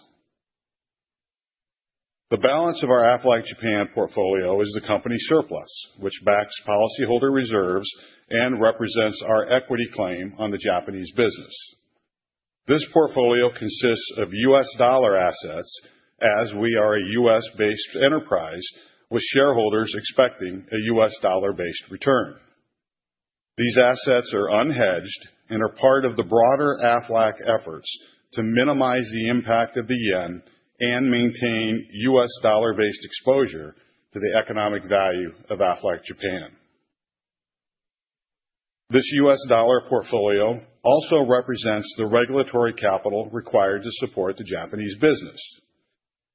The balance of our Aflac Japan portfolio is the company surplus, which backs policyholder reserves and represents our equity claim on the Japanese business. This portfolio consists of U.S. dollar assets as we are a U.S.-based enterprise with shareholders expecting a U.S. dollar-based return. These assets are unhedged and are part of the broader Aflac efforts to minimize the impact of the yen and maintain U.S. dollar-based exposure to the economic value of Aflac Japan. This U.S. dollar portfolio also represents the regulatory capital required to support the Japanese business.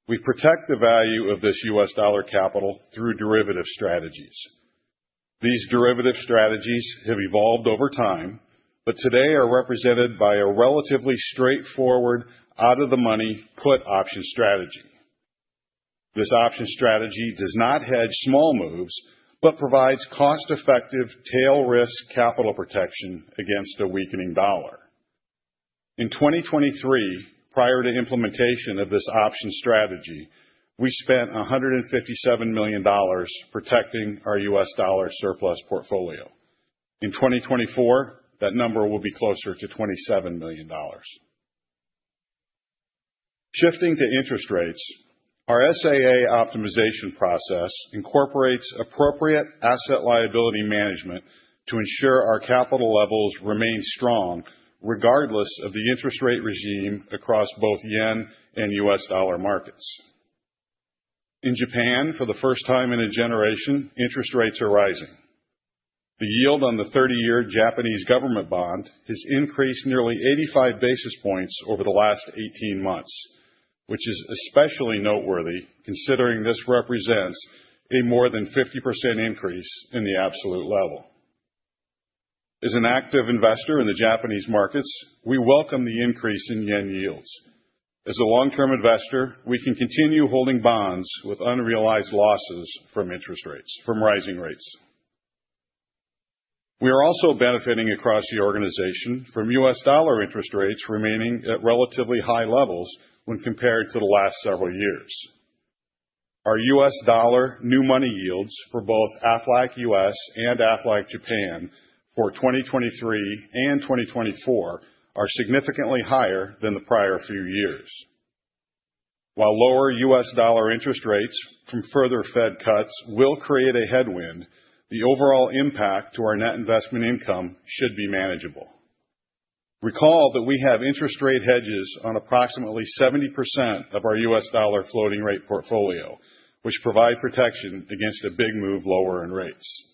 We protect the value of this U.S. dollar capital through derivative strategies. These derivative strategies have evolved over time, but today are represented by a relatively straightforward out-of-the-money put option strategy. This option strategy does not hedge small moves, but provides cost-effective tail risk capital protection against a weakening U.S. dollar. In 2023, prior to implementation of this option strategy, we spent $157 million protecting our U.S. dollar surplus portfolio. In 2024, that number will be closer to $27 million. Shifting to interest rates, our SAA optimization process incorporates appropriate asset liability management to ensure our capital levels remain strong regardless of the interest rate regime across both JPY and U.S. dollar markets. In Japan, for the first time in a generation, interest rates are rising. The yield on the 30-year Japanese government bond has increased nearly 85 basis points over the last 18 months, which is especially noteworthy considering this represents a more than 50% increase in the absolute level. As an active investor in the Japanese markets, we welcome the increase in JPY yields. As a long-term investor, we can continue holding bonds with unrealized losses from rising rates. We are also benefiting across the organization from U.S. dollar interest rates remaining at relatively high levels when compared to the last several years. Our U.S. dollar new money yields for both Aflac U.S. and Aflac Japan for 2023 and 2024 are significantly higher than the prior few years. Lower U.S. dollar interest rates from further Fed cuts will create a headwind, the overall impact to our net investment income should be manageable. Recall that we have interest rate hedges on approximately 70% of our U.S. dollar floating rate portfolio, which provide protection against a big move lower in rates,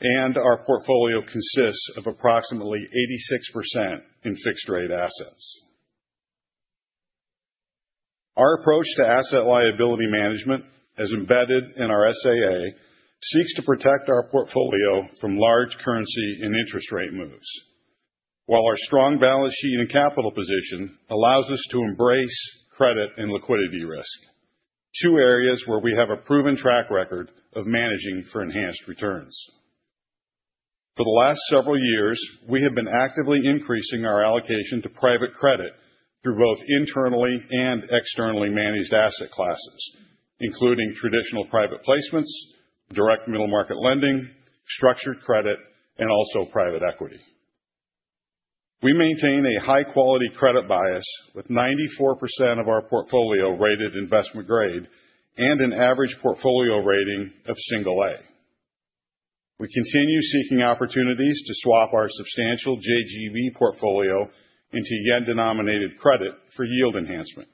and our portfolio consists of approximately 86% in fixed rate assets. Our approach to asset liability management, as embedded in our SAA, seeks to protect our portfolio from large currency and interest rate moves. Our strong balance sheet and capital position allows us to embrace credit and liquidity risk, two areas where we have a proven track record of managing for enhanced returns. For the last several years, we have been actively increasing our allocation to private credit through both internally and externally managed asset classes, including traditional private placements, direct middle market lending, structured credit, and also private equity. We maintain a high quality credit bias with 94% of our portfolio rated investment grade and an average portfolio rating of single A. We continue seeking opportunities to swap our substantial JGB portfolio into JPY-denominated credit for yield enhancement.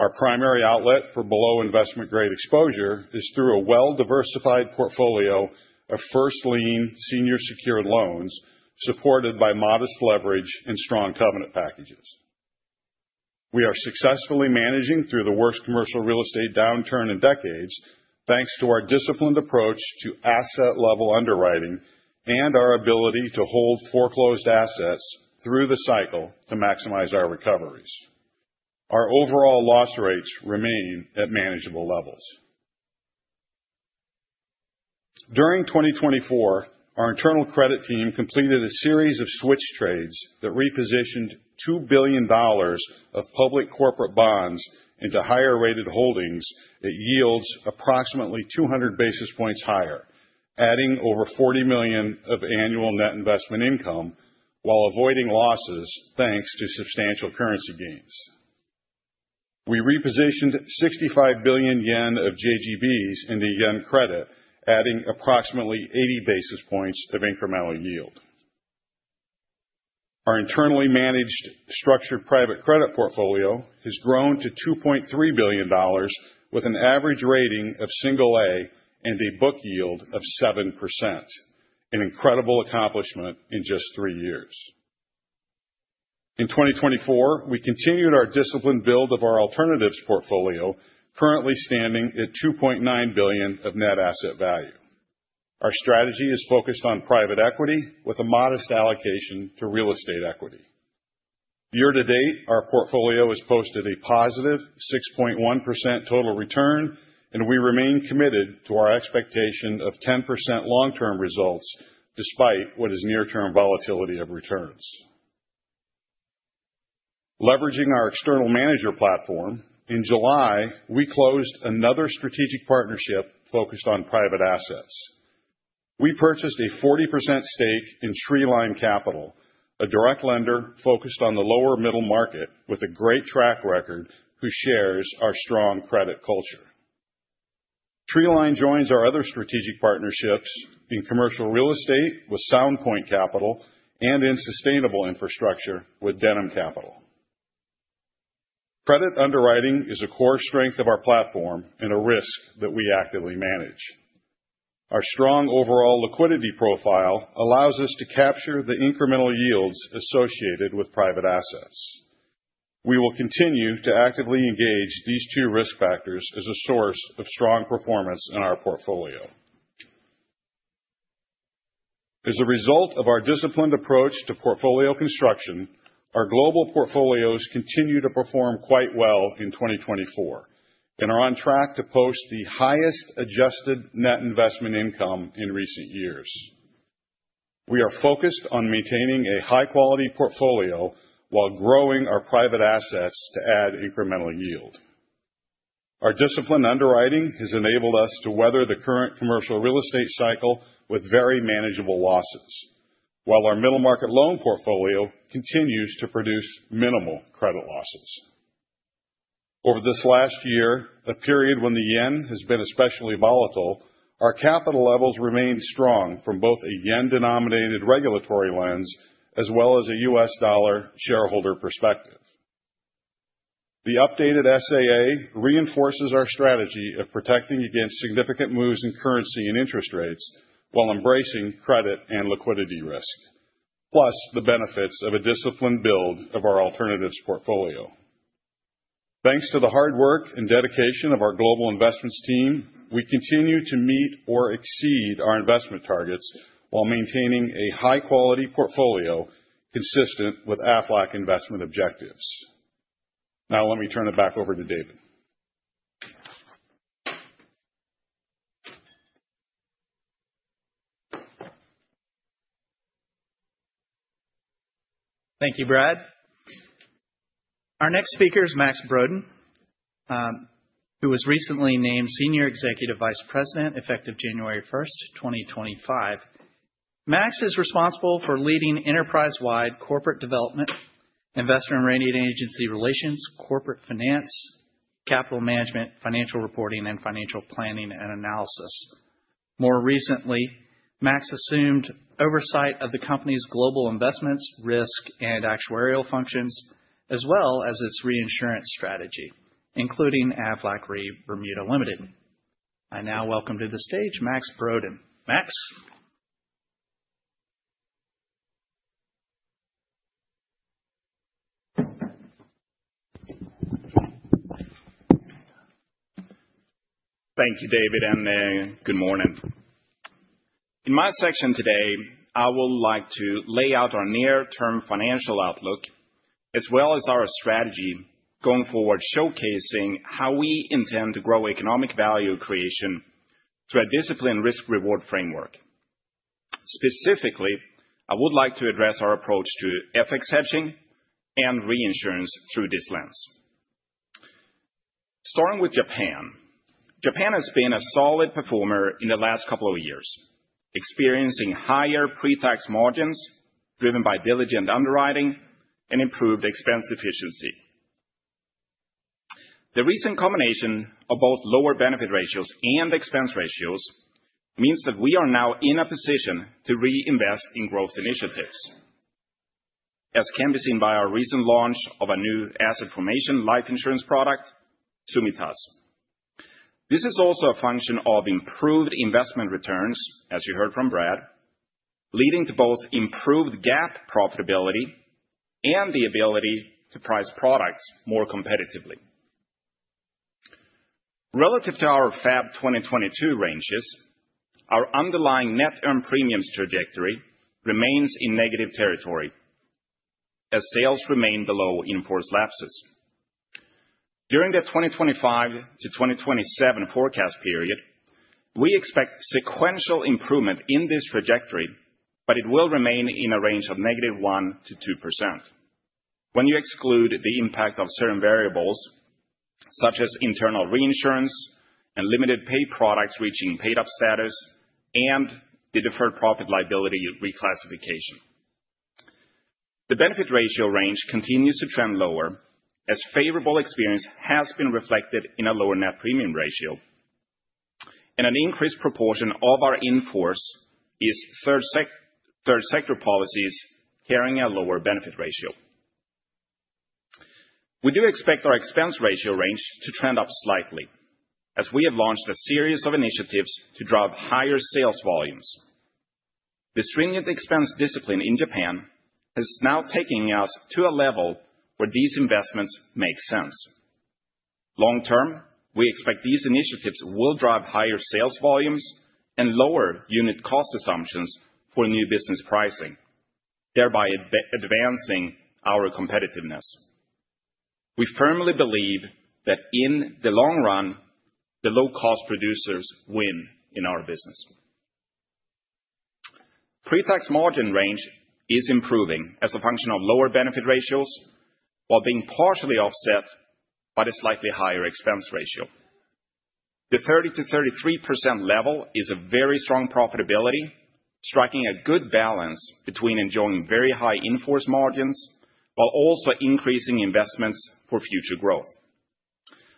Our primary outlet for below investment grade exposure is through a well-diversified portfolio of first lien senior secured loans, supported by modest leverage and strong covenant packages. We are successfully managing through the worst commercial real estate downturn in decades, thanks to our disciplined approach to asset level underwriting and our ability to hold foreclosed assets through the cycle to maximize our recoveries. Our overall loss rates remain at manageable levels. During 2024, our internal credit team completed a series of switch trades that repositioned $2 billion of public corporate bonds into higher rated holdings at yields approximately 200 basis points higher, adding over $40 million of annual net investment income while avoiding losses thanks to substantial currency gains. We repositioned 65 billion yen of JGBs into yen credit, adding approximately 80 basis points of incremental yield. Our internally managed structured private credit portfolio has grown to $2.3 billion with an average rating of single A and a book yield of 7%, an incredible accomplishment in just three years. In 2024, we continued our disciplined build of our alternatives portfolio, currently standing at 2.9 billion of net asset value. Our strategy is focused on private equity with a modest allocation to real estate equity. Year to date, our portfolio has posted a positive 6.1% total return. We remain committed to our expectation of 10% long-term results despite what is near-term volatility of returns. Leveraging our external manager platform, in July, we closed another strategic partnership focused on private assets. We purchased a 40% stake in Tree Line Capital, a direct lender focused on the lower middle market with a great track record who shares our strong credit culture. Tree Line joins our other strategic partnerships in commercial real estate with Sound Point Capital and in sustainable infrastructure with Denham Capital. Credit underwriting is a core strength of our platform and a risk that we actively manage. Our strong overall liquidity profile allows us to capture the incremental yields associated with private assets. We will continue to actively engage these two risk factors as a source of strong performance in our portfolio. As a result of our disciplined approach to portfolio construction, our global portfolios continue to perform quite well in 2024 and are on track to post the highest adjusted net investment income in recent years. We are focused on maintaining a high-quality portfolio while growing our private assets to add incremental yield. Our disciplined underwriting has enabled us to weather the current commercial real estate cycle with very manageable losses, while our middle market loan portfolio continues to produce minimal credit losses. Over this last year, a period when the yen has been especially volatile, our capital levels remain strong from both a yen-denominated regulatory lens as well as a US dollar shareholder perspective. The updated SAA reinforces our strategy of protecting against significant moves in currency and interest rates while embracing credit and liquidity risk, plus the benefits of a disciplined build of our alternatives portfolio. Thanks to the hard work and dedication of our global investments team, we continue to meet or exceed our investment targets while maintaining a high-quality portfolio consistent with Aflac investment objectives. Now, let me turn it back over to David. Thank you, Brad. Our next speaker is Max Brodén, who was recently named Senior Executive Vice President effective January 1st, 2025. Max is responsible for leading enterprise-wide corporate development, investment and rating agency relations, corporate finance, capital management, financial reporting, and financial planning and analysis. More recently, Max assumed oversight of the company's global investments, risk and actuarial functions, as well as its reinsurance strategy, including Aflac Re Bermuda Ltd. I now welcome to the stage Max Brodén. Max. Thank you, David. Good morning. In my section today, I would like to lay out our near-term financial outlook as well as our strategy going forward, showcasing how we intend to grow economic value creation through a disciplined risk-reward framework. Specifically, I would like to address our approach to FX hedging and reinsurance through this lens. Starting with Japan. Japan has been a solid performer in the last couple of years, experiencing higher pre-tax margins driven by diligent underwriting and improved expense efficiency. The recent combination of both lower benefit ratios and expense ratios means that we are now in a position to reinvest in growth initiatives, as can be seen by our recent launch of a new asset formation life insurance product, Tsumitasu. This is also a function of improved investment returns, as you heard from Brad, leading to both improved GAAP profitability and the ability to price products more competitively. Relative to our Feb 2022 ranges, our underlying net earned premiums trajectory remains in negative territory as sales remain below in-force lapses. During the 2025 to 2027 forecast period, we expect sequential improvement in this trajectory, but it will remain in a range of -1% to 2% when you exclude the impact of certain variables such as internal reinsurance and limited pay products reaching paid-up status and the deferred profit liability reclassification. The benefit ratio range continues to trend lower as favorable experience has been reflected in a lower net premium ratio. An increased proportion of our in-force is third sector policies carrying a lower benefit ratio. We do expect our expense ratio range to trend up slightly, as we have launched a series of initiatives to drive higher sales volumes. The stringent expense discipline in Japan is now taking us to a level where these investments make sense. Long term, we expect these initiatives will drive higher sales volumes and lower unit cost assumptions for new business pricing, thereby advancing our competitiveness. We firmly believe that in the long run, the low-cost producers win in our business. Pre-tax margin range is improving as a function of lower benefit ratios, while being partially offset by the slightly higher expense ratio. The 30%-33% level is a very strong profitability, striking a good balance between enjoying very high in-force margins while also increasing investments for future growth.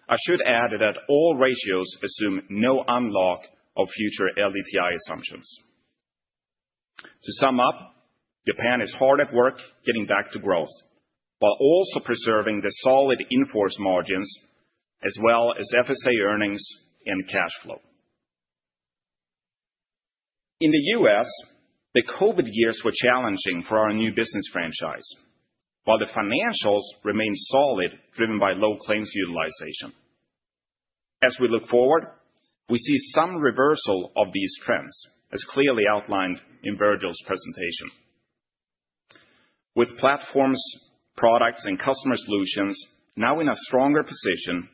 I should add that all ratios assume no unlock of future LDTI assumptions. To sum up, Japan is hard at work getting back to growth while also preserving the solid in-force margins as well as FSA earnings and cash flow. In the U.S., the COVID years were challenging for our new business franchise, while the financials remained solid, driven by low claims utilization. As we look forward, we see some reversal of these trends, as clearly outlined in Virgil's presentation. With platforms, products, and customer solutions now in a stronger position,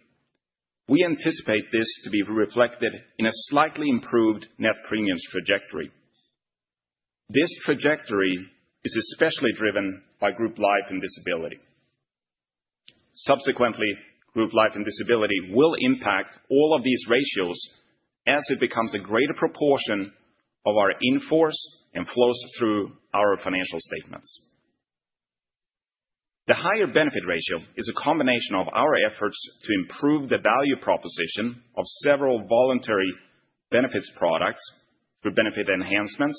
we anticipate this to be reflected in a slightly improved net premiums trajectory. This trajectory is especially driven by Group Life and Disability. Subsequently, Group Life and Disability will impact all of these ratios as it becomes a greater proportion of our in-force and flows through our financial statements. The higher benefit ratio is a combination of our efforts to improve the value proposition of several voluntary benefits products through benefit enhancements,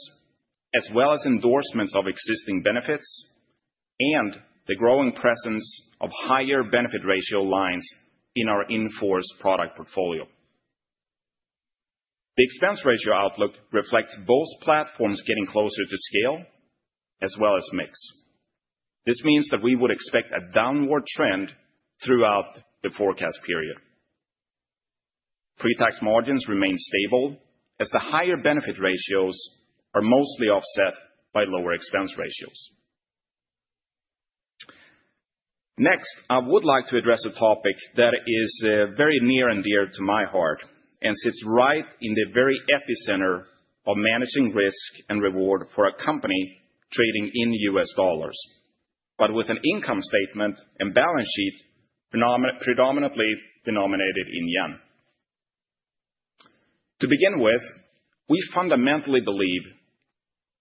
as well as endorsements of existing benefits, and the growing presence of higher benefit ratio lines in our in-force product portfolio. The expense ratio outlook reflects both platforms getting closer to scale as well as mix. This means that we would expect a downward trend throughout the forecast period. Pre-tax margins remain stable as the higher benefit ratios are mostly offset by lower expense ratios. Next, I would like to address a topic that is very near and dear to my heart and sits right in the very epicenter of managing risk and reward for a company trading in U.S. dollars, but with an income statement and balance sheet predominantly denominated in JPY. To begin with, we fundamentally believe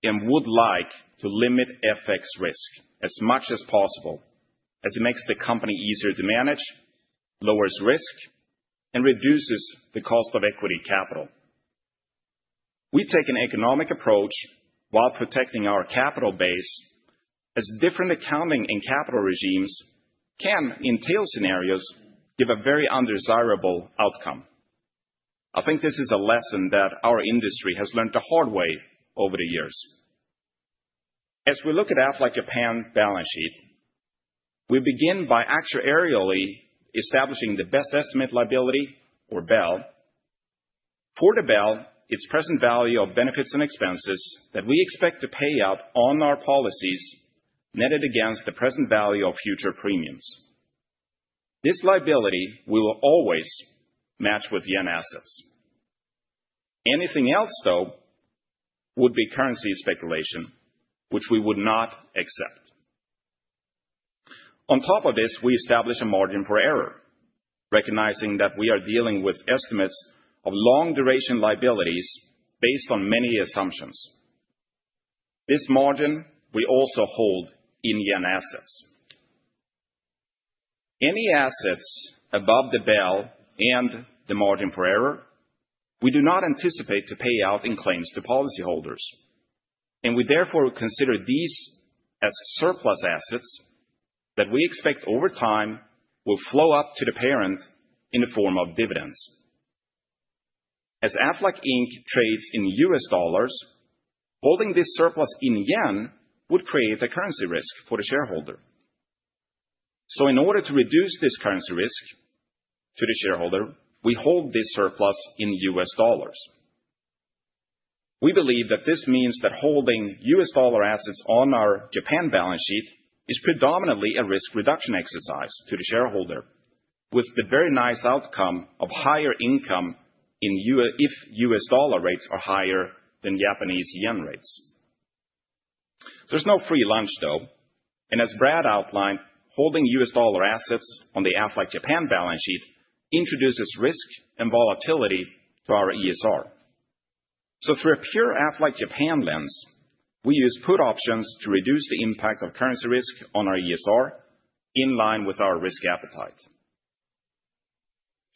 and would like to limit FX risk as much as possible, as it makes the company easier to manage, lowers risk, and reduces the cost of equity capital. We take an economic approach while protecting our capital base, as different accounting and capital regimes can, in tail scenarios, give a very undesirable outcome. I think this is a lesson that our industry has learned the hard way over the years. As we look at Aflac Japan balance sheet, we begin by actuarially establishing the best estimate liability or BEL. For the BEL, its present value of benefits and expenses that we expect to pay out on our policies netted against the present value of future premiums. This liability we will always match with JPY assets. Anything else, though, would be currency speculation, which we would not accept. On top of this, we establish a margin for error, recognizing that we are dealing with estimates of long duration liabilities based on many assumptions. This margin, we also hold in JPY assets. Any assets above the BEL and the margin for error, we do not anticipate to pay out in claims to policyholders, and we therefore consider these as surplus assets that we expect over time will flow up to the parent in the form of dividends. As Aflac Inc trades in U.S. dollars, holding this surplus in JPY would create a currency risk for the shareholder. In order to reduce this currency risk to the shareholder, we hold this surplus in U.S. dollars. We believe that this means that holding U.S. dollar assets on our Japan balance sheet is predominantly a risk reduction exercise to the shareholder, with the very nice outcome of higher income if U.S. dollar rates are higher than Japanese yen rates. There's no free lunch, though, and as Brad outlined, holding U.S. dollar assets on the Aflac Japan balance sheet introduces risk and volatility to our ESR. Through a pure Aflac Japan lens, we use put options to reduce the impact of currency risk on our ESR in line with our risk appetite.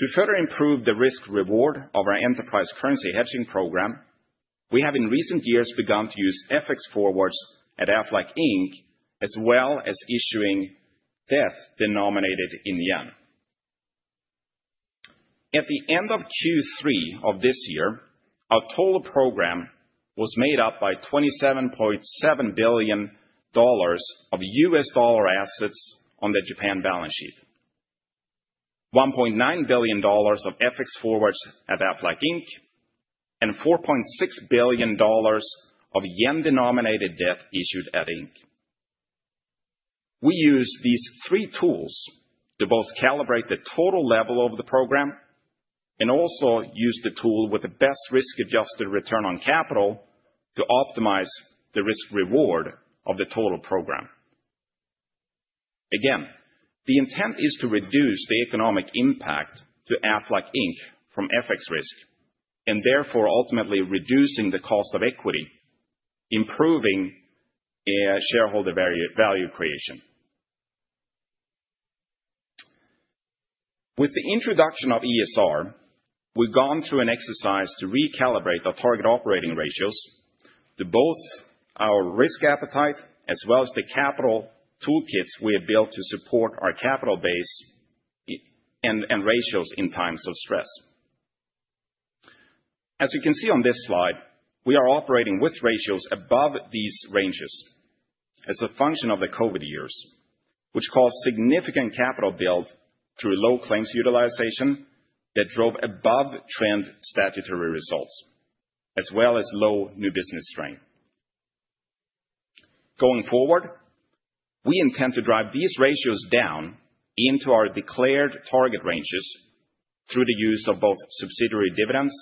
To further improve the risk reward of our enterprise currency hedging program, we have in recent years begun to use FX forwards at Aflac Inc., as well as issuing debt denominated in yen. At the end of Q3 of this year, our total program was made up by $27.7 billion of U.S. dollar assets on the Japan balance sheet, $1.9 billion of FX forwards at Aflac Inc., and JPY 4.6 billion of yen-denominated debt issued at Aflac Inc. We use these three tools to both calibrate the total level of the program and also use the tool with the best risk-adjusted return on capital to optimize the risk reward of the total program. Again, the intent is to reduce the economic impact to Aflac Inc. from FX risk, and therefore ultimately reducing the cost of equity, improving shareholder value creation. With the introduction of ESR, we've gone through an exercise to recalibrate our target operating ratios to both our risk appetite as well as the capital toolkits we have built to support our capital base and ratios in times of stress. As you can see on this slide, we are operating with ratios above these ranges as a function of the COVID years, which caused significant capital build through low claims utilization that drove above-trend statutory results, as well as low new business strain. Going forward, we intend to drive these ratios down into our declared target ranges through the use of both subsidiary dividends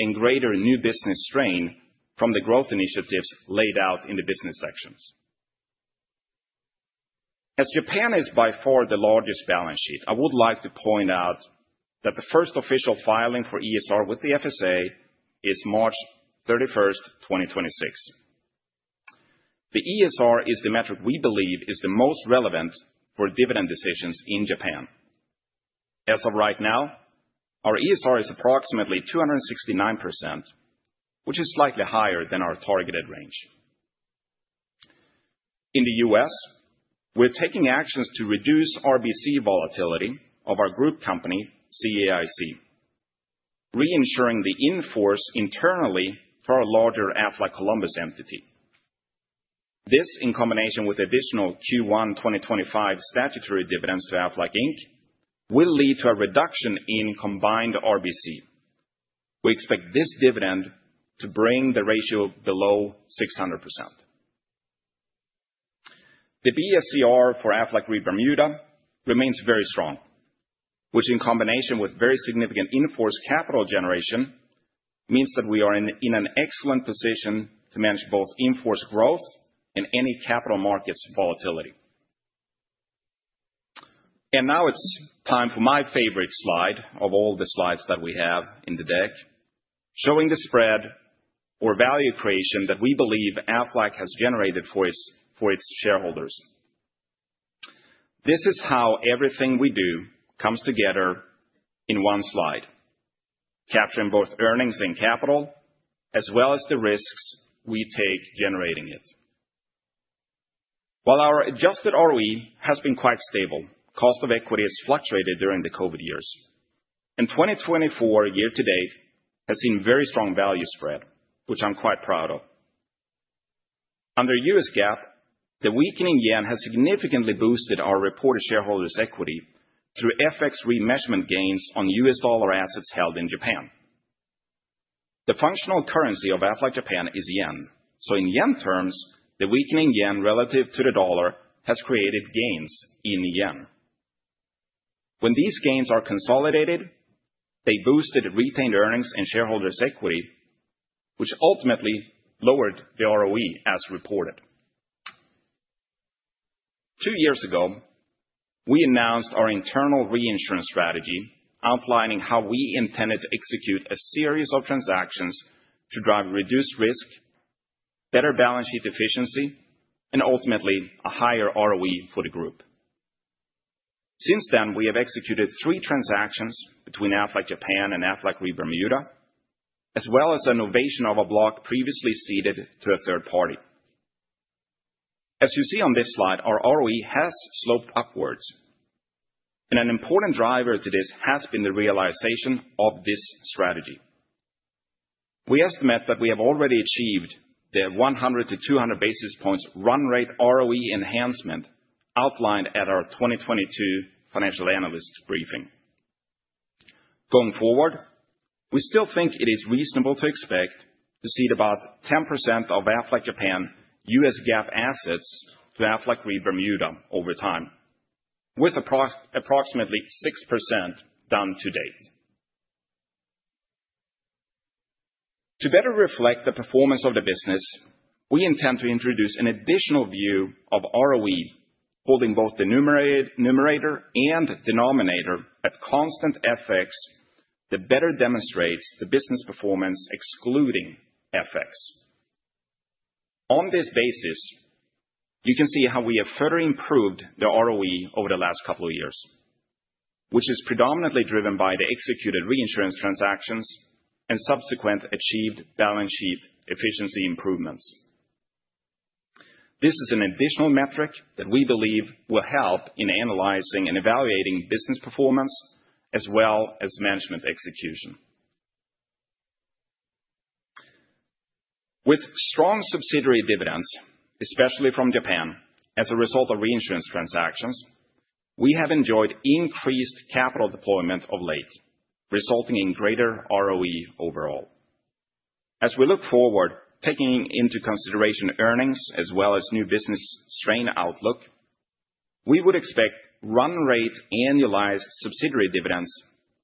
and greater new business strain from the growth initiatives laid out in the business sections. As Japan is by far the largest balance sheet, I would like to point out that the first official filing for ESR with the FSA is March 31st, 2026. The ESR is the metric we believe is the most relevant for dividend decisions in Japan. As of right now, our ESR is approximately 269%, which is slightly higher than our targeted range. In the U.S., we're taking actions to reduce RBC volatility of our group company, CAIC, reinsuring the in-force internally for our larger Aflac Columbus entity. This, in combination with additional Q1 2025 statutory dividends to Aflac Inc., will lead to a reduction in combined RBC. We expect this dividend to bring the ratio below 600%. The BSCR for Aflac Re Bermuda remains very strong, which in combination with very significant in-force capital generation, means that we are in an excellent position to manage both in-force growth and any capital markets volatility. Now it's time for my favorite slide of all the slides that we have in the deck, showing the spread or value creation that we believe Aflac has generated for its shareholders. This is how everything we do comes together in one slide, capturing both earnings and capital, as well as the risks we take generating it. While our adjusted ROE has been quite stable, 2024 year-to-date has seen very strong value spread, which I'm quite proud of. Under U.S. GAAP, the weakening yen has significantly boosted our reported shareholders' equity through FX remeasurement gains on U.S. dollar assets held in Japan. The functional currency of Aflac Japan is yen. So in yen terms, the weakening yen relative to the dollar has created gains in yen. When these gains are consolidated, they boosted retained earnings and shareholders' equity, which ultimately lowered the ROE as reported. Two years ago, we announced our internal reinsurance strategy outlining how we intended to execute a series of transactions to drive reduced risk, better balance sheet efficiency, and ultimately a higher ROE for the group. Since then, we have executed three transactions between Aflac Japan and Aflac Re Bermuda, as well as a novation of a block previously ceded to a third party. As you see on this slide, our ROE has sloped upwards, and an important driver to this has been the realization of this strategy. We estimate that we have already achieved the 100 to 200 basis points run rate ROE enhancement outlined at our 2022 financial analyst briefing. Going forward, we still think it is reasonable to expect to cede about 10% of Aflac Japan U.S. GAAP assets to Aflac Re Bermuda over time, with approximately 6% done to date. To better reflect the performance of the business, we intend to introduce an additional view of ROE Holding both the numerator and denominator at constant FX, that better demonstrates the business performance excluding FX. On this basis, you can see how we have further improved the ROE over the last couple of years, which is predominantly driven by the executed reinsurance transactions and subsequent achieved balance sheet efficiency improvements. This is an additional metric that we believe will help in analyzing and evaluating business performance, as well as management execution. With strong subsidiary dividends, especially from Japan, as a result of reinsurance transactions, we have enjoyed increased capital deployment of late, resulting in greater ROE overall. As we look forward, taking into consideration earnings as well as new business strain outlook, we would expect run rate annualized subsidiary dividends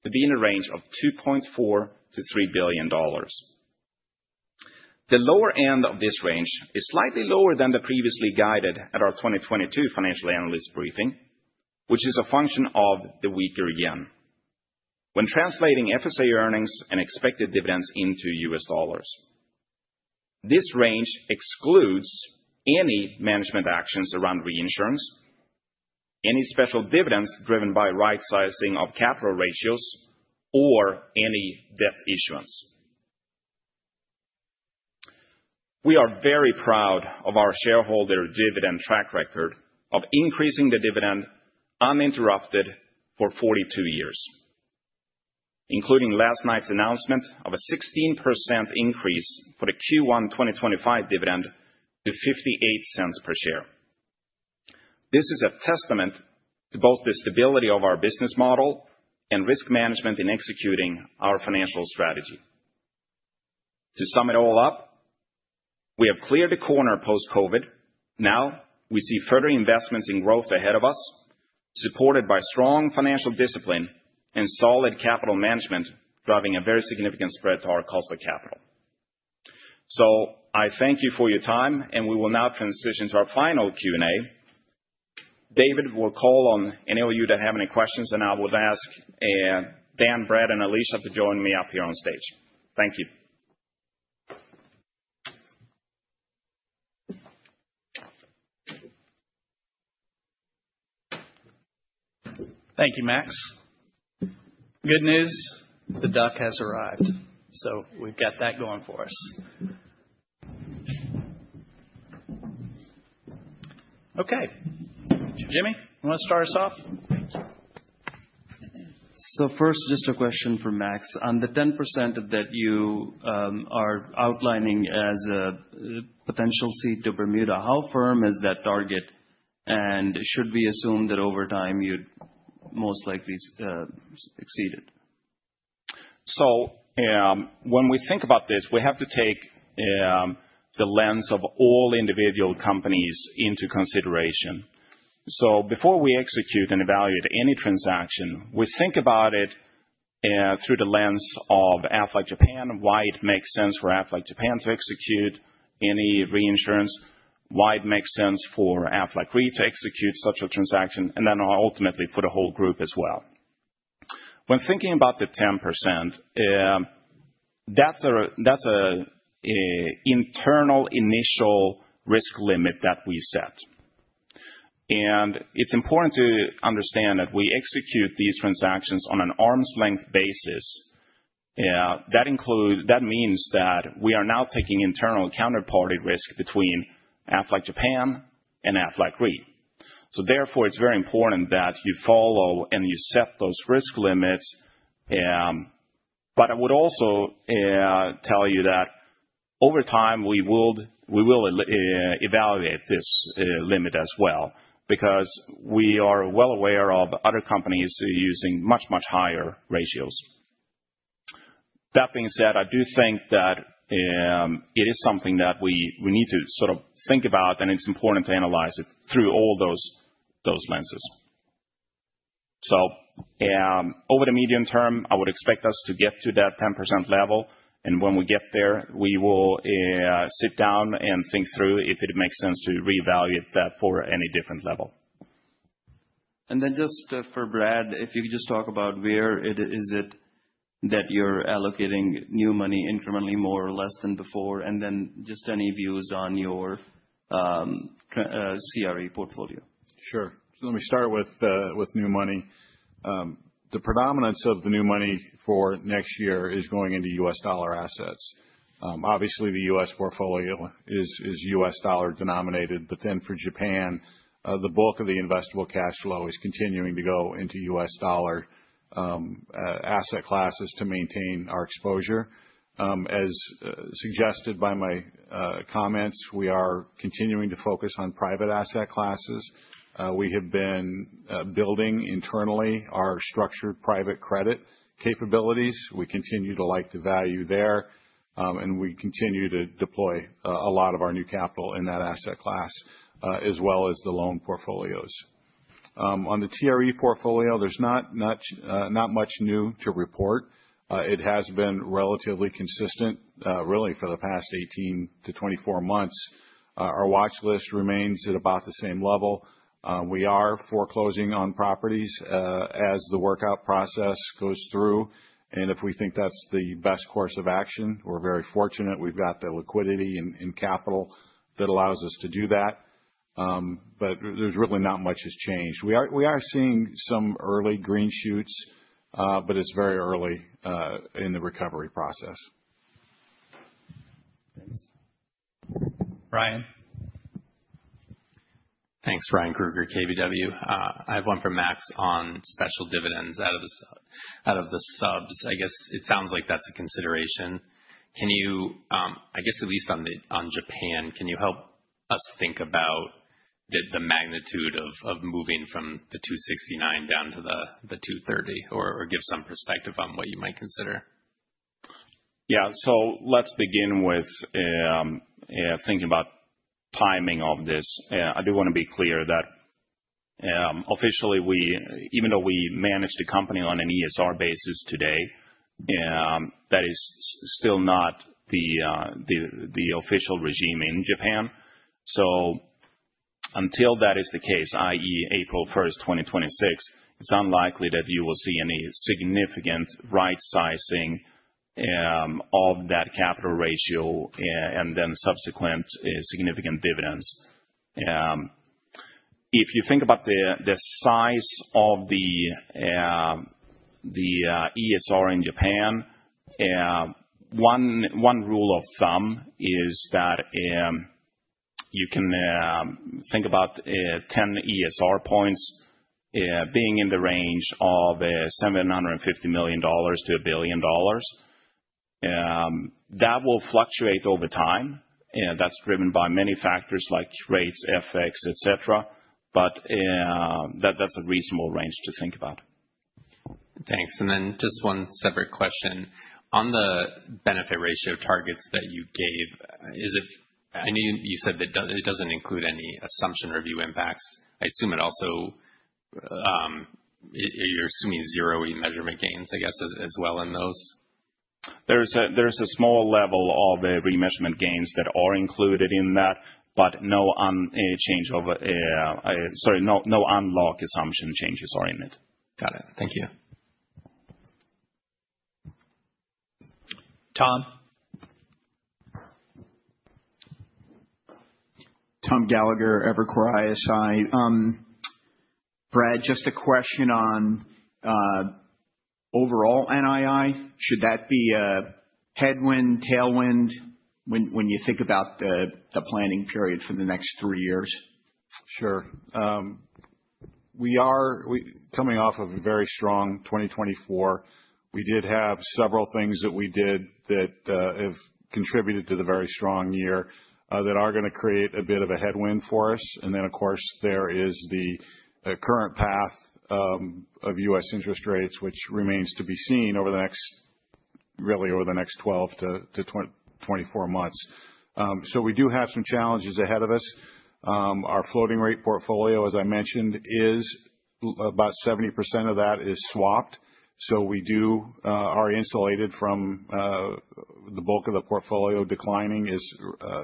to be in a range of $2.4 billion-$3 billion. The lower end of this range is slightly lower than the previously guided at our 2022 financial analyst briefing, which is a function of the weaker yen when translating FSA earnings and expected dividends into U.S. dollars. This range excludes any management actions around reinsurance, any special dividends driven by right sizing of capital ratios, or any debt issuance. We are very proud of our shareholder dividend track record of increasing the dividend uninterrupted for 42 years, including last night's announcement of a 16% increase for the Q1 2025 dividend to $0.58 per share. This is a testament to both the stability of our business model and risk management in executing our financial strategy. To sum it all up, we have cleared the corner post-COVID. We see further investments in growth ahead of us, supported by strong financial discipline and solid capital management driving a very significant spread to our cost of capital. I thank you for your time, and we will now transition to our final Q&A. David will call on any of you that have any questions, and I will ask Dan, Brad, and Alycia to join me up here on stage. Thank you. Thank you, Max. Good news, the duck has arrived, we've got that going for us. Jimmy, you want to start us off? First, just a question for Max. On the 10% that you are outlining as a potential cede to Bermuda, how firm is that target? Should we assume that over time you'd most likely exceed it? When we think about this, we have to take the lens of all individual companies into consideration. Before we execute and evaluate any transaction, we think about it through the lens of Aflac Japan, why it makes sense for Aflac Japan to execute any reinsurance, why it makes sense for Aflac Re to execute such a transaction, and then ultimately for the whole group as well. When thinking about the 10%, that's an internal initial risk limit that we set. It's important to understand that we execute these transactions on an arm's length basis. That means that we are now taking internal counterparty risk between Aflac Japan and Aflac Re. Therefore, it's very important that you follow and you set those risk limits. I would also tell you that over time, we will evaluate this limit as well, because we are well aware of other companies using much, much higher ratios. That being said, I do think that it is something that we need to think about, and it's important to analyze it through all those lenses. Over the medium term, I would expect us to get to that 10% level, and when we get there, we will sit down and think through if it makes sense to reevaluate that for any different level. Just for Brad, if you could just talk about where is it that you're allocating new money incrementally more or less than before, and then just any views on your CRE portfolio. Sure. Let me start with new money. The predominance of the new money for next year is going into U.S. dollar assets. Obviously, the U.S. portfolio is U.S. dollar denominated, for Japan, the bulk of the investable cash flow is continuing to go into U.S. dollar asset classes to maintain our exposure. As suggested by my comments, we are continuing to focus on private asset classes. We have been building internally our structured private credit capabilities. We continue to like the value there, and we continue to deploy a lot of our new capital in that asset class, as well as the loan portfolios. On the CRE portfolio, there's not much new to report. It has been relatively consistent really for the past 18-24 months. Our watch list remains at about the same level. We are foreclosing on properties as the workout process goes through. If we think that's the best course of action, we're very fortunate, we've got the liquidity and capital that allows us to do that. There's really not much that's changed. We are seeing some early green shoots, it's very early in the recovery process. Thanks. Ryan? Thanks. Ryan Krueger, KBW. I have one for Max on special dividends out of the subs. I guess it sounds like that's a consideration. I guess at least on Japan, can you help us think about the magnitude of moving from the 269 down to the 230 or give some perspective on what you might consider? Yeah. let's begin with thinking about timing of this. I do want to be clear that officially, even though we manage the company on an ESR basis today, that is still not the official regime in Japan. Until that is the case, i.e., April 1st, 2026, it's unlikely that you will see any significant right sizing of that capital ratio and then subsequent significant dividends. If you think about the size of the ESR in Japan, one rule of thumb is that you can think about 10 ESR points being in the range of $750 million to a billion dollars. That will fluctuate over time. That's driven by many factors like rates, FX, et cetera, but that's a reasonable range to think about. Thanks. then just one separate question. On the benefit ratio targets that you gave, I know you said that it doesn't include any assumption review impacts. I assume you're assuming zero remeasurement gains, I guess, as well in those. There's a small level of remeasurement gains that are included in that, but no unlock assumption changes are in it. Got it. Thank you. Tom. Thomas Gallagher, Evercore ISI. Brad, just a question on overall NII. Should that be a headwind, tailwind when you think about the planning period for the next three years? Sure. We are coming off of a very strong 2024. We did have several things that we did that have contributed to the very strong year that are going to create a bit of a headwind for us. Then, of course, there is the current path of U.S. interest rates, which remains to be seen really over the next 12 to 24 months. We do have some challenges ahead of us. Our floating rate portfolio, as I mentioned, about 70% of that is swapped. We are insulated from the bulk of the portfolio declining as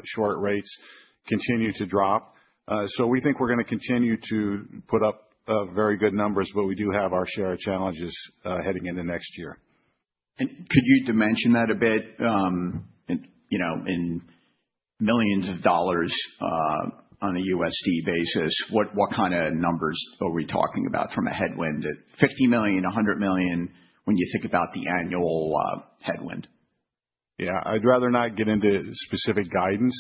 short rates continue to drop. We think we're going to continue to put up very good numbers, but we do have our share of challenges heading into next year. Could you dimension that a bit in millions of dollars on a USD basis? What kind of numbers are we talking about from a headwind? $50 million, $100 million, when you think about the annual headwind? Yeah. I'd rather not get into specific guidance.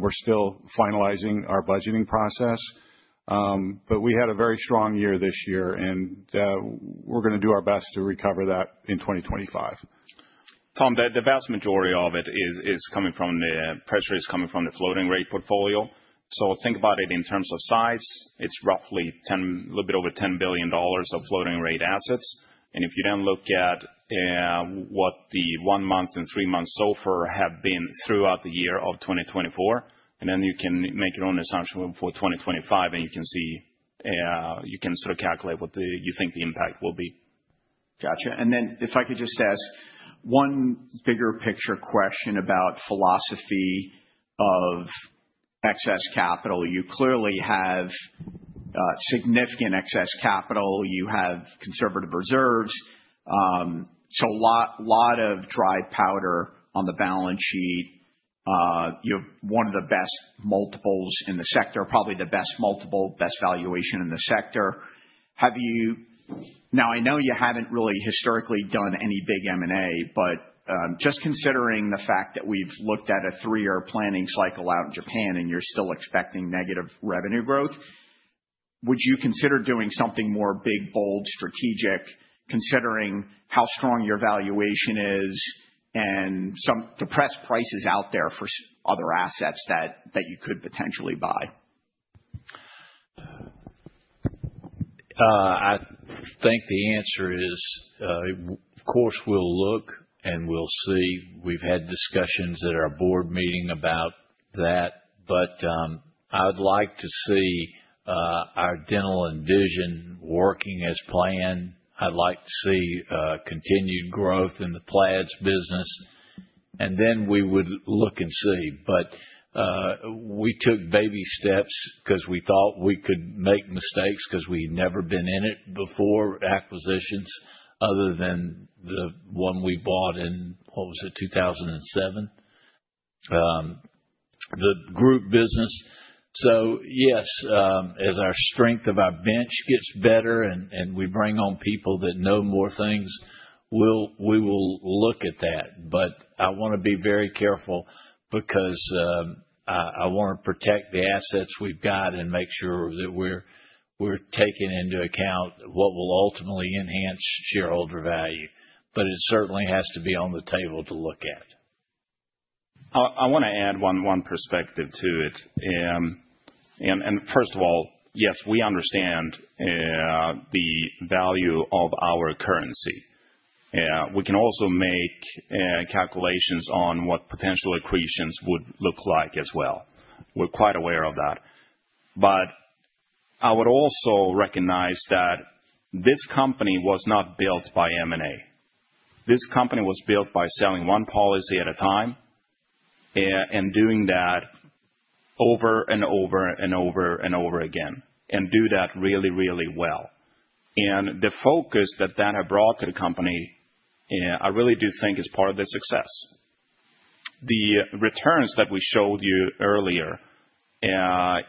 We're still finalizing our budgeting process. But we had a very strong year this year, and we're going to do our best to recover that in 2025. Tom, the vast majority of it, the pressure is coming from the floating rate portfolio. Think about it in terms of size. It's roughly a little bit over $10 billion of floating rate assets. If you then look at what the one-month and three-month SOFR have been throughout the year of 2024, and then you can make your own assumption for 2025, and you can sort of calculate what you think the impact will be. Got you. Then if I could just ask one bigger picture question about philosophy of excess capital. You clearly have significant excess capital. You have conservative reserves. A lot of dry powder on the balance sheet. You have one of the best multiples in the sector, probably the best multiple, best valuation in the sector. Now, I know you haven't really historically done any big M&A, but just considering the fact that we've looked at a three-year planning cycle out in Japan, and you're still expecting negative revenue growth, would you consider doing something more big, bold, strategic, considering how strong your valuation is and some depressed prices out there for other assets that you could potentially buy? I think the answer is, of course, we'll look and we'll see. We've had discussions at our board meeting about that, but I would like to see our dental and vision working as planned. I'd like to see continued growth in the PLADS business, and then we would look and see. We took baby steps because we thought we could make mistakes because we've never been in it before, acquisitions, other than the one we bought in, what was it? 2007. The group business. Yes, as our strength of our bench gets better and we bring on people that know more things, we will look at that. I want to be very careful because I want to protect the assets we've got and make sure that we're taking into account what will ultimately enhance shareholder value. It certainly has to be on the table to look at. I want to add one perspective to it. First of all, yes, we understand the value of our currency. We can also make calculations on what potential accretions would look like as well. We're quite aware of that. I would also recognize that this company was not built by M&A. This company was built by selling one policy at a time, and doing that over and over and over and over again, and do that really, really well. The focus that Dan have brought to the company, I really do think is part of the success. The returns that we showed you earlier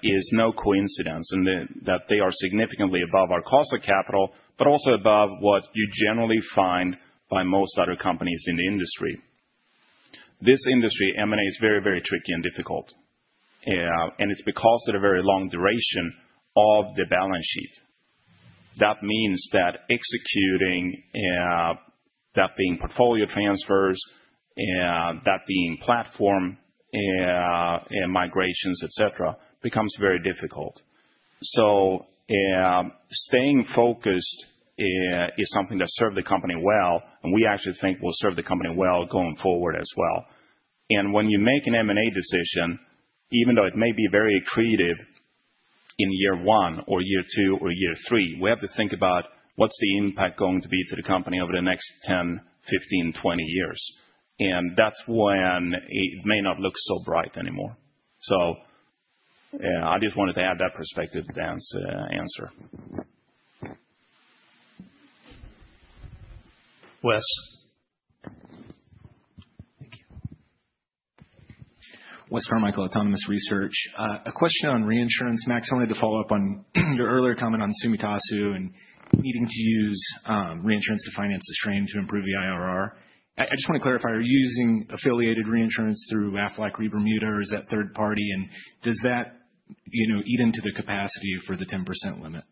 is no coincidence in that they are significantly above our cost of capital, but also above what you generally find by most other companies in the industry. This industry, M&A, is very, very tricky and difficult. It's because of the very long duration of the balance sheet. That means that executing, that being portfolio transfers, that being platform and migrations, et cetera, becomes very difficult. Staying focused is something that served the company well, and we actually think will serve the company well going forward as well. When you make an M&A decision, even though it may be very accretive in year one or year two or year three, we have to think about what's the impact going to be to the company over the next 10, 15, 20 years. That's when it may not look so bright anymore. I just wanted to add that perspective to Dan's answer. Wes. Thank you. Wes Carmichael, Autonomous Research. A question on reinsurance, Max, only to follow up on your earlier comment on Tsumitasu and needing to use reinsurance to finance the strain to improve the IRR. I just want to clarify, are you using affiliated reinsurance through Aflac Re Bermuda, or is that third party, and does that eat into the capacity for the 10% limit?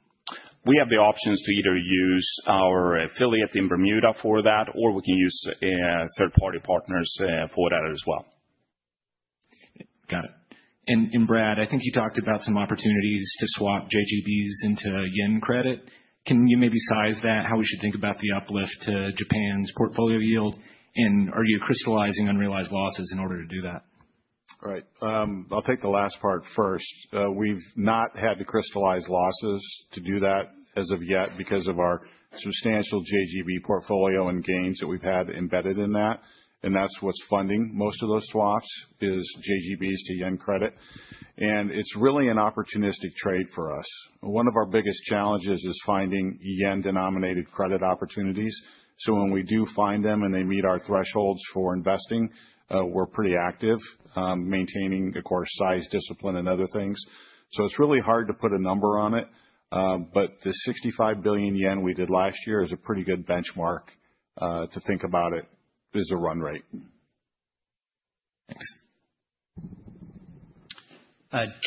We have the options to either use our affiliate in Bermuda for that, or we can use third-party partners for that as well. Got it. Brad, I think you talked about some opportunities to swap JGBs into yen credit. Can you maybe size that, how we should think about the uplift to Japan's portfolio yield? Are you crystallizing unrealized losses in order to do that? Right. I'll take the last part first. We've not had to crystallize losses to do that as of yet because of our substantial JGB portfolio and gains that we've had embedded in that. That's what's funding most of those swaps is JGBs to yen credit. It's really an opportunistic trade for us. One of our biggest challenges is finding yen-denominated credit opportunities. When we do find them and they meet our thresholds for investing, we're pretty active, maintaining, of course, size, discipline, and other things. It's really hard to put a number on it. The 65 billion yen we did last year is a pretty good benchmark to think about it as a run rate. Thanks.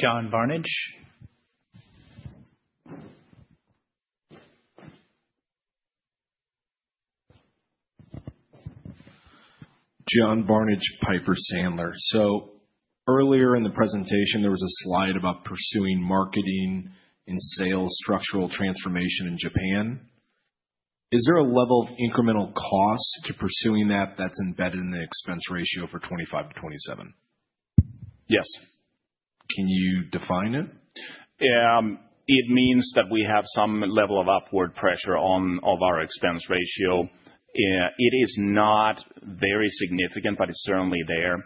John Barnidge. John Barnidge, Piper Sandler. Earlier in the presentation, there was a slide about pursuing marketing and sales structural transformation in Japan. Is there a level of incremental cost to pursuing that's embedded in the expense ratio for 2025-2027? Yes. Can you define it? It means that we have some level of upward pressure on all of our expense ratio. It is not very significant, but it's certainly there.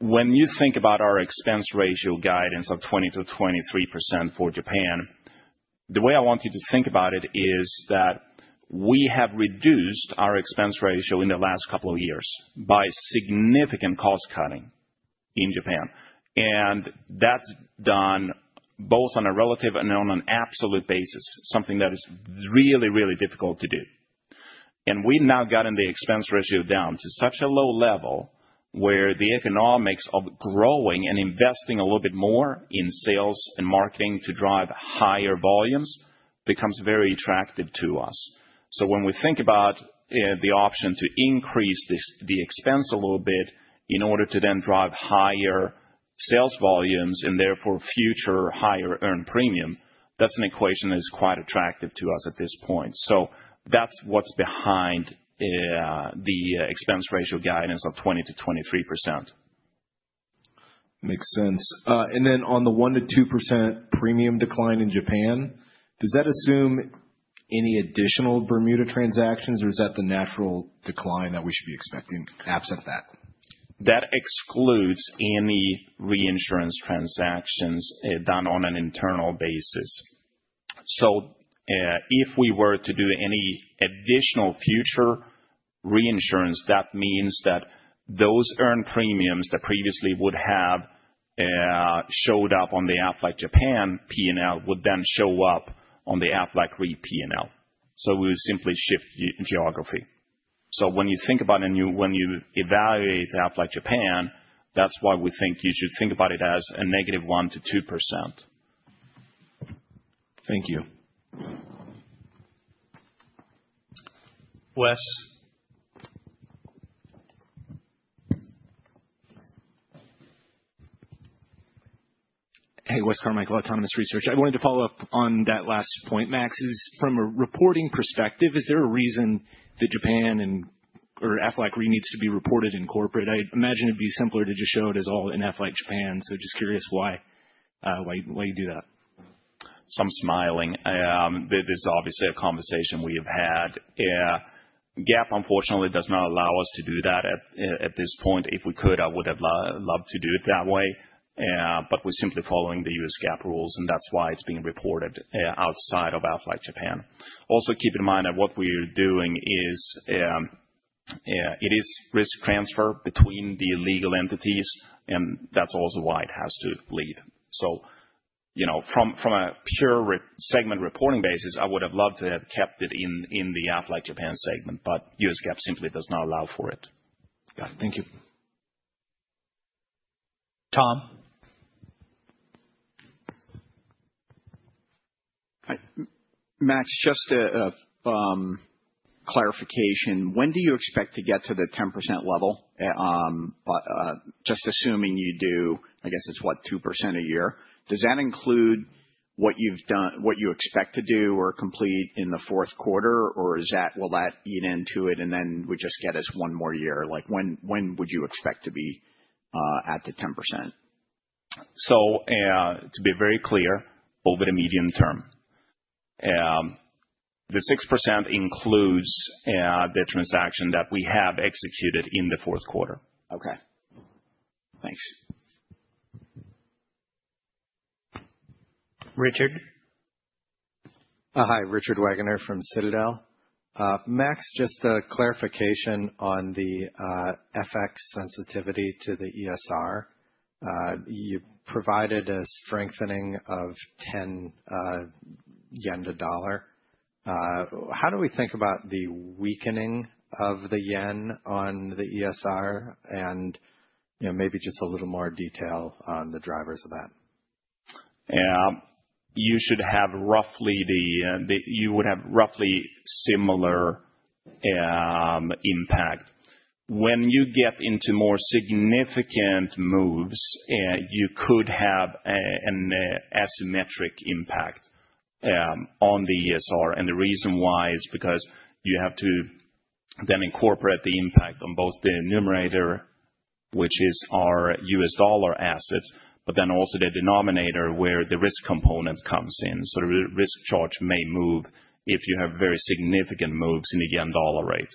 When you think about our expense ratio guidance of 20%-23% for Japan, the way I want you to think about it is that we have reduced our expense ratio in the last couple of years by significant cost cutting in Japan. That's done both on a relative and on an absolute basis, something that is really, really difficult to do. We've now gotten the expense ratio down to such a low level where the economics of growing and investing a little bit more in sales and marketing to drive higher volumes becomes very attractive to us. When we think about the option to increase the expense a little bit in order to then drive higher sales volumes and therefore future higher earned premium, that's an equation that is quite attractive to us at this point. That's what's behind the expense ratio guidance of 20%-23%. Makes sense. On the 1%-2% premium decline in Japan, does that assume any additional Bermuda transactions or is that the natural decline that we should be expecting absent that? That excludes any reinsurance transactions done on an internal basis. If we were to do any additional future reinsurance, that means that those earned premiums that previously would have showed up on the Aflac Japan P&L, would then show up on the Aflac Re P&L. We simply shift geography. When you think about and when you evaluate Aflac Japan, that's why we think you should think about it as a negative 1%-2%. Thank you. Wes. Hey, Wes Carmichael, Autonomous Research. I wanted to follow up on that last point, Max. From a reporting perspective, is there a reason that Japan or Aflac Re needs to be reported in corporate? I imagine it'd be simpler to just show it as all in Aflac Japan, so just curious why you do that. I'm smiling. This is obviously a conversation we have had. GAAP, unfortunately, does not allow us to do that at this point. If we could, I would have loved to do it that way. we're simply following the U.S. GAAP rules, and that's why it's being reported outside of Aflac Japan. Also, keep in mind that what we are doing is risk transfer between the legal entities, and that's also why it has to lead. from a pure segment reporting basis, I would have loved to have kept it in the Aflac Japan segment, but U.S. GAAP simply does not allow for it. Thank you. Tom. Hi. Max, just a clarification. When do you expect to get to the 10% level? Just assuming you do, I guess it's what, 2% a year? Does that include what you expect to do or complete in the fourth quarter, or will that eat into it and then we just get us one more year? Like when would you expect to be at the 10%? To be very clear, over the medium term. The 6% includes the transaction that we have executed in the fourth quarter. Okay. Thanks. Richard. Hi, Richard Wegener from Citadel. Max, just a clarification on the FX sensitivity to the ESR. You provided a strengthening of 10 yen to dollar. How do we think about the weakening of the yen on the ESR? And maybe just a little more detail on the drivers of that. You would have roughly similar impact. When you get into more significant moves, you could have an asymmetric impact on the ESR. The reason why is because you have to then incorporate the impact on both the numerator, which is our U.S. dollar assets, but then also the denominator where the risk component comes in. The risk charge may move if you have very significant moves in the yen dollar rate.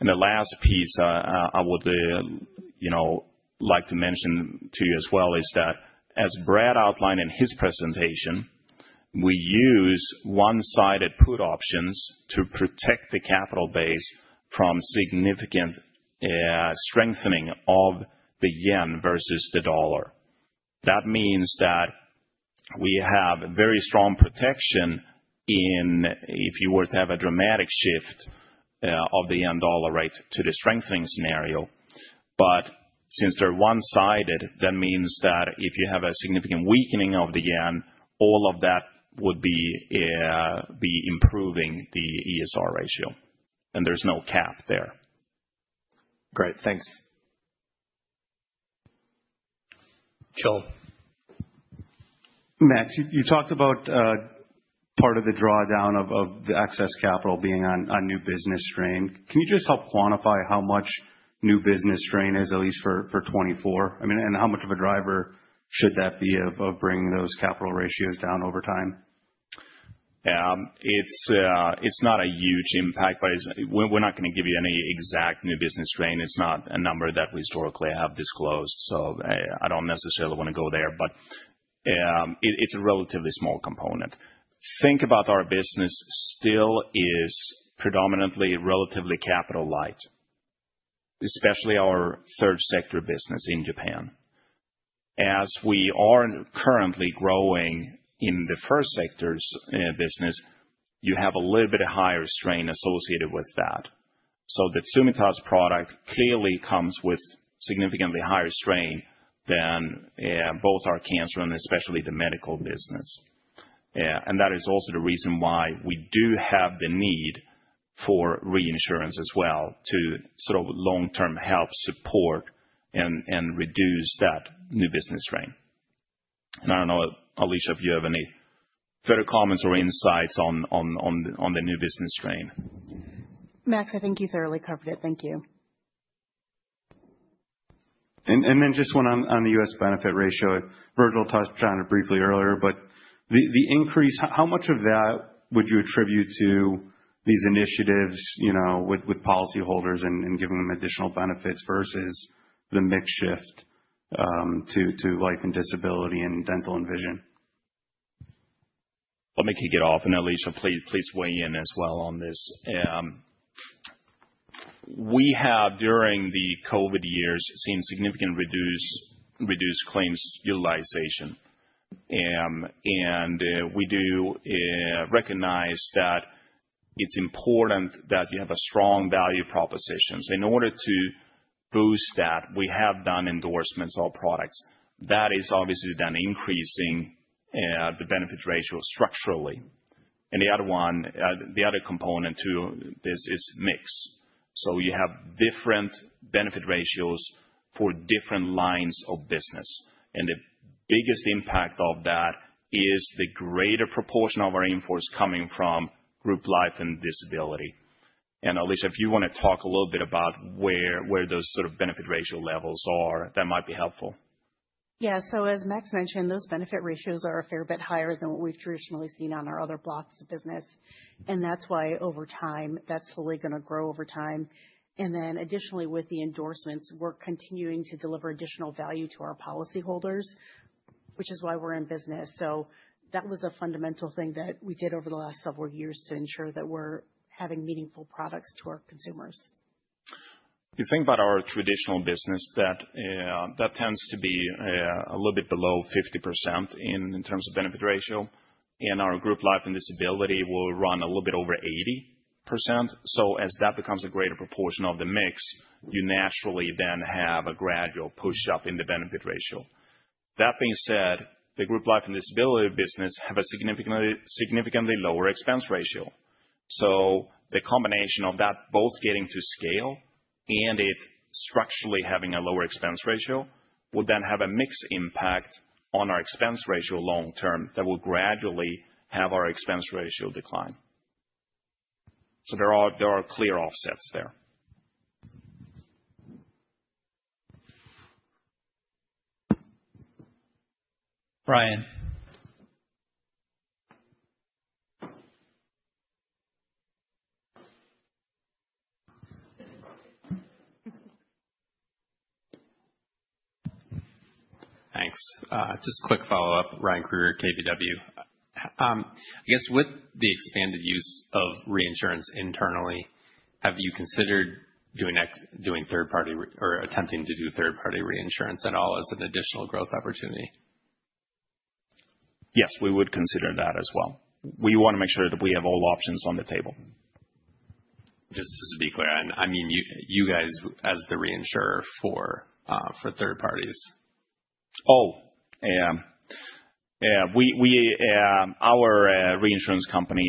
The last piece I would like to mention to you as well, is that as Brad outlined in his presentation, we use one-sided put options to protect the capital base from significant strengthening of the yen versus the dollar. That means that we have very strong protection in, if you were to have a dramatic shift of the yen dollar rate to the strengthening scenario. since they're one-sided, that means that if you have a significant weakening of the yen, all of that would be improving the ESR ratio. there's no cap there. Great. Thanks. Joel. Max, you talked about part of the drawdown of the excess capital being on new business strain. Can you just help quantify how much new business strain is, at least for 2024? I mean, and how much of a driver should that be of bringing those capital ratios down over time? It's not a huge impact. We're not going to give you any exact new business strain. It's not a number that we historically have disclosed. I don't necessarily want to go there. it's a relatively small component. Think about our business still is predominantly relatively capital light, especially our third sector business in Japan. As we are currently growing in the first sector's business, you have a little bit higher strain associated with that. the Tsumitasu product clearly comes with significantly higher strain than both our cancer and especially the medical business. that is also the reason why we do have the need for reinsurance as well to long-term help support and reduce that new business strain. I don't know, Alycia, if you have any further comments or insights on the new business strain. Max, I think you thoroughly covered it. Thank you. then just one on the U.S. benefit ratio. Virgil touched on it briefly earlier, but the increase, how much of that would you attribute to these initiatives, with policyholders and giving them additional benefits versus the mix shift to life and disability and dental and vision? Let me kick it off, and Alycia, please weigh in as well on this. We have, during the COVID years, seen significant reduced claims utilization. we do recognize that it's important that you have a strong value proposition. in order to boost that, we have done endorsements on products. That has obviously done increasing the benefit ratio structurally. the other component to this is mix. you have different benefit ratios for different lines of business, and the biggest impact of that is the greater proportion of our in-force coming from group life and disability. And Alycia, if you want to talk a little bit about where those sort of benefit ratio levels are, that might be helpful. Yeah. as Max mentioned, those benefit ratios are a fair bit higher than what we've traditionally seen on our other blocks of business, and that's why over time, that's slowly going to grow over time. then additionally, with the endorsements, we're continuing to deliver additional value to our policyholders, which is why we're in business. that was a fundamental thing that we did over the last several years to ensure that we're having meaningful products to our consumers. If you think about our traditional business, that tends to be a little bit below 50% in terms of benefit ratio. Our group life and disability will run a little bit over 80%. As that becomes a greater proportion of the mix, you naturally then have a gradual push-up in the benefit ratio. That being said, the group life and disability business have a significantly lower expense ratio. The combination of that both getting to scale and it structurally having a lower expense ratio, will then have a mixed impact on our expense ratio long term that will gradually have our expense ratio decline. There are clear offsets there. Ryan. Thanks. Just a quick follow-up. Ryan Krueger, KBW. I guess with the expanded use of reinsurance internally, have you considered attempting to do third-party reinsurance at all as an additional growth opportunity? Yes, we would consider that as well. We want to make sure that we have all options on the table. Just to be clear, I mean you guys as the reinsurer for third parties. Our reinsurance company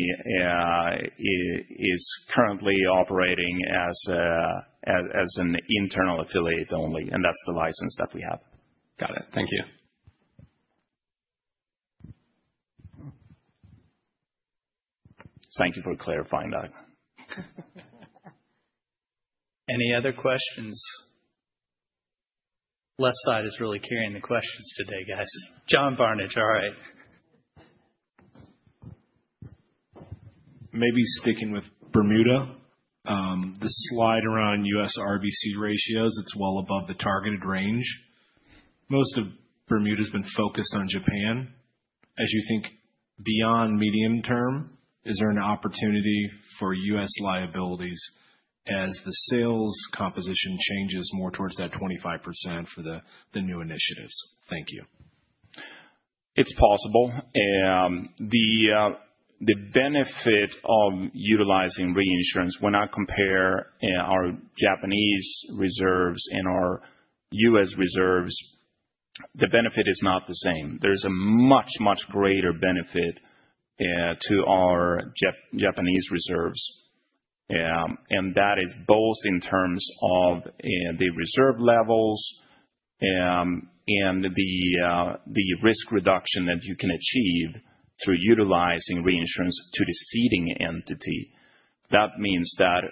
is currently operating as an internal affiliate only, and that's the license that we have. Got it. Thank you. Thank you for clarifying that. Any other questions? Left side is really carrying the questions today, guys. John Barnidge. All right. Maybe sticking with Bermuda. The slide around U.S. RBC ratios, it's well above the targeted range. Most of Bermuda's been focused on Japan. As you think beyond medium-term, is there an opportunity for U.S. liabilities as the sales composition changes more towards that 25% for the new initiatives? Thank you. It's possible. The benefit of utilizing reinsurance, when I compare our Japanese reserves and our U.S. reserves, the benefit is not the same. There's a much, much greater benefit to our Japanese reserves. That is both in terms of the reserve levels and the risk reduction that you can achieve through utilizing reinsurance to the ceding entity. That means that,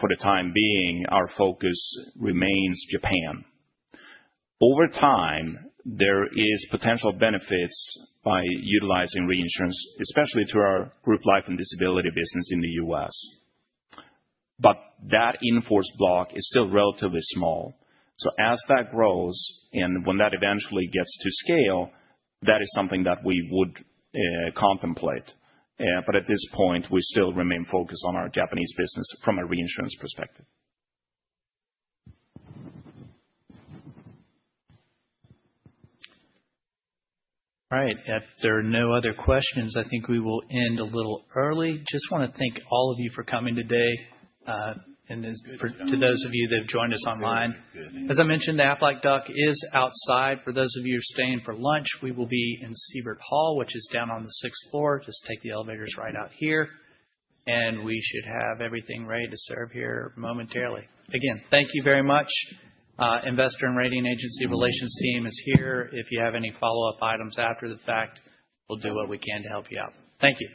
for the time being, our focus remains Japan. Over time, there is potential benefits by utilizing reinsurance, especially to our group life and disability business in the U.S. That in-force block is still relatively small. As that grows, and when that eventually gets to scale, that is something that we would contemplate. At this point, we still remain focused on our Japanese business from a reinsurance perspective. All right. If there are no other questions, I think we will end a little early. Just want to thank all of you for coming today. For those of you that have joined us online, as I mentioned, the Aflac duck is outside. For those of you who are staying for lunch, we will be in Siebert Hall, which is down on the sixth floor. Just take the elevators right out here, and we should have everything ready to serve here momentarily. Again, thank you very much. Investor and Rating Agency Relations team is here. If you have any follow-up items after the fact, we'll do what we can to help you out. Thank you